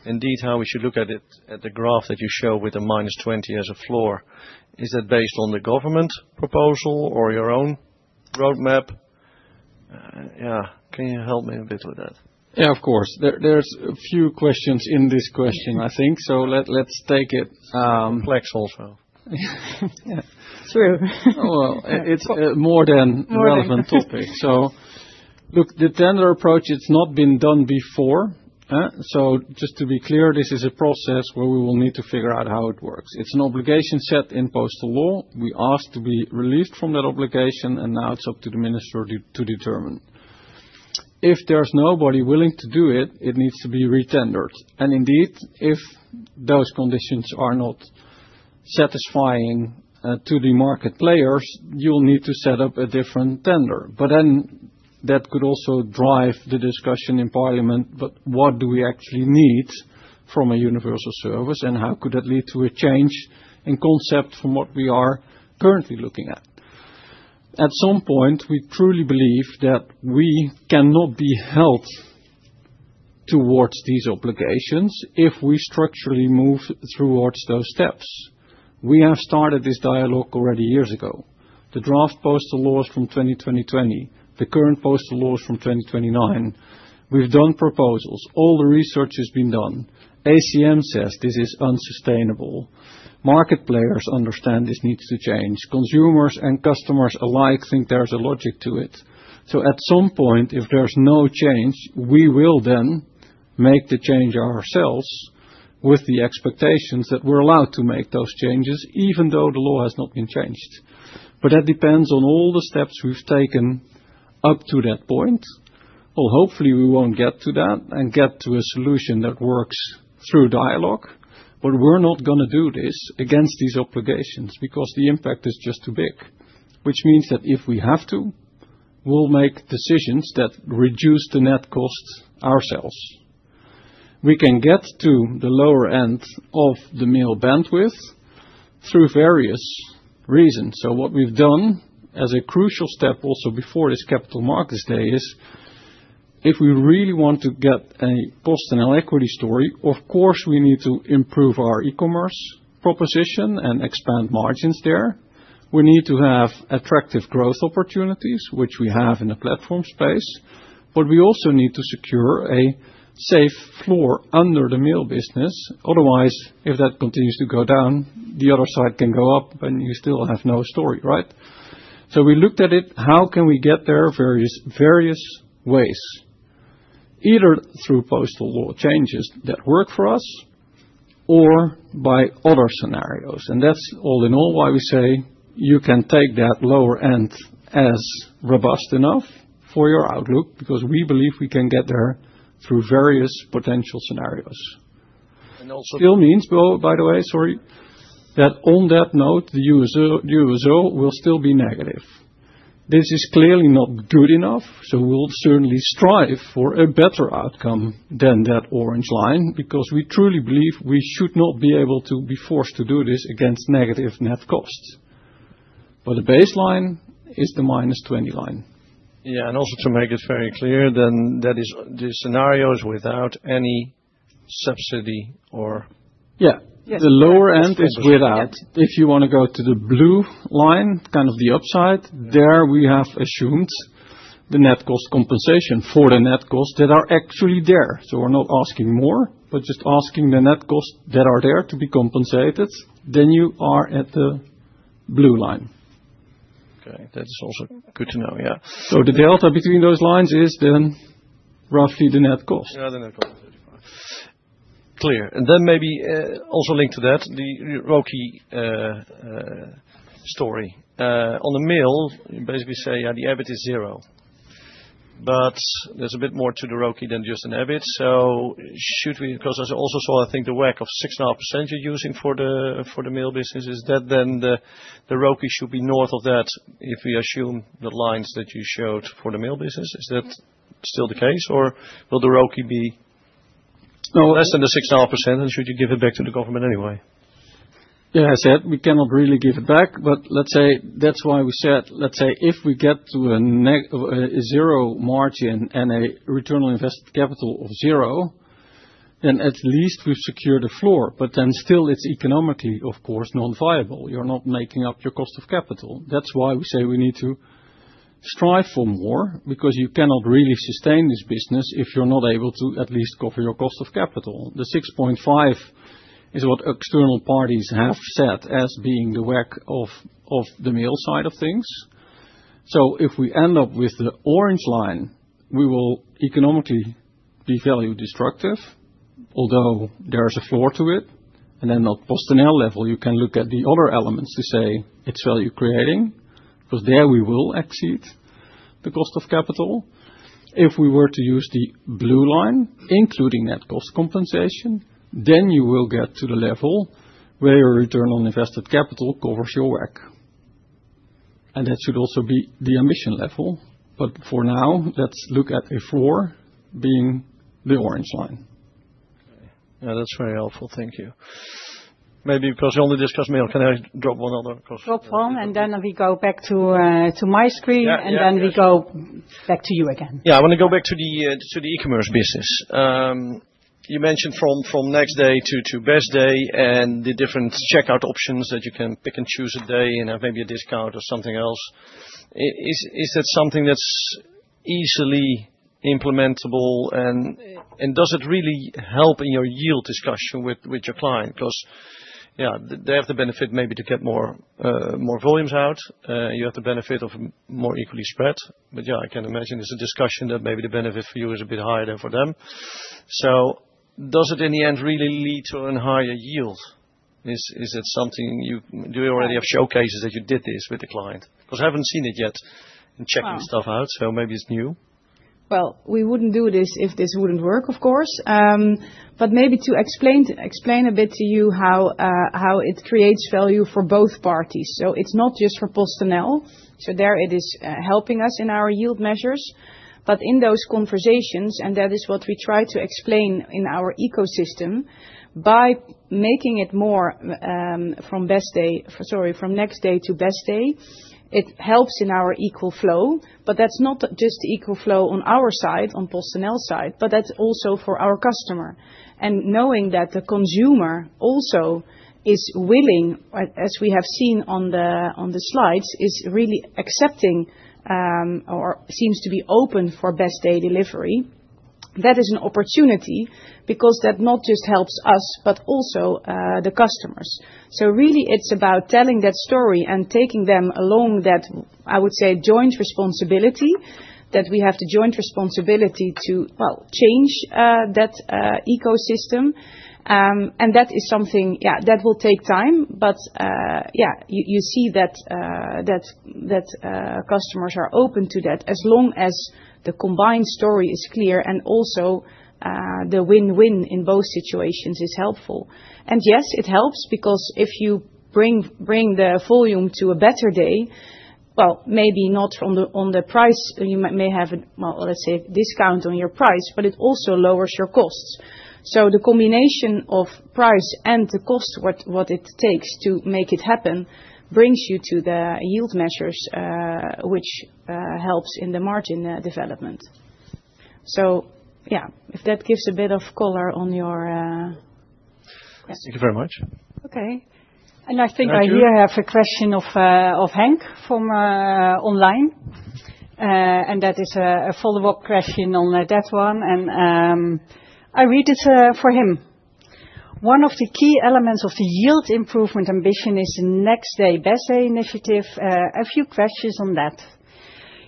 indeed how we should look at it, at the graph that you show with a -20 as a floor? Is that based on the government proposal or your own roadmap? Yeah, can you help me a bit with that? Yeah, of course. There's a few questions in this question, I think. So let's take it. Complex also. True. Well, it's a more than relevant topic. So look, the tender approach. It's not been done before. So just to be clear, this is a process where we will need to figure out how it works. It's an obligation set in postal law. We ask to be relieved from that obligation, and now it's up to the minister to determine. If there's nobody willing to do it, it needs to be retendered, and indeed, if those conditions are not satisfying to the market players, you'll need to set up a different tender, but then that could also drive the discussion in Parliament, but what do we actually need from a universal service, and how could that lead to a change in concept from what we are currently looking at? At some point, we truly believe that we cannot be held towards these obligations if we structurally move towards those steps. We have started this dialogue already years ago. The draft postal laws from 2020, the current postal laws from 2029. We've done proposals. All the research has been done. ACM says this is unsustainable. Market players understand this needs to change. Consumers and customers alike think there's a logic to it. At some point, if there's no change, we will then make the change ourselves with the expectations that we're allowed to make those changes, even though the law has not been changed. That depends on all the steps we've taken up to that point. Hopefully we won't get to that and get to a solution that works through dialogue. We're not going to do this against these obligations because the impact is just too big, which means that if we have to, we'll make decisions that reduce the net costs ourselves. We can get to the lower end of the mill bandwidth through various reasons. So what we've done as a crucial step also before this Capital Markets Day is if we really want to get a post-mail equity story, of course we need to improve our e-commerce proposition and expand margins there. We need to have attractive growth opportunities, which we have in the platform space. But we also need to secure a safe floor under the mail business. Otherwise, if that continues to go down, the other side can go up and you still have no story, right? So we looked at it. How can we get there? Various ways. Either through postal law changes that work for us or by other scenarios. And that's all in all why we say you can take that lower end as robust enough for your outlook because we believe we can get there through various potential scenarios. And also still means. By the way, sorry. That on that note, the USO will still be negative. This is clearly not good enough. So we'll certainly strive for a better outcome than that orange line because we truly believe we should not be able to be forced to do this against negative net costs. But the baseline is the -20 line. Yeah, and also to make it very clear, then that is the scenarios without any subsidy or. Yeah, the lower end is without. If you want to go to the blue line, kind of the upside, there we have assumed the net cost compensation for the net costs that are actually there. So we're not asking more, but just asking the net costs that are there to be compensated. Then you are at the blue line. Okay, that's also good to know, yeah. So the delta between those lines is then roughly the net cost. Yeah, the net cost is 35. Clear. And then maybe also linked to that, the ROIC story. On the mail, you basically say, yeah, the EBIT is zero. But there's a bit more to the ROIC than just an EBIT. So should we, because I also saw, I think the WACC of 6.5% you're using for the mail business, is that then the ROIC should be north of that if we assume the lines that you showed for the mail business. Is that still the case? Or will the ROIC be less than the 6.5% and should you give it back to the government anyway? Yeah, I said we cannot really give it back, but let's say that's why we said, let's say if we get to a zero margin and a return on invested capital of zero, then at least we've secured a floor. But then still it's economically, of course, non-viable. You're not making up your cost of capital. That's why we say we need to strive for more because you cannot really sustain this business if you're not able to at least cover your cost of capital. The 6.5 is what external parties have set as being the WACC of the mail side of things. So if we end up with the orange line, we will economically be value destructive, although there is a floor to it. And then at post-annual level, you can look at the other elements to say it's value creating because there we will exceed the cost of capital. If we were to use the blue line, including net cost compensation, then you will get to the level where your return on invested capital covers your WACC. And that should also be the ambition level. But for now, let's look at a floor being the orange line. Yeah, that's very helpful. Thank you. Maybe because you only discussed mail, can I ask one other question? Ask one, and then we go back to my screen, and then we go back to you again. Yeah, I want to go back to the e-commerce business. You mentioned from Next Day to Best Day and the different checkout options that you can pick and choose a day and have maybe a discount or something else. Is that something that's easily implementable, and does it really help in your yield discussion with your client? Because, yeah, they have the benefit maybe to get more volumes out. You have the benefit of more equally spread. But yeah, I can imagine it's a discussion that maybe the benefit for you is a bit higher than for them. So does it in the end really lead to a higher yield? Is it something you do already have showcases that you did this with the client? Because I haven't seen it yet in checking stuff out, so maybe it's new. Well, we wouldn't do this if this wouldn't work, of course. But maybe to explain a bit to you how it creates value for both parties. So it's not just for PostNL. So there it is helping us in our yield measures. But in those conversations, and that is what we try to explain in our ecosystem, by making it more from Next Day to Best Day, it helps in our equal flow. But that's not just the equal flow on our side, on PostNL side, but that's also for our customer. And knowing that the consumer also is willing, as we have seen on the slides, is really accepting or seems to be open for best day delivery, that is an opportunity because that not just helps us, but also the customers. So really, it's about telling that story and taking them along that, I would say, joint responsibility that we have the joint responsibility to, well, change that ecosystem. And that is something, yeah, that will take time. But yeah, you see that customers are open to that as long as the combined story is clear and also the win-win in both situations is helpful. And yes, it helps because if you bring the volume to a better day, well, maybe not on the price, you may have a, well, let's say, discount on your price, but it also lowers your costs. So the combination of price and the cost, what it takes to make it happen, brings you to the yield measures, which helps in the margin development. So yeah, if that gives a bit of color on your question. Thank you very much. Okay. And I think I have here a question of Henk from online. And that is a follow-up question on that one. And I read it for him. One of the key elements of the yield improvement ambition is the Next Day to Best Day initiative. A few questions on that.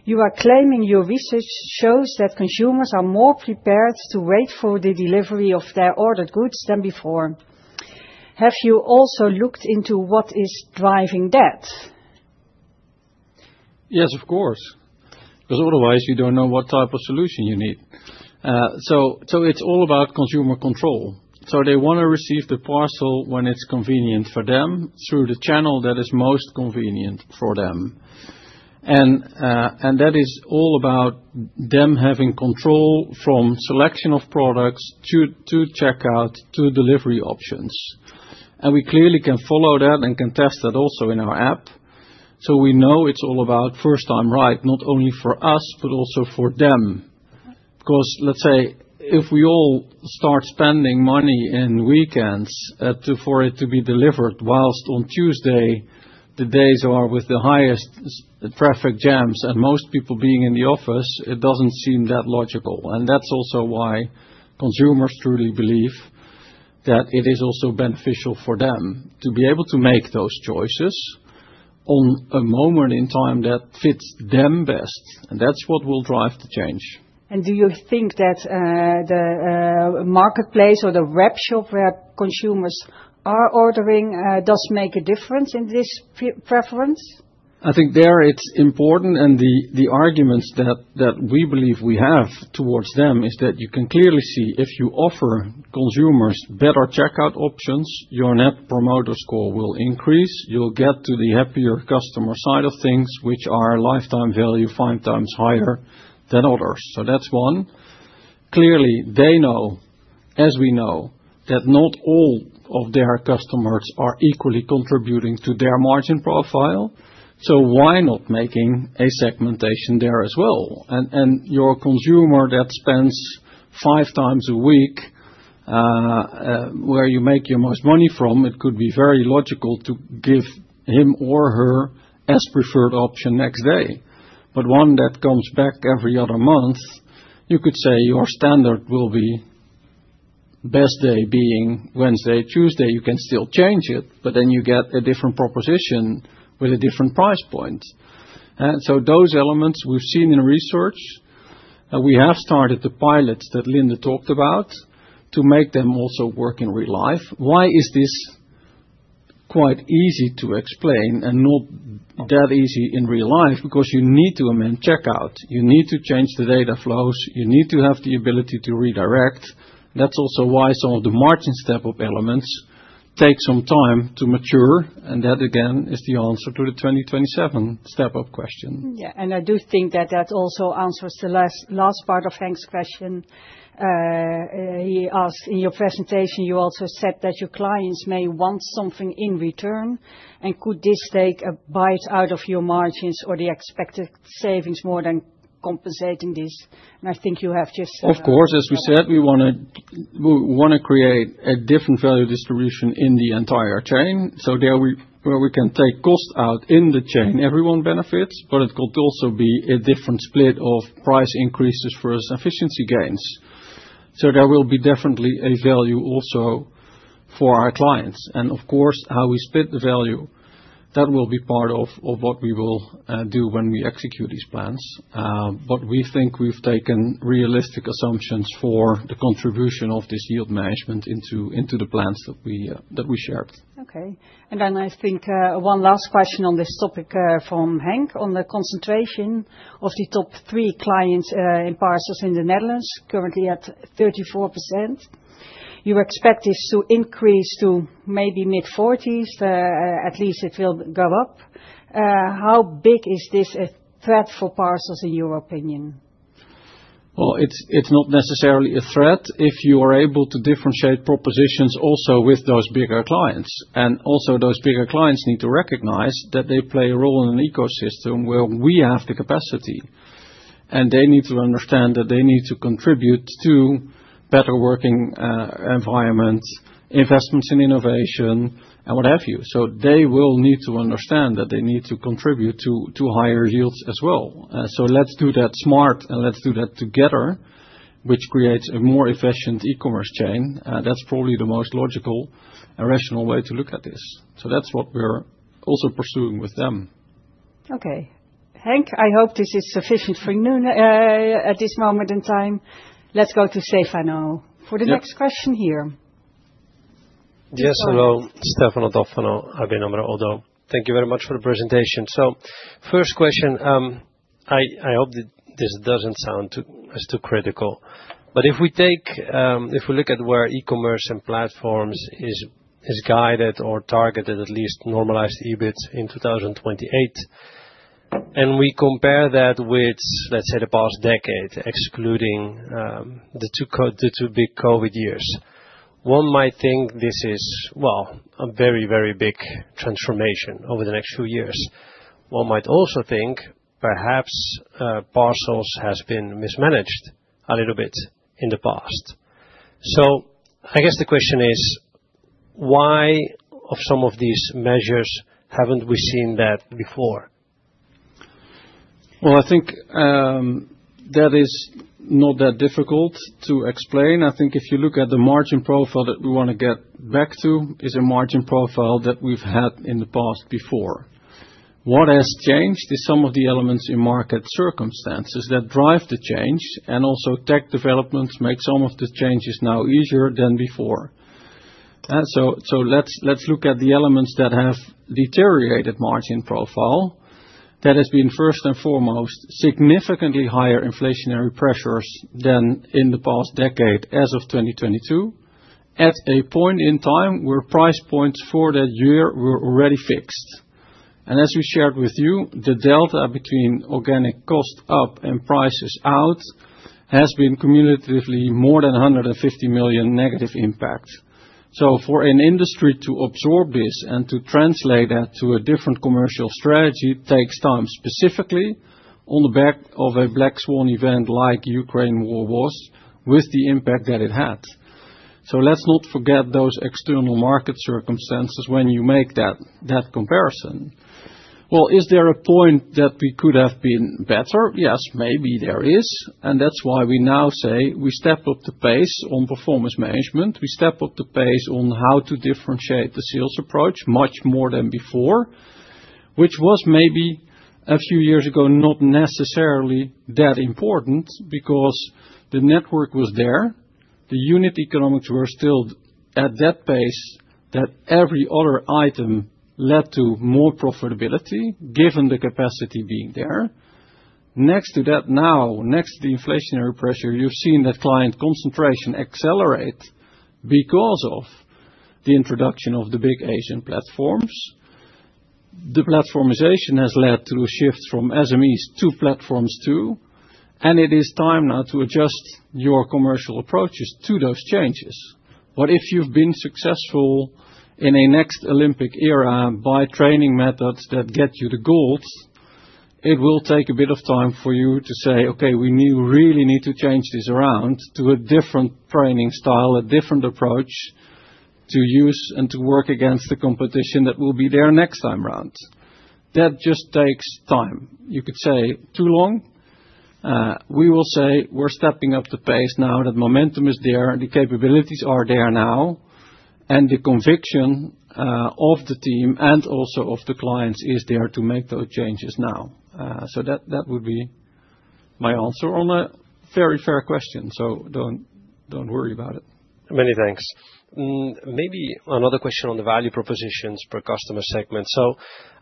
You are claiming your research shows that consumers are more prepared to wait for the delivery of their ordered goods than before. Have you also looked into what is driving that? Yes, of course, because otherwise, you don't know what type of solution you need, so it's all about consumer control, so they want to receive the parcel when it's convenient for them through the channel that is most convenient for them, and that is all about them having control from selection of products to checkout to delivery options, and we clearly can follow that and can test that also in our app, so we know it's all about first time right, not only for us, but also for them. Because let's say if we all start spending money on weekends for it to be delivered while on Tuesday, the days are with the highest traffic jams and most people being in the office, it doesn't seem that logical. And that's also why consumers truly believe that it is also beneficial for them to be able to make those choices on a moment in time that fits them best. And that's what will drive the change. And do you think that the marketplace or the webshop where consumers are ordering does make a difference in this preference? I think there it's important. And the arguments that we believe we have towards them is that you can clearly see if you offer consumers better checkout options, your Net Promoter Score will increase. You'll get to the happier customer side of things, which are lifetime value five times higher than others. That's one. Clearly, they know, as we know, that not all of their customers are equally contributing to their margin profile. Why not making a segmentation there as well? Your consumer that spends five times a week where you make your most money from, it could be very logical to give him or her as preferred option next day. One that comes back every other month, you could say your standard will be best day being Wednesday, Tuesday. You can still change it, but then you get a different proposition with a different price point. Those elements we've seen in research, we have started the pilots that Linde talked about to make them also work in real life. Why is this quite easy to explain and not that easy in real life? Because you need to amend checkout. You need to change the data flows. You need to have the ability to redirect. That's also why some of the margin step-up elements take some time to mature, and that again is the answer to the 2027 step-up question. Yeah, and I do think that that also answers the last part of Henk's question. He asked in your presentation, you also said that your clients may want something in return, and could this take a bite out of your margins or the expected savings more than compensating this? And I think you have just. Of course, as we said, we want to create a different value distribution in the entire chain, so there we can take cost out in the chain. Everyone benefits, but it could also be a different split of price increases versus efficiency gains, so there will be definitely a value also for our clients. Of course, how we split the value, that will be part of what we will do when we execute these plans. We think we've taken realistic assumptions for the contribution of this yield management into the plans that we shared. Okay. I think one last question on this topic from Henk on the concentration of the top three clients in parcels in the Netherlands, currently at 34%. You expect this to increase to maybe mid-40s. At least it will go up. How big is this a threat for parcels in your opinion? It's not necessarily a threat if you are able to differentiate propositions also with those bigger clients. And also those bigger clients need to recognize that they play a role in an ecosystem where we have the capacity. And they need to understand that they need to contribute to better working environments, investments i innovation, and what have you. So they will need to understand that they need to contribute to higher yields as well. So let's do that smart and let's do that together, which creates a more efficient e-commerce chain. That's probably the most logical and rational way to look at this. So that's what we're also pursuing with them. Okay. Henk, I hope this is sufficient for you at this moment in time. Let's go to Stefano for the next question here. Yes, hello. Stefano Toffano, ABN AMRO - ODDO BHF. Thank you very much for the presentation. So first question, I hope this doesn't sound too critical. But if we look at where e-commerce and platforms is guided or targeted, at least Normalized EBIT in 2028, and we compare that with, let's say, the past decade, excluding the two big COVID years, one might think this is, well, a very, very big transformation over the next few years. One might also think perhaps parcels have been mismanaged a little bit in the past. So I guess the question is, why of some of these measures haven't we seen that before? Well, I think that is not that difficult to explain. I think if you look at the margin profile that we want to get back to, it's a margin profile that we've had in the past before. What has changed is some of the elements in market circumstances that drive the change and also tech developments make some of the changes now easier than before. So let's look at the elements that have deteriorated margin profile that has been first and foremost significantly higher inflationary pressures than in the past decade as of 2022, at a point in time where price points for that year were already fixed. And as we shared with you, the delta between organic cost up and prices out has been cumulatively more than 150 million negative impact. So for an industry to absorb this and to translate that to a different commercial strategy takes time, specifically on the back of a black swan event like Ukraine war was with the impact that it had. So let's not forget those external market circumstances when you make that comparison. Well, is there a point that we could have been better? Yes, maybe there is. And that's why we now say we step up the pace on performance management. We step up the pace on how to differentiate the sales approach much more than before, which was maybe a few years ago not necessarily that important because the network was there. The unit economics were still at that pace that every other item led to more profitability given the capacity being there. Next to that now, next to the inflationary pressure, you've seen that client concentration accelerate because of the introduction of the big Asian platforms. The platformization has led to a shift from SMEs to platforms too, and it is time now to adjust your commercial approaches to those changes. But if you've been successful in a next Olympic era by training methods that get you the gold, it will take a bit of time for you to say, "Okay, we really need to change this around to a different training style, a different approach to use and to work against the competition that will be there next time around." That just takes time. You could say too long. We will say we're stepping up the pace now that momentum is there, the capabilities are there now, and the conviction of the team and also of the clients is there to make those changes now. So that would be my answer on a very fair question. So don't worry about it. Many thanks. Maybe another question on the value propositions per customer segment. So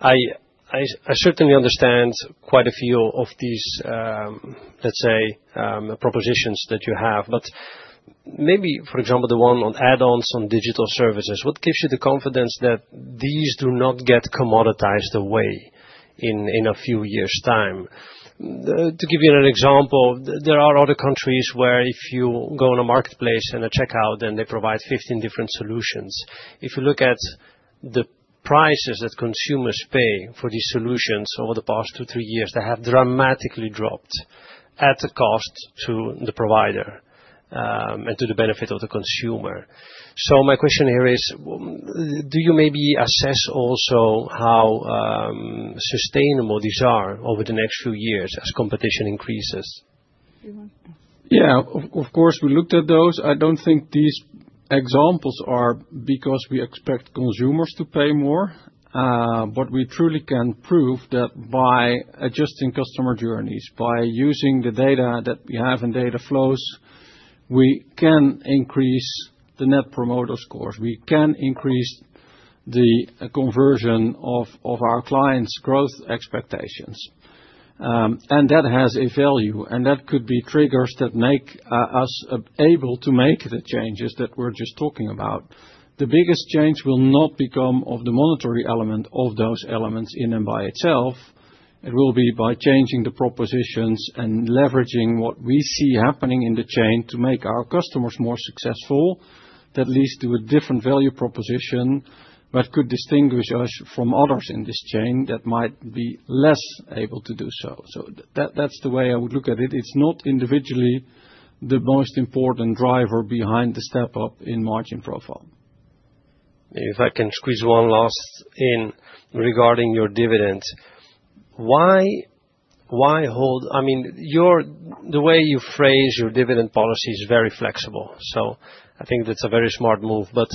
I certainly understand quite a few of these, let's say, propositions that you have. But maybe, for example, the one on add-ons on digital services, what gives you the confidence that these do not get commoditized away in a few years' time? To give you an example, there are other countries where if you go on a marketplace and a checkout, then they provide 15 different solutions. If you look at the prices that consumers pay for these solutions over the past two, three years, they have dramatically dropped at the cost to the provider and to the benefit of the consumer. So my question here is, do you maybe assess also how sustainable these are over the next few years as competition increases? Yeah, of course, we looked at those. I don't think these examples are because we expect consumers to pay more. But we truly can prove that by adjusting customer journeys, by using the data that we have in data flows, we can increase the net promoter scores. We can increase the conversion of our clients' growth expectations. And that has a value. And that could be triggers that make us able to make the changes that we're just talking about. The biggest change will not become of the monetary element of those elements in and by itself. It will be by changing the propositions and leveraging what we see happening in the chain to make our customers more successful. That leads to a different value proposition that could distinguish us from others in this chain that might be less able to do so. So that's the way I would look at it. It's not individually the most important driver behind the step-up in margin profile. If I can squeeze one last in regarding your dividends, why hold? I mean, the way you phrase your dividend policy is very flexible. So I think that's a very smart move. But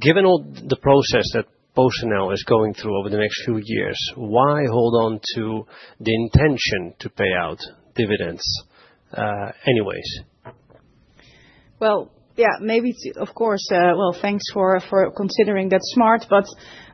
given all the process that PostNL is going through over the next few years, why hold on to the intention to pay out dividends anyways? Well, yeah, maybe, of course, well, thanks for considering that smart, but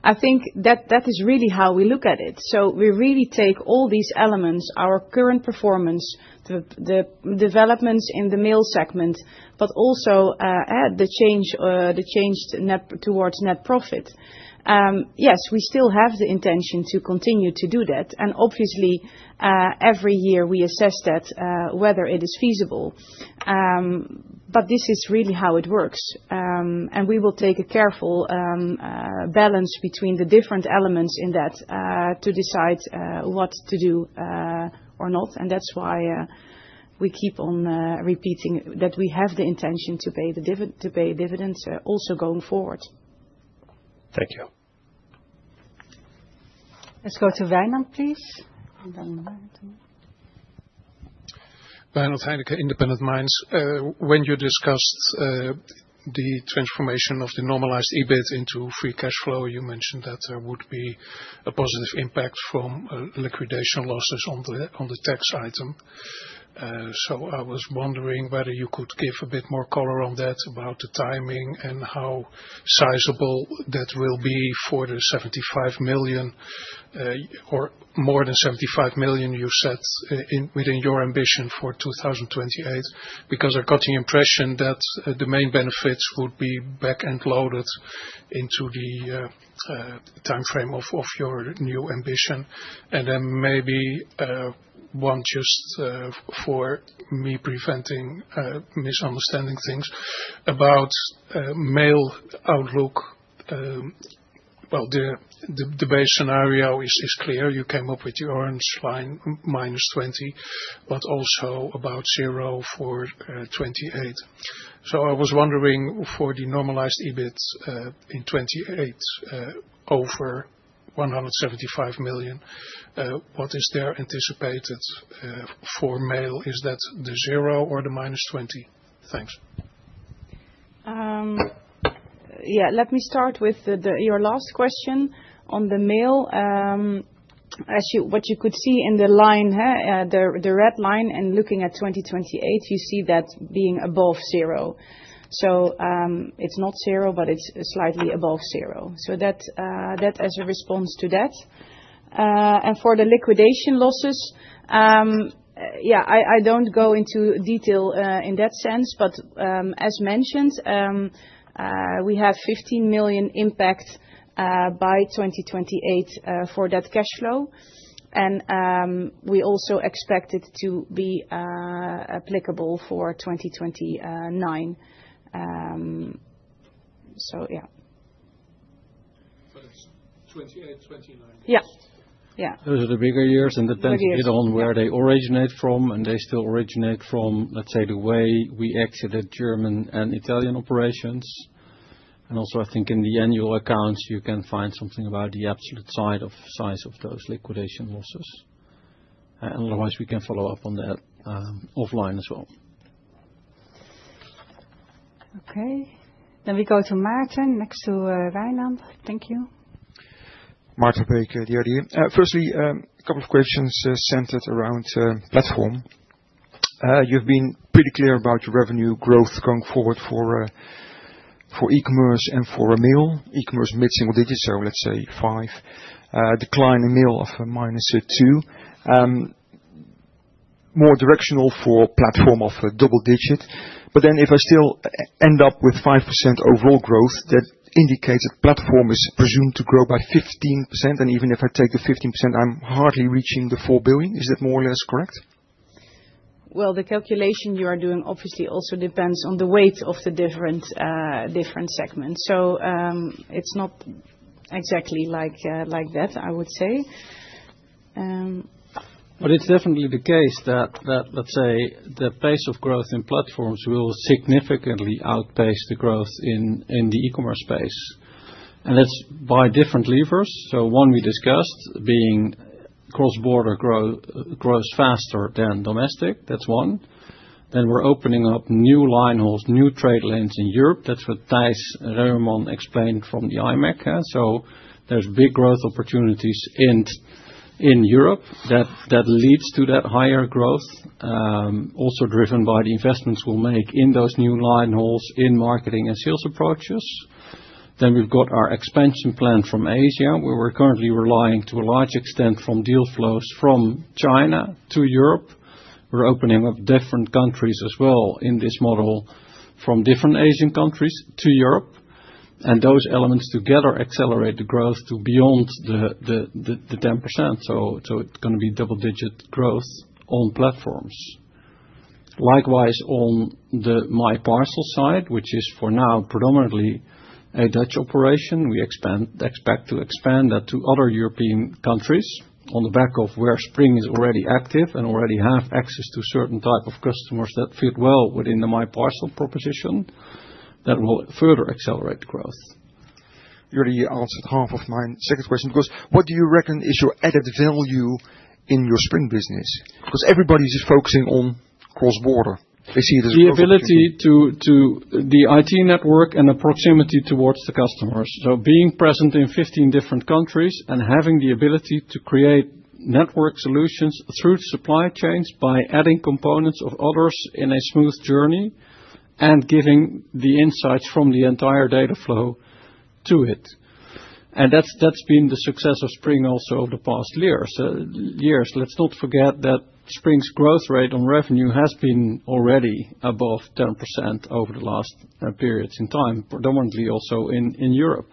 I think that is really how we look at it. So we really take all these elements, our current performance, the developments in the mail segment, but also the change, and net towards net profit. Yes, we still have the intention to continue to do that, and obviously, every year we assess that whether it is feasible, but this is really how it works. We will take a careful balance between the different elements in that to decide what to do or not. And that's why we keep on repeating that we have the intention to pay dividends also going forward. Thank you. Let's go to Wijnand, please. Wijnand Heineken, Independent Minds. When you discussed the transformation of the normalized EBIT into free cash flow, you mentioned that there would be a positive impact from liquidation losses on the tax item. So I was wondering whether you could give a bit more color on that, about the timing and how sizable that will be for the 75 million or more than 75 million you set within your ambition for 2028, because I got the impression that the main benefits would be back-end loaded into the timeframe of your new ambition. And then maybe one just for me preventing misunderstanding things about mail outlook. The base scenario is clear. You came up with the orange line -20, but also about zero for 2028. So I was wondering for the normalized EBIT in 2028 over 175 million, what is there anticipated for mail? Is that the zero or the -20? Thanks. Yeah, let me start with your last question on the mail. What you could see in the line, the red line and looking at 2028, you see that being above zero. So it's not zero, but it's slightly above zero. So that's a response to that. And for the liquidation losses, yeah, I don't go into detail in that sense, but as mentioned, we have 15 million impact by 2028 for that cash flow. And we also expect it to be applicable for 2029. So yeah. For 2028, 2029. Yeah. Yeah. Those are the bigger years and depending on where they originate from and they still originate from, let's say, the way we exited Germany and Italy operations. And also, I think in the annual accounts, you can find something about the absolute size of those liquidation losses. And otherwise, we can follow up on that offline as well. Okay. Then we go to Martin next to Wijnand. Thank you. Martin Baker, the RDA. Firstly, a couple of questions centered around platform. You've been pretty clear about your revenue growth going forward for e-commerce and for mail. E-commerce mid-single digit, so let's say five. Decline in mail of -2. More directional for platform of a double digit. But then if I still end up with 5% overall growth, that indicates that platform is presumed to grow by 15%. Even if I take the 15%, I'm hardly reaching the 4 billion. Is that more or less correct? The calculation you are doing obviously also depends on the weight of the different segments. It's not exactly like that, I would say. It's definitely the case that, let's say, the pace of growth in platforms will significantly outpace the growth in the e-commerce space. That's by different levers. One we discussed being cross-border growth faster than domestic. That's one. We're opening up new linehauls, new trade lanes in Europe. That's what Tijs Reumerman explained from the IMEC. There's big growth opportunities in Europe that leads to that higher growth, also driven by the investments we'll make in those new linehauls, in marketing and sales approaches. Then we've got our expansion plan from Asia, where we're currently relying to a large extent from deal flows from China to Europe. We're opening up different countries as well in this model from different Asian countries to Europe. And those elements together accelerate the growth to beyond the 10%. So it's going to be double-digit growth on platforms. Likewise, on the MyParcel side, which is for now predominantly a Dutch operation, we expect to expand that to other European countries on the back of where Spring is already active and already have access to certain types of customers that fit well within the MyParcel proposition that will further accelerate growth. You already answered half of my second question because what do you reckon is your added value in your Spring business? Because everybody is just focusing on cross-border. They see it as a cross-border. The ability of the IT network and the proximity towards the customers, so being present in 15 different countries and having the ability to create network solutions through supply chains by adding components of others in a smooth journey and giving the insights from the entire data flow to it. That's been the success of Spring also over the past years. Let's not forget that Spring's growth rate on revenue has been already above 10% over the last periods in time, predominantly also in Europe.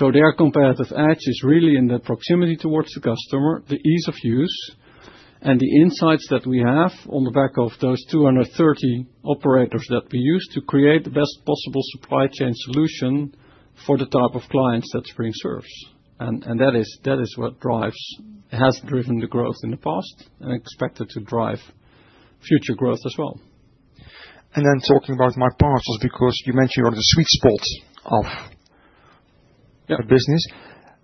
Their competitive edge is really in the proximity towards the customer, the ease of use, and the insights that we have on the back of those 230 operators that we use to create the best possible supply chain solution for the type of clients that Spring serves. That is what drives, has driven the growth in the past and expected to drive future growth as well, and then talking about MyParcel because you mentioned you're the sweet spot of the business.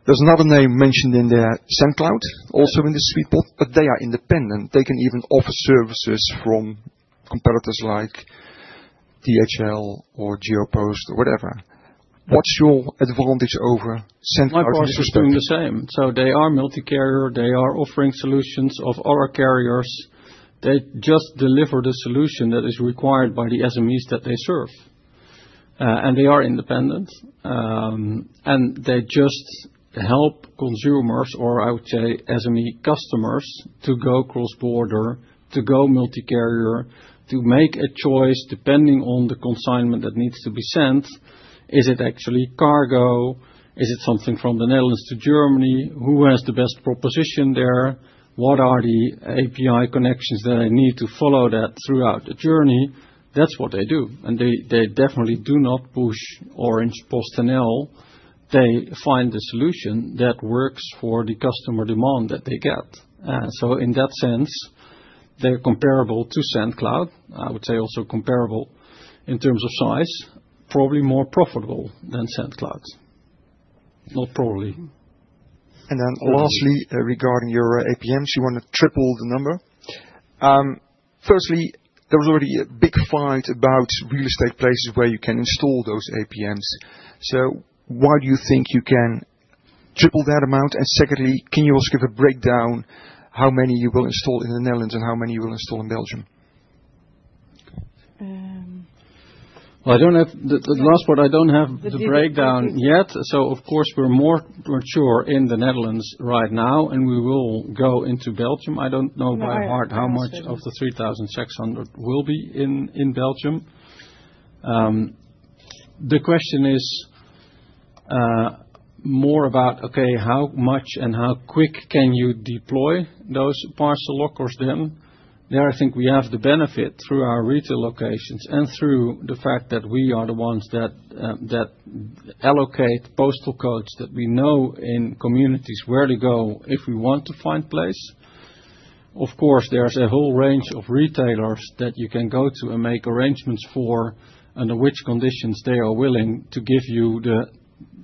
There's another name mentioned there, Sendcloud, also in the sweet spot, but they are independent. They can even offer services from competitors like DHL or Geopost or whatever. What's your advantage over Sendcloud from this perspective? No, it's pretty much the same, so they are multi-carrier. They are offering solutions of other carriers. They just deliver the solution that is required by the SMEs that they serve, and they are independent, and they just help consumers or, I would say, SME customers to go cross-border, to go multi-carrier, to make a choice depending on the consignment that needs to be sent. Is it actually cargo? Is it something from the Netherlands to Germany? Who has the best proposition there? What are the API connections that I need to follow that throughout the journey? That's what they do. And they definitely do not push orange PostNL. They find the solution that works for the customer demand that they get. So in that sense, they're comparable to Sendcloud. I would say also comparable in terms of size, probably more profitable than Sendcloud. Not probably. And then lastly, regarding your APLs, you want to triple the number. Firstly, there was already a big fight about real estate places where you can install those APLs. So why do you think you can triple that amount? And secondly, can you also give a breakdown how many you will install in the Netherlands and how many you will install in Belgium? Well, I don't have the last part. I don't have the breakdown yet. So of course, we're more mature in the Netherlands right now, and we will go into Belgium. I don't know by heart how much of the 3,600 will be in Belgium. The question is more about, okay, how much and how quick can you deploy those parcel lockers then? There, I think we have the benefit through our retail locations and through the fact that we are the ones that allocate postal codes that we know in communities where to go if we want to find place. Of course, there's a whole range of retailers that you can go to and make arrangements for under which conditions they are willing to give you the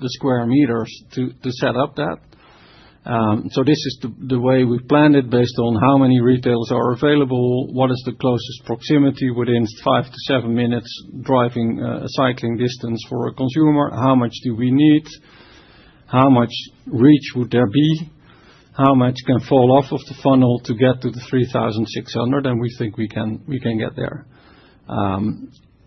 square meters to set up that. So this is the way we plan it based on how many retailers are available, what is the closest proximity within five to seven minutes driving cycling distance for a consumer, how much do we need, how much reach would there be, how much can fall off of the funnel to get to the 3,600, and we think we can get there.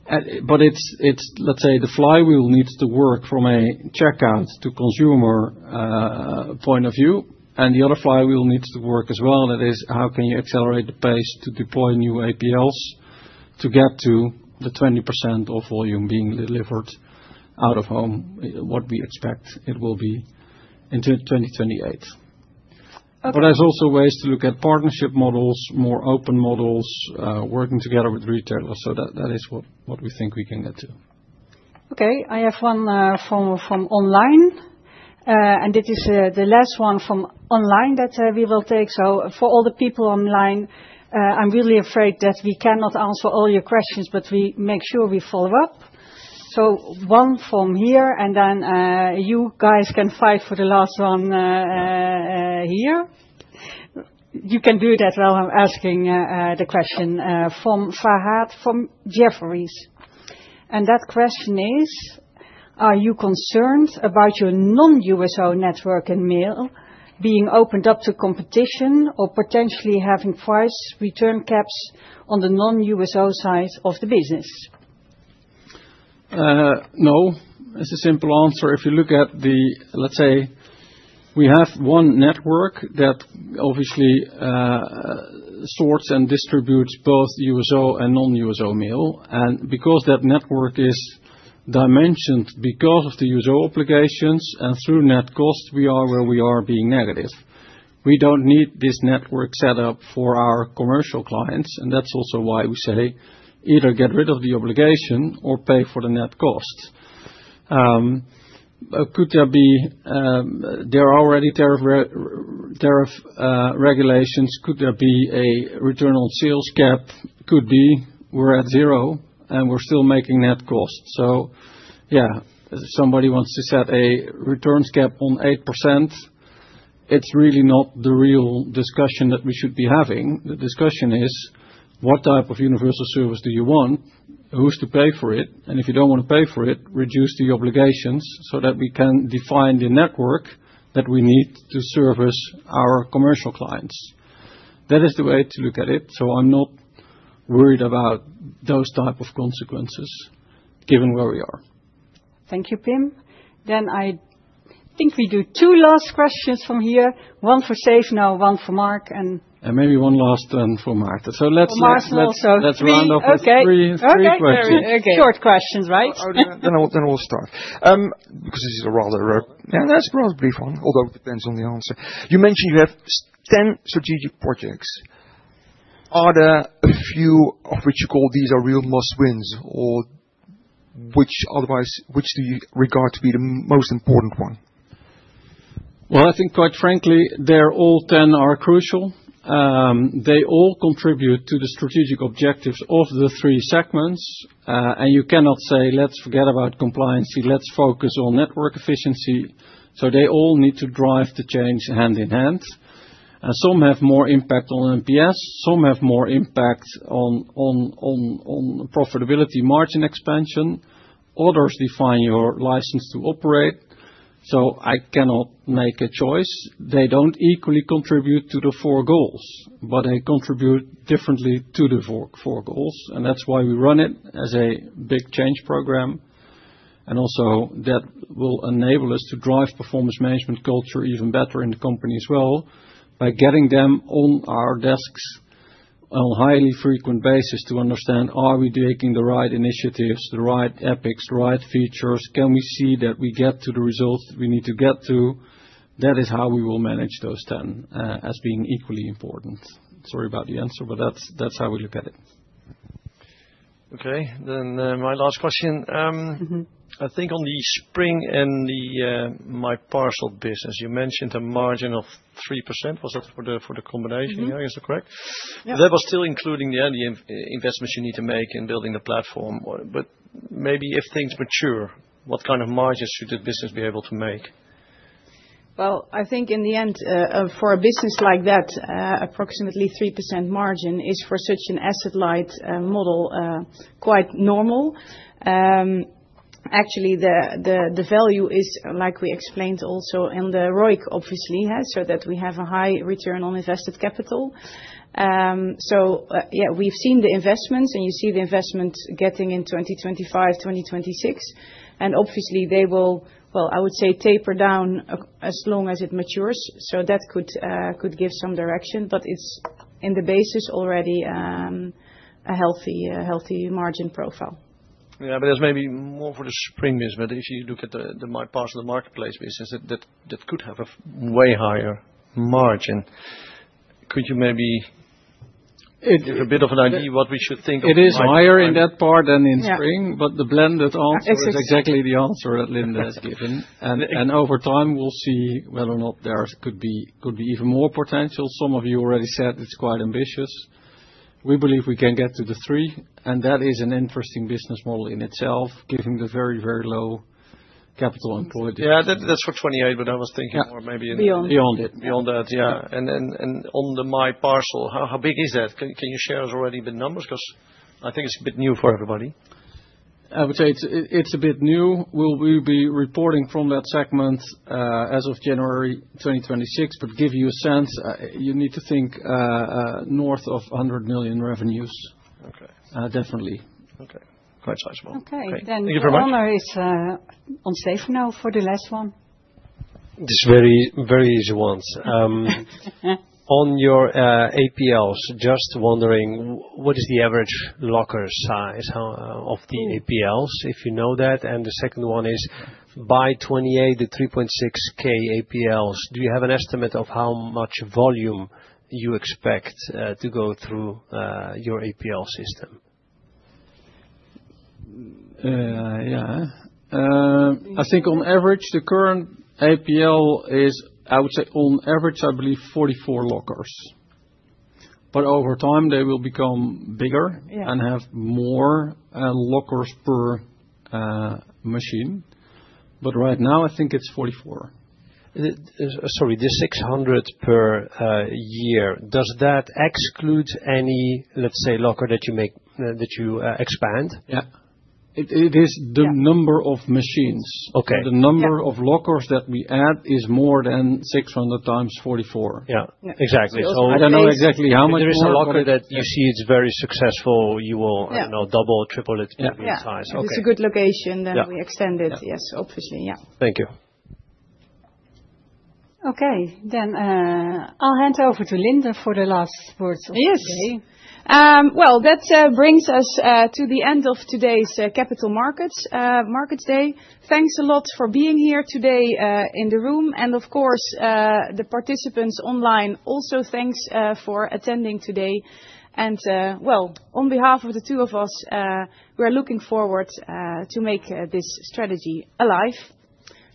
But it's, let's say, the flywheel needs to work from a checkout to consumer point of view. And the other flywheel needs to work as well. That is, how can you accelerate the pace to deploy new APLs to get to the 20% of volume being delivered out of home, what we expect it will be in 2028. But there's also ways to look at partnership models, more open models, working together with retailers. So that is what we think we can get to. Okay. I have one form from online. And this is the last one from online that we will take. So for all the people online, I'm really afraid that we cannot answer all your questions, but we make sure we follow up. So one form here, and then you guys can fight for the last one here. You can do that while I'm asking the question from Farhad from Jefferies. And that question is, "Are you concerned about your non-USO network and mail being opened up to competition or potentially having price regulation caps on the non-USO side of the business?" No. It's a simple answer. If you look at the, let's say, we have one network that obviously sorts and distributes both USO and non-USO mail. And because that network is dimensioned because of the USO obligations and through net cost, we are where we are being negative. We don't need this network set up for our commercial clients. And that's also why we say either get rid of the obligation or pay for the net cost. Could there be? There are already tariff regulations. Could there be a return on sales cap? Could be. We're at zero, and we're still making net cost. So yeah, if somebody wants to set a returns cap on 8%, it's really not the real discussion that we should be having. The discussion is, what type of universal service do you want? Who's to pay for it? And if you don't want to pay for it, reduce the obligations so that we can define the network that we need to service our commercial clients. That is the way to look at it. So I'm not worried about those type of consequences given where we are. Thank you, Pim. Then I think we do two last questions from here. One for Stefano, one for Mark, and maybe one last then for Mark. So let's round up with three questions. Okay. Short questions, right? Then we'll start. Because this is a rather yeah, that's a rather brief one, although it depends on the answer. You mentioned you have 10 strategic projects. Are there a few of which you call these are real must-wins or which do you regard to be the most important one? Well, I think quite frankly, they're all 10 are crucial. They all contribute to the strategic objectives of the three segments. And you cannot say, let's forget about compliancy. Let's focus on network efficiency. So they all need to drive the change hand in hand. Some have more impact on NPS. Some have more impact on profitability margin expansion. Others define your license to operate. So I cannot make a choice. They don't equally contribute to the four goals, but they contribute differently to the four goals. And that's why we run it as a big change program. And also that will enable us to drive performance management culture even better in the company as well by getting them on our desks on a highly frequent basis to understand, are we taking the right initiatives, the right epics, the right features? Can we see that we get to the results that we need to get to? That is how we will manage those 10 as being equally important. Sorry about the answer, but that's how we look at it. Okay. Then my last question. I think on the Spring and the MyParcel business, you mentioned a margin of 3%. Was that for the combination? Is that correct? That was still including the investments you need to make in building the platform. But maybe if things mature, what kind of margin should the business be able to make? Well, I think in the end, for a business like that, approximately 3% margin is for such an asset-light model quite normal. Actually, the value is, like we explained also in the ROIC, obviously, so that we have a high return on invested capital. So yeah, we've seen the investments, and you see the investments getting in 2025, 2026. And obviously, they will, well, I would say, taper down as long as it matures. So that could give some direction. But it's in the basis already a healthy margin profile. Yeah, but there's maybe more for the Spring business. But if you look at the MyParcel marketplace business, that could have a way higher margin. Could you maybe give a bit of an idea what we should think of? It is higher in that part than in Spring, but the blended answer is exactly the answer that Linde has given. And over time, we'll see whether or not there could be even more potential. Some of you already said it's quite ambitious. We believe we can get to the three. And that is an interesting business model in itself, given the very, very low capital employed in Spring. Yeah, that's for 2028, but I was thinking more maybe beyond it. Beyond that, yeah. And on the MyParcel, how big is that? Can you share us already the numbers? Because I think it's a bit new for everybody. I would say it's a bit new. We'll be reporting from that segment as of January 2026, but give you a sense. You need to think north of 100 million revenues. Definitely. Quite sizable. Okay. Then the honor is on Stefano for the last one. This is very easy ones. On your APLs, just wondering, what is the average locker size of the APLs, if you know that? And the second one is, by 28, the 3.6K APLs, do you have an estimate of how much volume you expect to go through your APL system? Yeah. I think on average, the current APL is, I would say, on average, I believe, 44 lockers. But over time, they will become bigger and have more lockers per machine. But right now, I think it's 44. Sorry, the 600 per year. Does that exclude any, let's say, locker that you expand? Yeah. It is the number of machines. The number of lockers that we add is more than 600 x 44. Yeah. Exactly. So, I don't know exactly how many lockers. There is a locker that you see; it's very successful. You will double, triple it in size. Yeah. If it's a good location, then we extend it. Yes, obviously. Yeah. Thank you. Okay. Then I'll hand over to Linde for the last words. Yes. Well, that brings us to the end of today's Capital Markets Day. Thanks a lot for being here today in the room. And of course, the participants online, also thanks for attending today. And well, on behalf of the two of us, we are looking forward to make this strategy alive.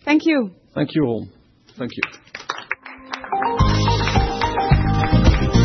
Thank you. Thank you all. Thank you.